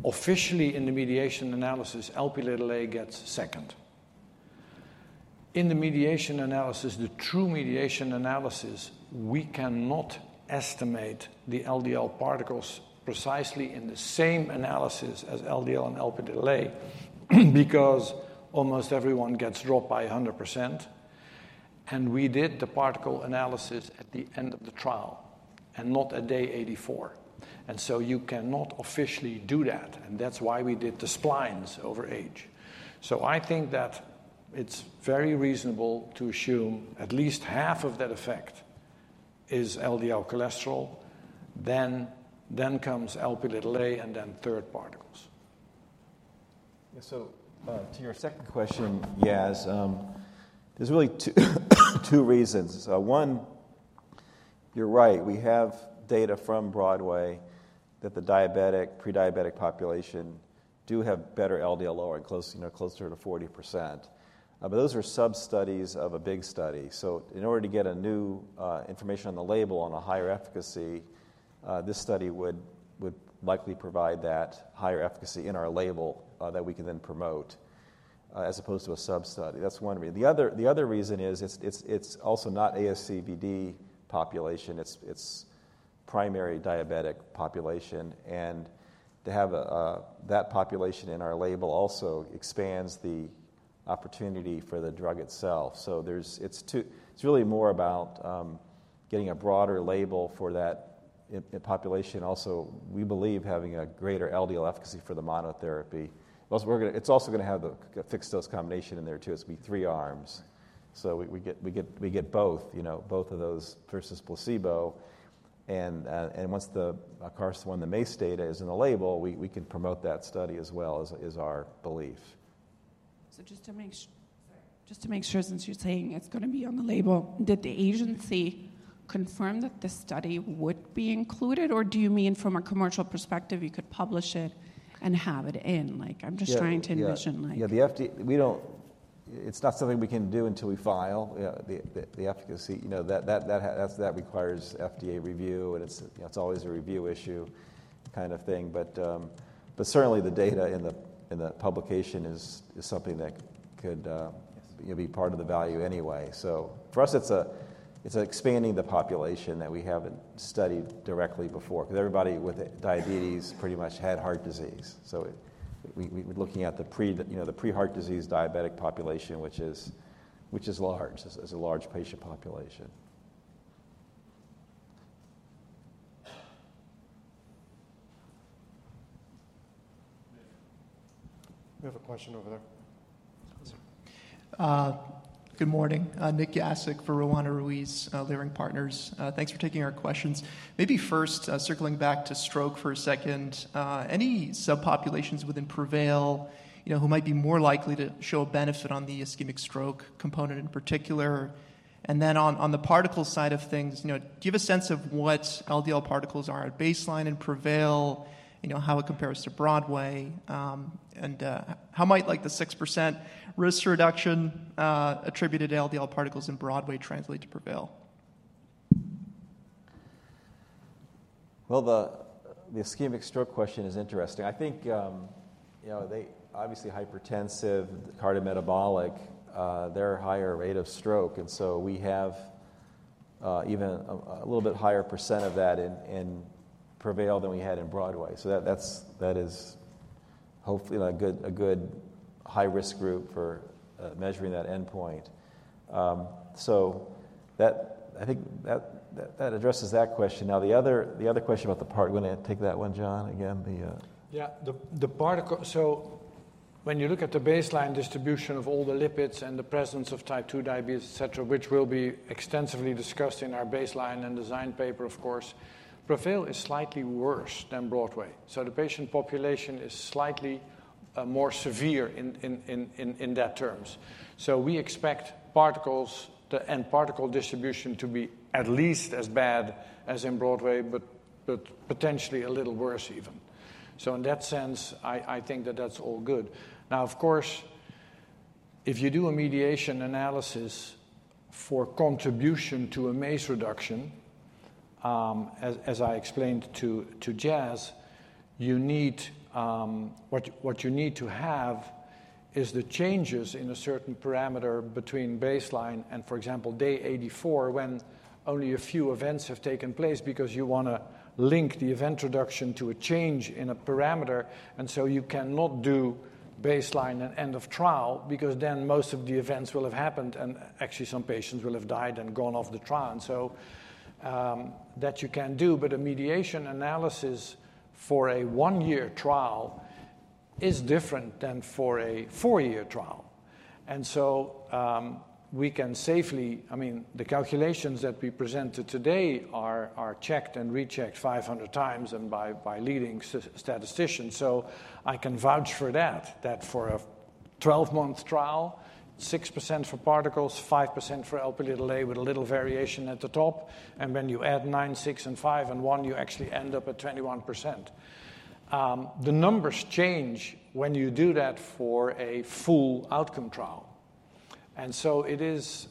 officially in the mediation analysis, Lp(a) gets second. In the mediation analysis, the true mediation analysis, we cannot estimate the LDL particles precisely in the same analysis as LDL and Lp(a), because almost everyone gets dropped by 100%. We did the particle analysis at the end of the trial and not at day 84. You cannot officially do that. That is why we did the splines over age. I think that it is very reasonable to assume at least half of that effect is LDL cholesterol. Then comes Lp(a) and then third particles. To your second question, Yaz, there's really two reasons. One, you're right. We have data from Broadway that the diabetic, pre-diabetic population do have better LDL lowering closer to 40%. But those are sub-studies of a big study. In order to get new information on the label on a higher efficacy, this study would likely provide that higher efficacy in our label that we can then promote as opposed to a sub-study. That's one reason. The other reason is it's also not ASCVD population. It's primary diabetic population. To have that population in our label also expands the opportunity for the drug itself. It's really more about getting a broader label for that population. Also, we believe having a greater LDL efficacy for the monotherapy. It's also going to have the fixed dose combination in there too. It's going to be three arms. We get both, both of those versus placebo. Once the Kastelein and the MACE data is in the label, we can promote that study as well is our belief. Just to make sure, since you're saying it's going to be on the label, did the agency confirm that the study would be included? Or do you mean from a commercial perspective, you could publish it and have it in? Like I'm just trying to envision. Yeah. It's not something we can do until we file the efficacy. That requires FDA review. It's always a review issue kind of thing. Certainly the data in the publication is something that could be part of the value anyway. For us, it's expanding the population that we haven't studied directly before. Because everybody with diabetes pretty much had heart disease. We're looking at the pre-heart disease diabetic population, which is large. It's a large patient population. We have a question over there. Good morning. Nick Asik for Rowana Ruiz, Leerink Partners. Thanks for taking our questions. Maybe first circling back to stroke for a second. Any subpopulations within PREVAIL who might be more likely to show a benefit on the ischemic stroke component in particular? On the particle side of things, do you have a sense of what LDL particles are at baseline in PREVAIL? How it compares to BROADWAY? How might the 6% risk reduction attributed to LDL particles in BROADWAY translate to PREVAIL? The ischemic stroke question is interesting. I think obviously hypertensive, cardiometabolic, they're a higher rate of stroke. And we have even a little bit higher % of that in PREVAIL than we had in BROADWAY. That is hopefully a good high-risk group for measuring that endpoint. I think that addresses that question. Now, the other question about the part, you want to take that one, John, again? Yeah. So when you look at the baseline distribution of all the lipids and the presence of type 2 diabetes, et cetera, which will be extensively discussed in our baseline and design paper, of course, PREVAIL is slightly worse than BROADWAY. So the patient population is slightly more severe in that terms. So we expect particles and particle distribution to be at least as bad as in BROADWAY, but potentially a little worse even. In that sense, I think that that's all good. Now, of course, if you do a mediation analysis for contribution to a MACE reduction, as I explained to Jaz, what you need to have is the changes in a certain parameter between baseline and, for example, day 84, when only a few events have taken place because you want to link the event reduction to a change in a parameter. You cannot do baseline and end of trial because then most of the events will have happened. Actually, some patients will have died and gone off the trial. That you can do. A mediation analysis for a one-year trial is different than for a four-year trial. We can safely, I mean, the calculations that we presented today are checked and rechecked 500 times and by leading statisticians. I can vouch for that, that for a 12-month trial, 6% for particles, 5% for Lp(a) with a little variation at the top. When you add 9, 6, and 5 and 1, you actually end up at 21%. The numbers change when you do that for a full outcome trial. It is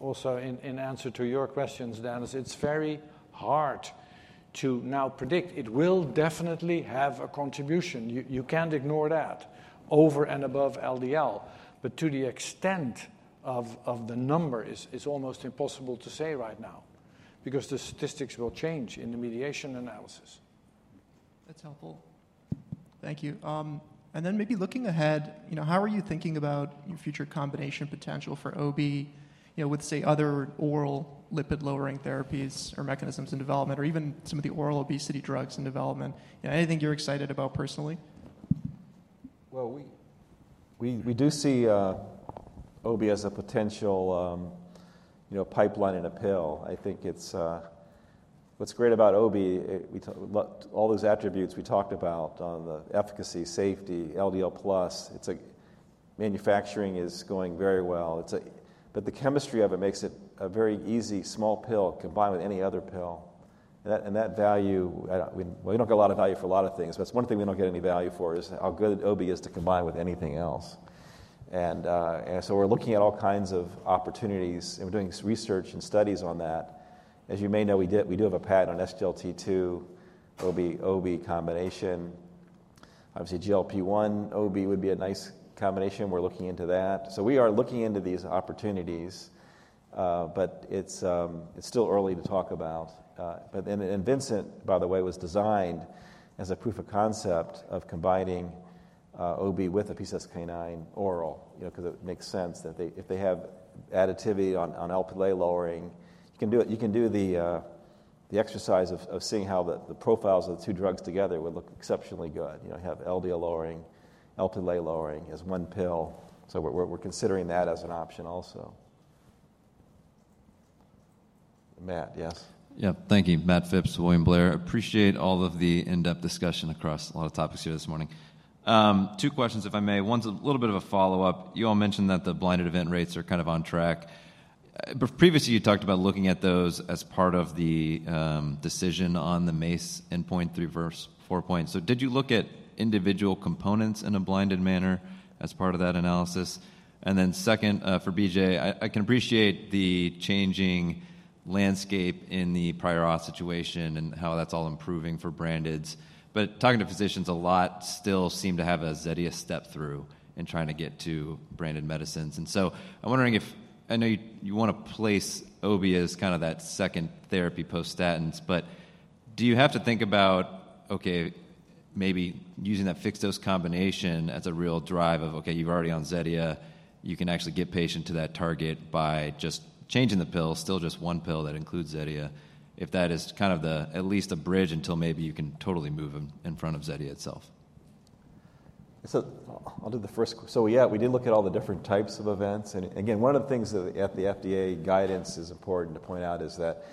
also in answer to your questions, Dennis, it's very hard to now predict. It will definitely have a contribution. You can't ignore that over and above LDL. To the extent of the number, it's almost impossible to say right now because the statistics will change in the mediation analysis. That's helpful. Thank you. Maybe looking ahead, how are you thinking about your future combination potential for OB with, say, other oral lipid-lowering therapies or mechanisms in development or even some of the oral obesity drugs in development? Anything you're excited about personally? We do see OB as a potential pipeline and a pill. I think what's great about OB, all those attributes we talked about on the efficacy, safety, LDL plus, manufacturing is going very well. The chemistry of it makes it a very easy small pill combined with any other pill. That value, we don't get a lot of value for a lot of things. One thing we don't get any value for is how good OB is to combine with anything else. We are looking at all kinds of opportunities. We are doing research and studies on that. As you may know, we do have a patent on SGLT2 OB combination. Obviously, GLP-1 OB would be a nice combination. We are looking into that. We are looking into these opportunities. It is still early to talk about. Vincent, by the way, was designed as a proof of concept of combining OB with a PCSK9 oral because it makes sense that if they have additivity on Lp(a) lowering, you can do the exercise of seeing how the profiles of the two drugs together would look exceptionally good. You have LDL lowering, Lp(a) lowering as one pill. We are considering that as an option also. Matt, yes? Yeah. Thank you. Matt Phipps, William Blair. Appreciate all of the in-depth discussion across a lot of topics here this morning. Two questions, if I may. One's a little bit of a follow-up. You all mentioned that the blinded event rates are kind of on track. Previously, you talked about looking at those as part of the decision on the MACE endpoint through four points. Did you look at individual components in a blinded manner as part of that analysis? Second, for BJ, I can appreciate the changing landscape in the prior situation and how that's all improving for brandeds. Talking to physicians, a lot still seem to have a Zetia step through in trying to get to branded medicines. I'm wondering if I know you want to place OB as kind of that second therapy post-statins. Do you have to think about, okay, maybe using that fixed-dose combination as a real drive of, okay, you're already on Zetia, you can actually get patient to that target by just changing the pill, still just one pill that includes Zetia, if that is kind of at least a bridge until maybe you can totally move them in front of Zetia itself? I'll do the first. Yeah, we did look at all the different types of events. Again, one of the things that at the FDA guidance is important to point out is that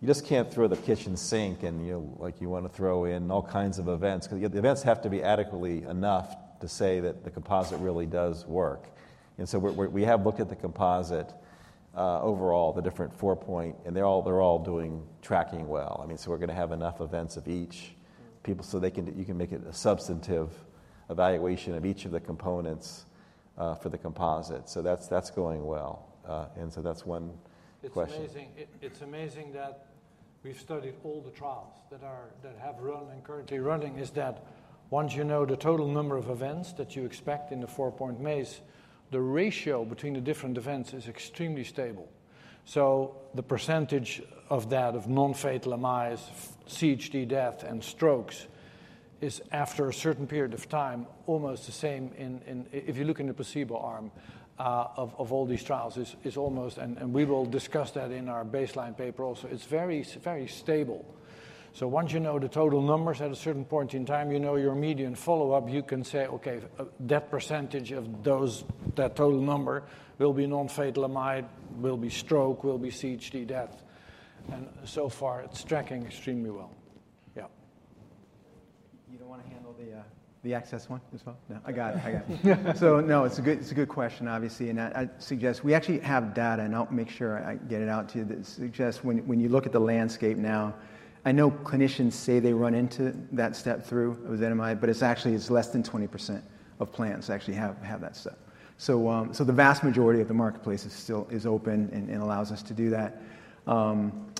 you just can't throw the kitchen sink in like you want to throw in all kinds of events. Because the events have to be adequately enough to say that the composite really does work. We have looked at the composite overall, the different four-point. They're all tracking well. I mean, we're going to have enough events of each people so you can make a substantive evaluation of each of the components for the composite. That's going well. That's one question. It's amazing that we've studied all the trials that have run and currently running is that once you know the total number of events that you expect in the four-point MACE, the ratio between the different events is extremely stable. The percentage of that, of non-fatal MIs, CHD death, and strokes is after a certain period of time almost the same if you look in the placebo arm of all these trials. We will discuss that in our baseline paper also. It's very stable. Once you know the total numbers at a certain point in time, you know your median follow-up, you can say, okay, that percentage of that total number will be non-fatal MI, will be stroke, will be CHD death. So far, it's tracking extremely well. Yeah. You don't want to handle the access one as well? I got it. I got it. No, it's a good question, obviously. I suggest we actually have data. I'll make sure I get it out to you. It suggests when you look at the landscape now, I know clinicians say they run into that step through of Zetia. It's actually less than 20% of plans actually have that step. The vast majority of the marketplace is open and allows us to do that.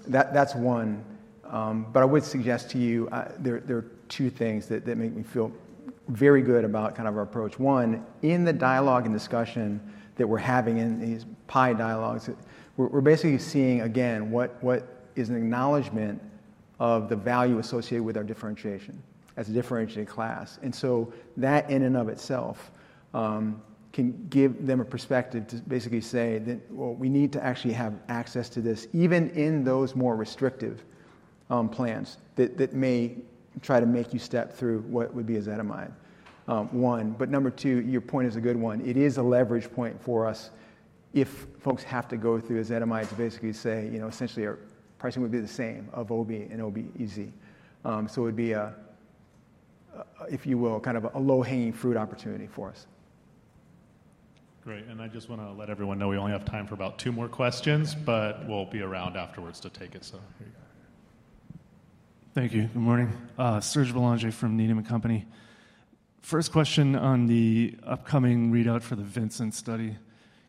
That's one. I would suggest to you, there are two things that make me feel very good about kind of our approach. One, in the dialogue and discussion that we're having in these PI dialogues, we're basically seeing, again, what is an acknowledgment of the value associated with our differentiation as a differentiated class. That in and of itself can give them a perspective to basically say that, well, we need to actually have access to this even in those more restrictive plans that may try to make you step through what would be a ZMI, one. Number two, your point is a good one. It is a leverage point for us if folks have to go through a ZMI to basically say, essentially, our pricing would be the same of OB and OB-EZ. It would be, if you will, kind of a low-hanging fruit opportunity for us. Great. I just want to let everyone know we only have time for about two more questions. We'll be around afterwards to take it. Here you go. Thank you. Good morning. Serge Belanger from Needham & Company. First question on the upcoming readout for the Vincent study.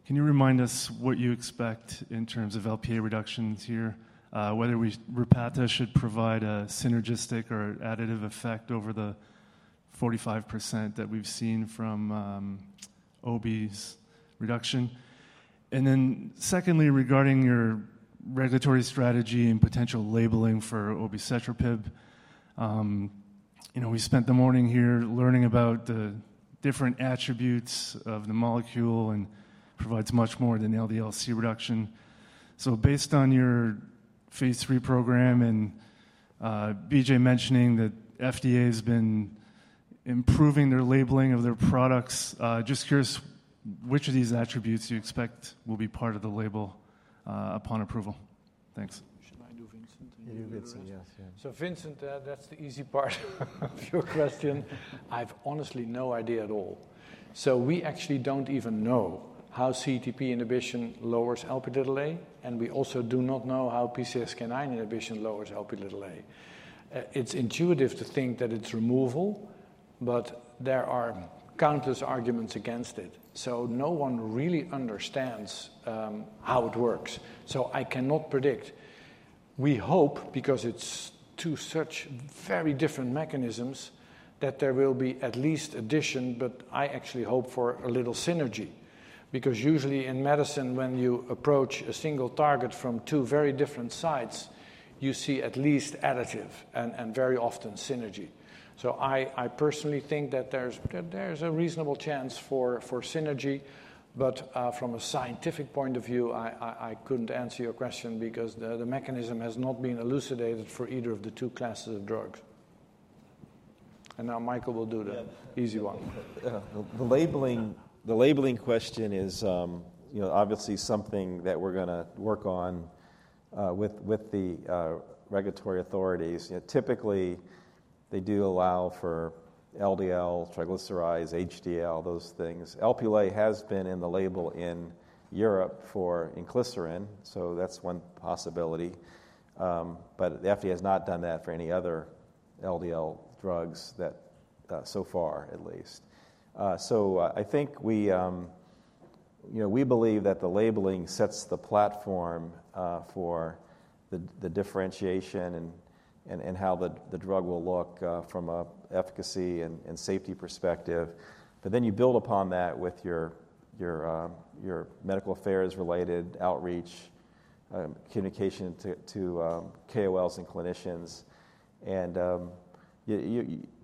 Can you remind us what you expect in terms of Lp(a) reductions here, whether Repatha should provide a synergistic or additive effect over the 45% that we've seen from OB's reduction? Secondly, regarding your regulatory strategy and potential labeling for obicetrapib, we spent the morning here learning about the different attributes of the molecule and it provides much more than LDL-C reduction. Based on your phase three program and BJ mentioning that FDA has been improving their labeling of their products, just curious which of these attributes you expect will be part of the label upon approval. Thanks. You should mind do Vincent. You do Vincent, yes. Vincent, that's the easy part of your question. I have honestly no idea at all. We actually don't even know how CETP inhibition lowers Lp(a) and we also do not know how PCSK9 inhibition lowers Lp(a). It's intuitive to think that it's removal, but there are countless arguments against it. No one really understands how it works. I cannot predict. We hope, because it's two such very different mechanisms, that there will be at least addition. I actually hope for a little synergy, because usually in medicine, when you approach a single target from two very different sides, you see at least additive and very often synergy. I personally think that there's a reasonable chance for synergy. From a scientific point of view, I couldn't answer your question because the mechanism has not been elucidated for either of the two classes of drugs. Michael will do the easy one. The labeling question is obviously something that we're going to work on with the regulatory authorities. Typically, they do allow for LDL, triglycerides, HDL, those things. Lp(a) has been in the label in Europe for inclisiran. That is one possibility. The FDA has not done that for any other LDL drugs so far, at least. I think we believe that the labeling sets the platform for the differentiation and how the drug will look from an efficacy and safety perspective. You build upon that with your medical affairs-related outreach, communication to KOLs and clinicians.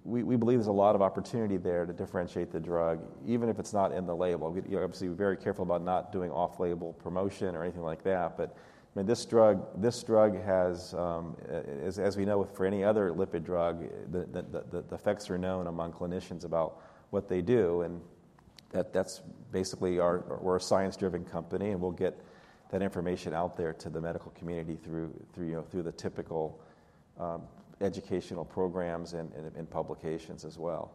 We believe there's a lot of opportunity there to differentiate the drug, even if it's not in the label. Obviously, we're very careful about not doing off-label promotion or anything like that. This drug has, as we know for any other lipid drug, the effects are known among clinicians about what they do. That is basically, we are a science-driven company. We will get that information out there to the medical community through the typical educational programs and publications as well.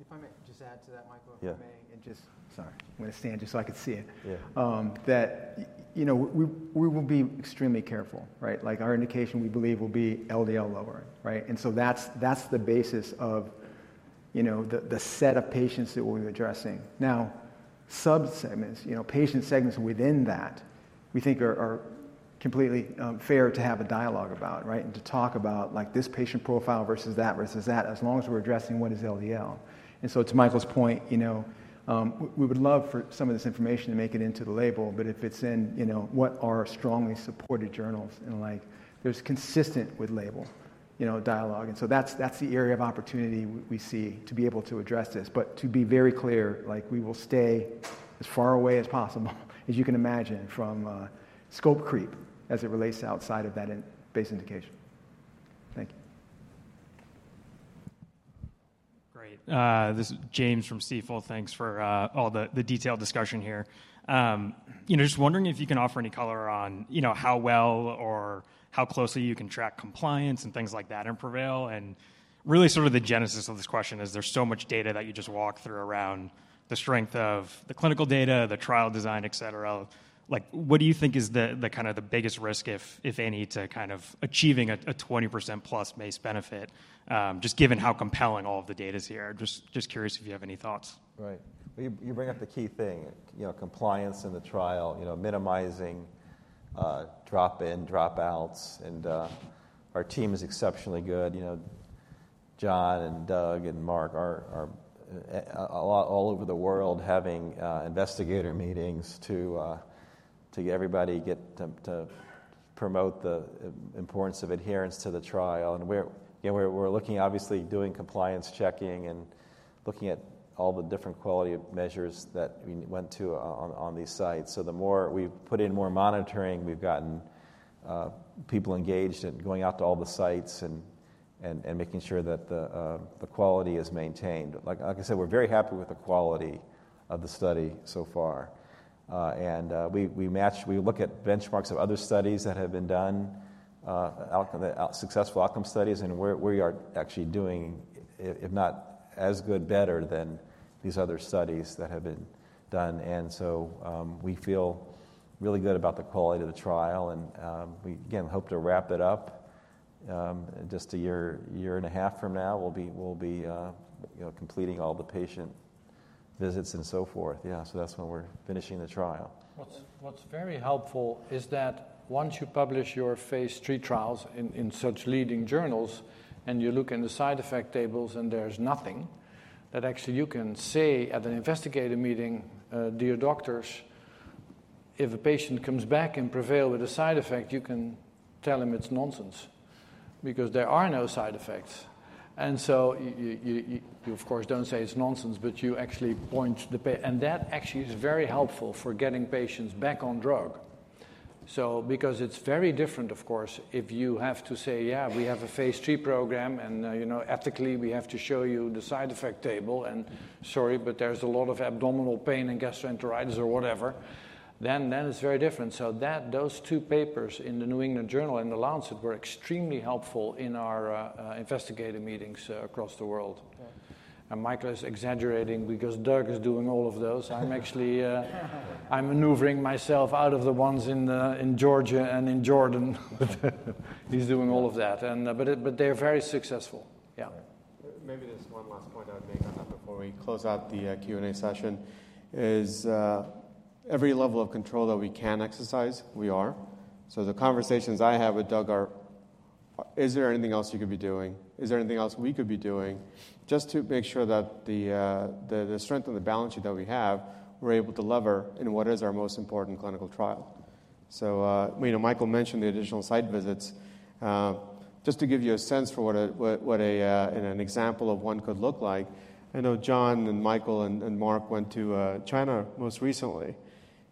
If I may just add to that, Michael, if I may. Sorry. I'm going to stand just so I could see it. We will be extremely careful. Like our indication we believe will be LDL lower, and so that's the basis of the set of patients that we're addressing. Now, subsegments, patient segments within that, we think are completely fair to have a dialogue about and to talk about this patient profile versus that versus that as long as we're addressing what is LDL. To Michael's point, we would love for some of this information to make it into the label. If it's in what are strongly supported journals and there's consistent with label dialogue, that's the area of opportunity we see to be able to address this. To be very clear, we will stay as far away as possible, as you can imagine, from scope creep as it relates outside of that base indication. Thank you. Great. This is James from Stifel. Thanks for all the detailed discussion here. Just wondering if you can offer any color on how well or how closely you can track compliance and things like that in PREVAIL. Really sort of the genesis of this question is there's so much data that you just walk through around the strength of the clinical data, the trial design, et cetera. What do you think is kind of the biggest risk, if any, to kind of achieving a 20%+ MACE benefit, just given how compelling all of the data is here? Just curious if you have any thoughts. Right. You bring up the key thing, compliance in the trial, minimizing drop-in, drop-outs. Our team is exceptionally good. John and Doug and Mark are all over the world having investigator meetings to get everybody to promote the importance of adherence to the trial. We are looking, obviously, doing compliance checking and looking at all the different quality measures that we went to on these sites. The more we've put in more monitoring, we've gotten people engaged in going out to all the sites and making sure that the quality is maintained. Like I said, we're very happy with the quality of the study so far. We look at benchmarks of other studies that have been done, successful outcome studies. We are actually doing, if not as good, better than these other studies that have been done. We feel really good about the quality of the trial. We, again, hope to wrap it up just a year and a half from now. We'll be completing all the patient visits and so forth. Yeah. That's when we're finishing the trial. What's very helpful is that once you publish your phase three trials in such leading journals and you look in the side effect tables and there's nothing, that actually you can say at an investigator meeting, dear doctors, if a patient comes back in PREVAIL with a side effect, you can tell them it's nonsense. Because there are no side effects. Of course, you don't say it's nonsense. You actually point the and that actually is very helpful for getting patients back on drug. It's very different, of course, if you have to say, yeah, we have a phase three program. Ethically, we have to show you the side effect table. Sorry, but there's a lot of abdominal pain and gastroenteritis or whatever. It's very different. Those two papers in the New England Journal and The Lancet were extremely helpful in our investigator meetings across the world. Michael is exaggerating because Doug is doing all of those. I'm actually maneuvering myself out of the ones in Georgia and in Jordan. He's doing all of that. They're very successful. Yeah. Maybe there's one last point I would make on that before we close out the Q&A session is every level of control that we can exercise, we are. The conversations I have with Doug are, is there anything else you could be doing? Is there anything else we could be doing? Just to make sure that the strength and the balance sheet that we have, we're able to lever in what is our most important clinical trial. Michael mentioned the additional site visits. Just to give you a sense for what an example of one could look like, I know John and Michael and Mark went to China most recently.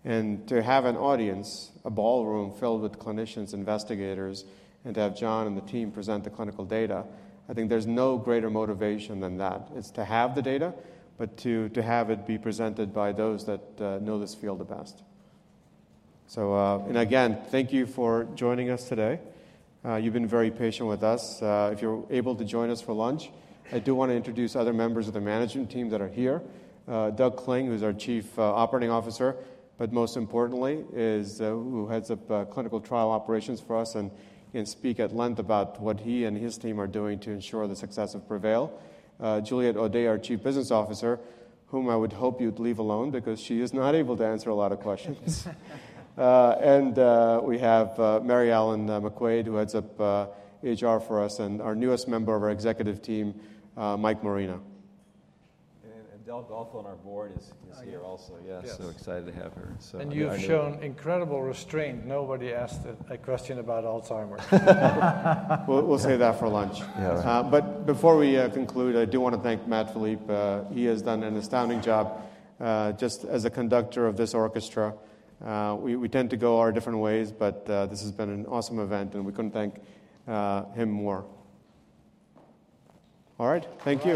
To have an audience, a ballroom filled with clinicians, investigators, and to have John and the team present the clinical data, I think there's no greater motivation than that. It's to have the data, but to have it be presented by those that know this field the best. Again, thank you for joining us today. You've been very patient with us. If you're able to join us for lunch, I do want to introduce other members of the management team that are here. Doug Kling, who's our Chief Operating Officer, but most importantly, who heads up clinical trial operations for us and can speak at length about what he and his team are doing to ensure the success of PREVAIL. Juliette Audet, our Chief Business Officer, whom I would hope you'd leave alone because she is not able to answer a lot of questions. We have Mary Allen McQuaid, who heads up HR for us, and our newest member of our executive team, Mike Marino. Adele Goff on our board is here also. Yeah. So excited to have her. You've shown incredible restraint. Nobody asked a question about Alzheimer's. We'll save that for lunch. Before we conclude, I do want to thank Matt Philipe. He has done an astounding job just as a conductor of this orchestra. We tend to go our different ways. This has been an awesome event. We couldn't thank him more. All right. Thank you.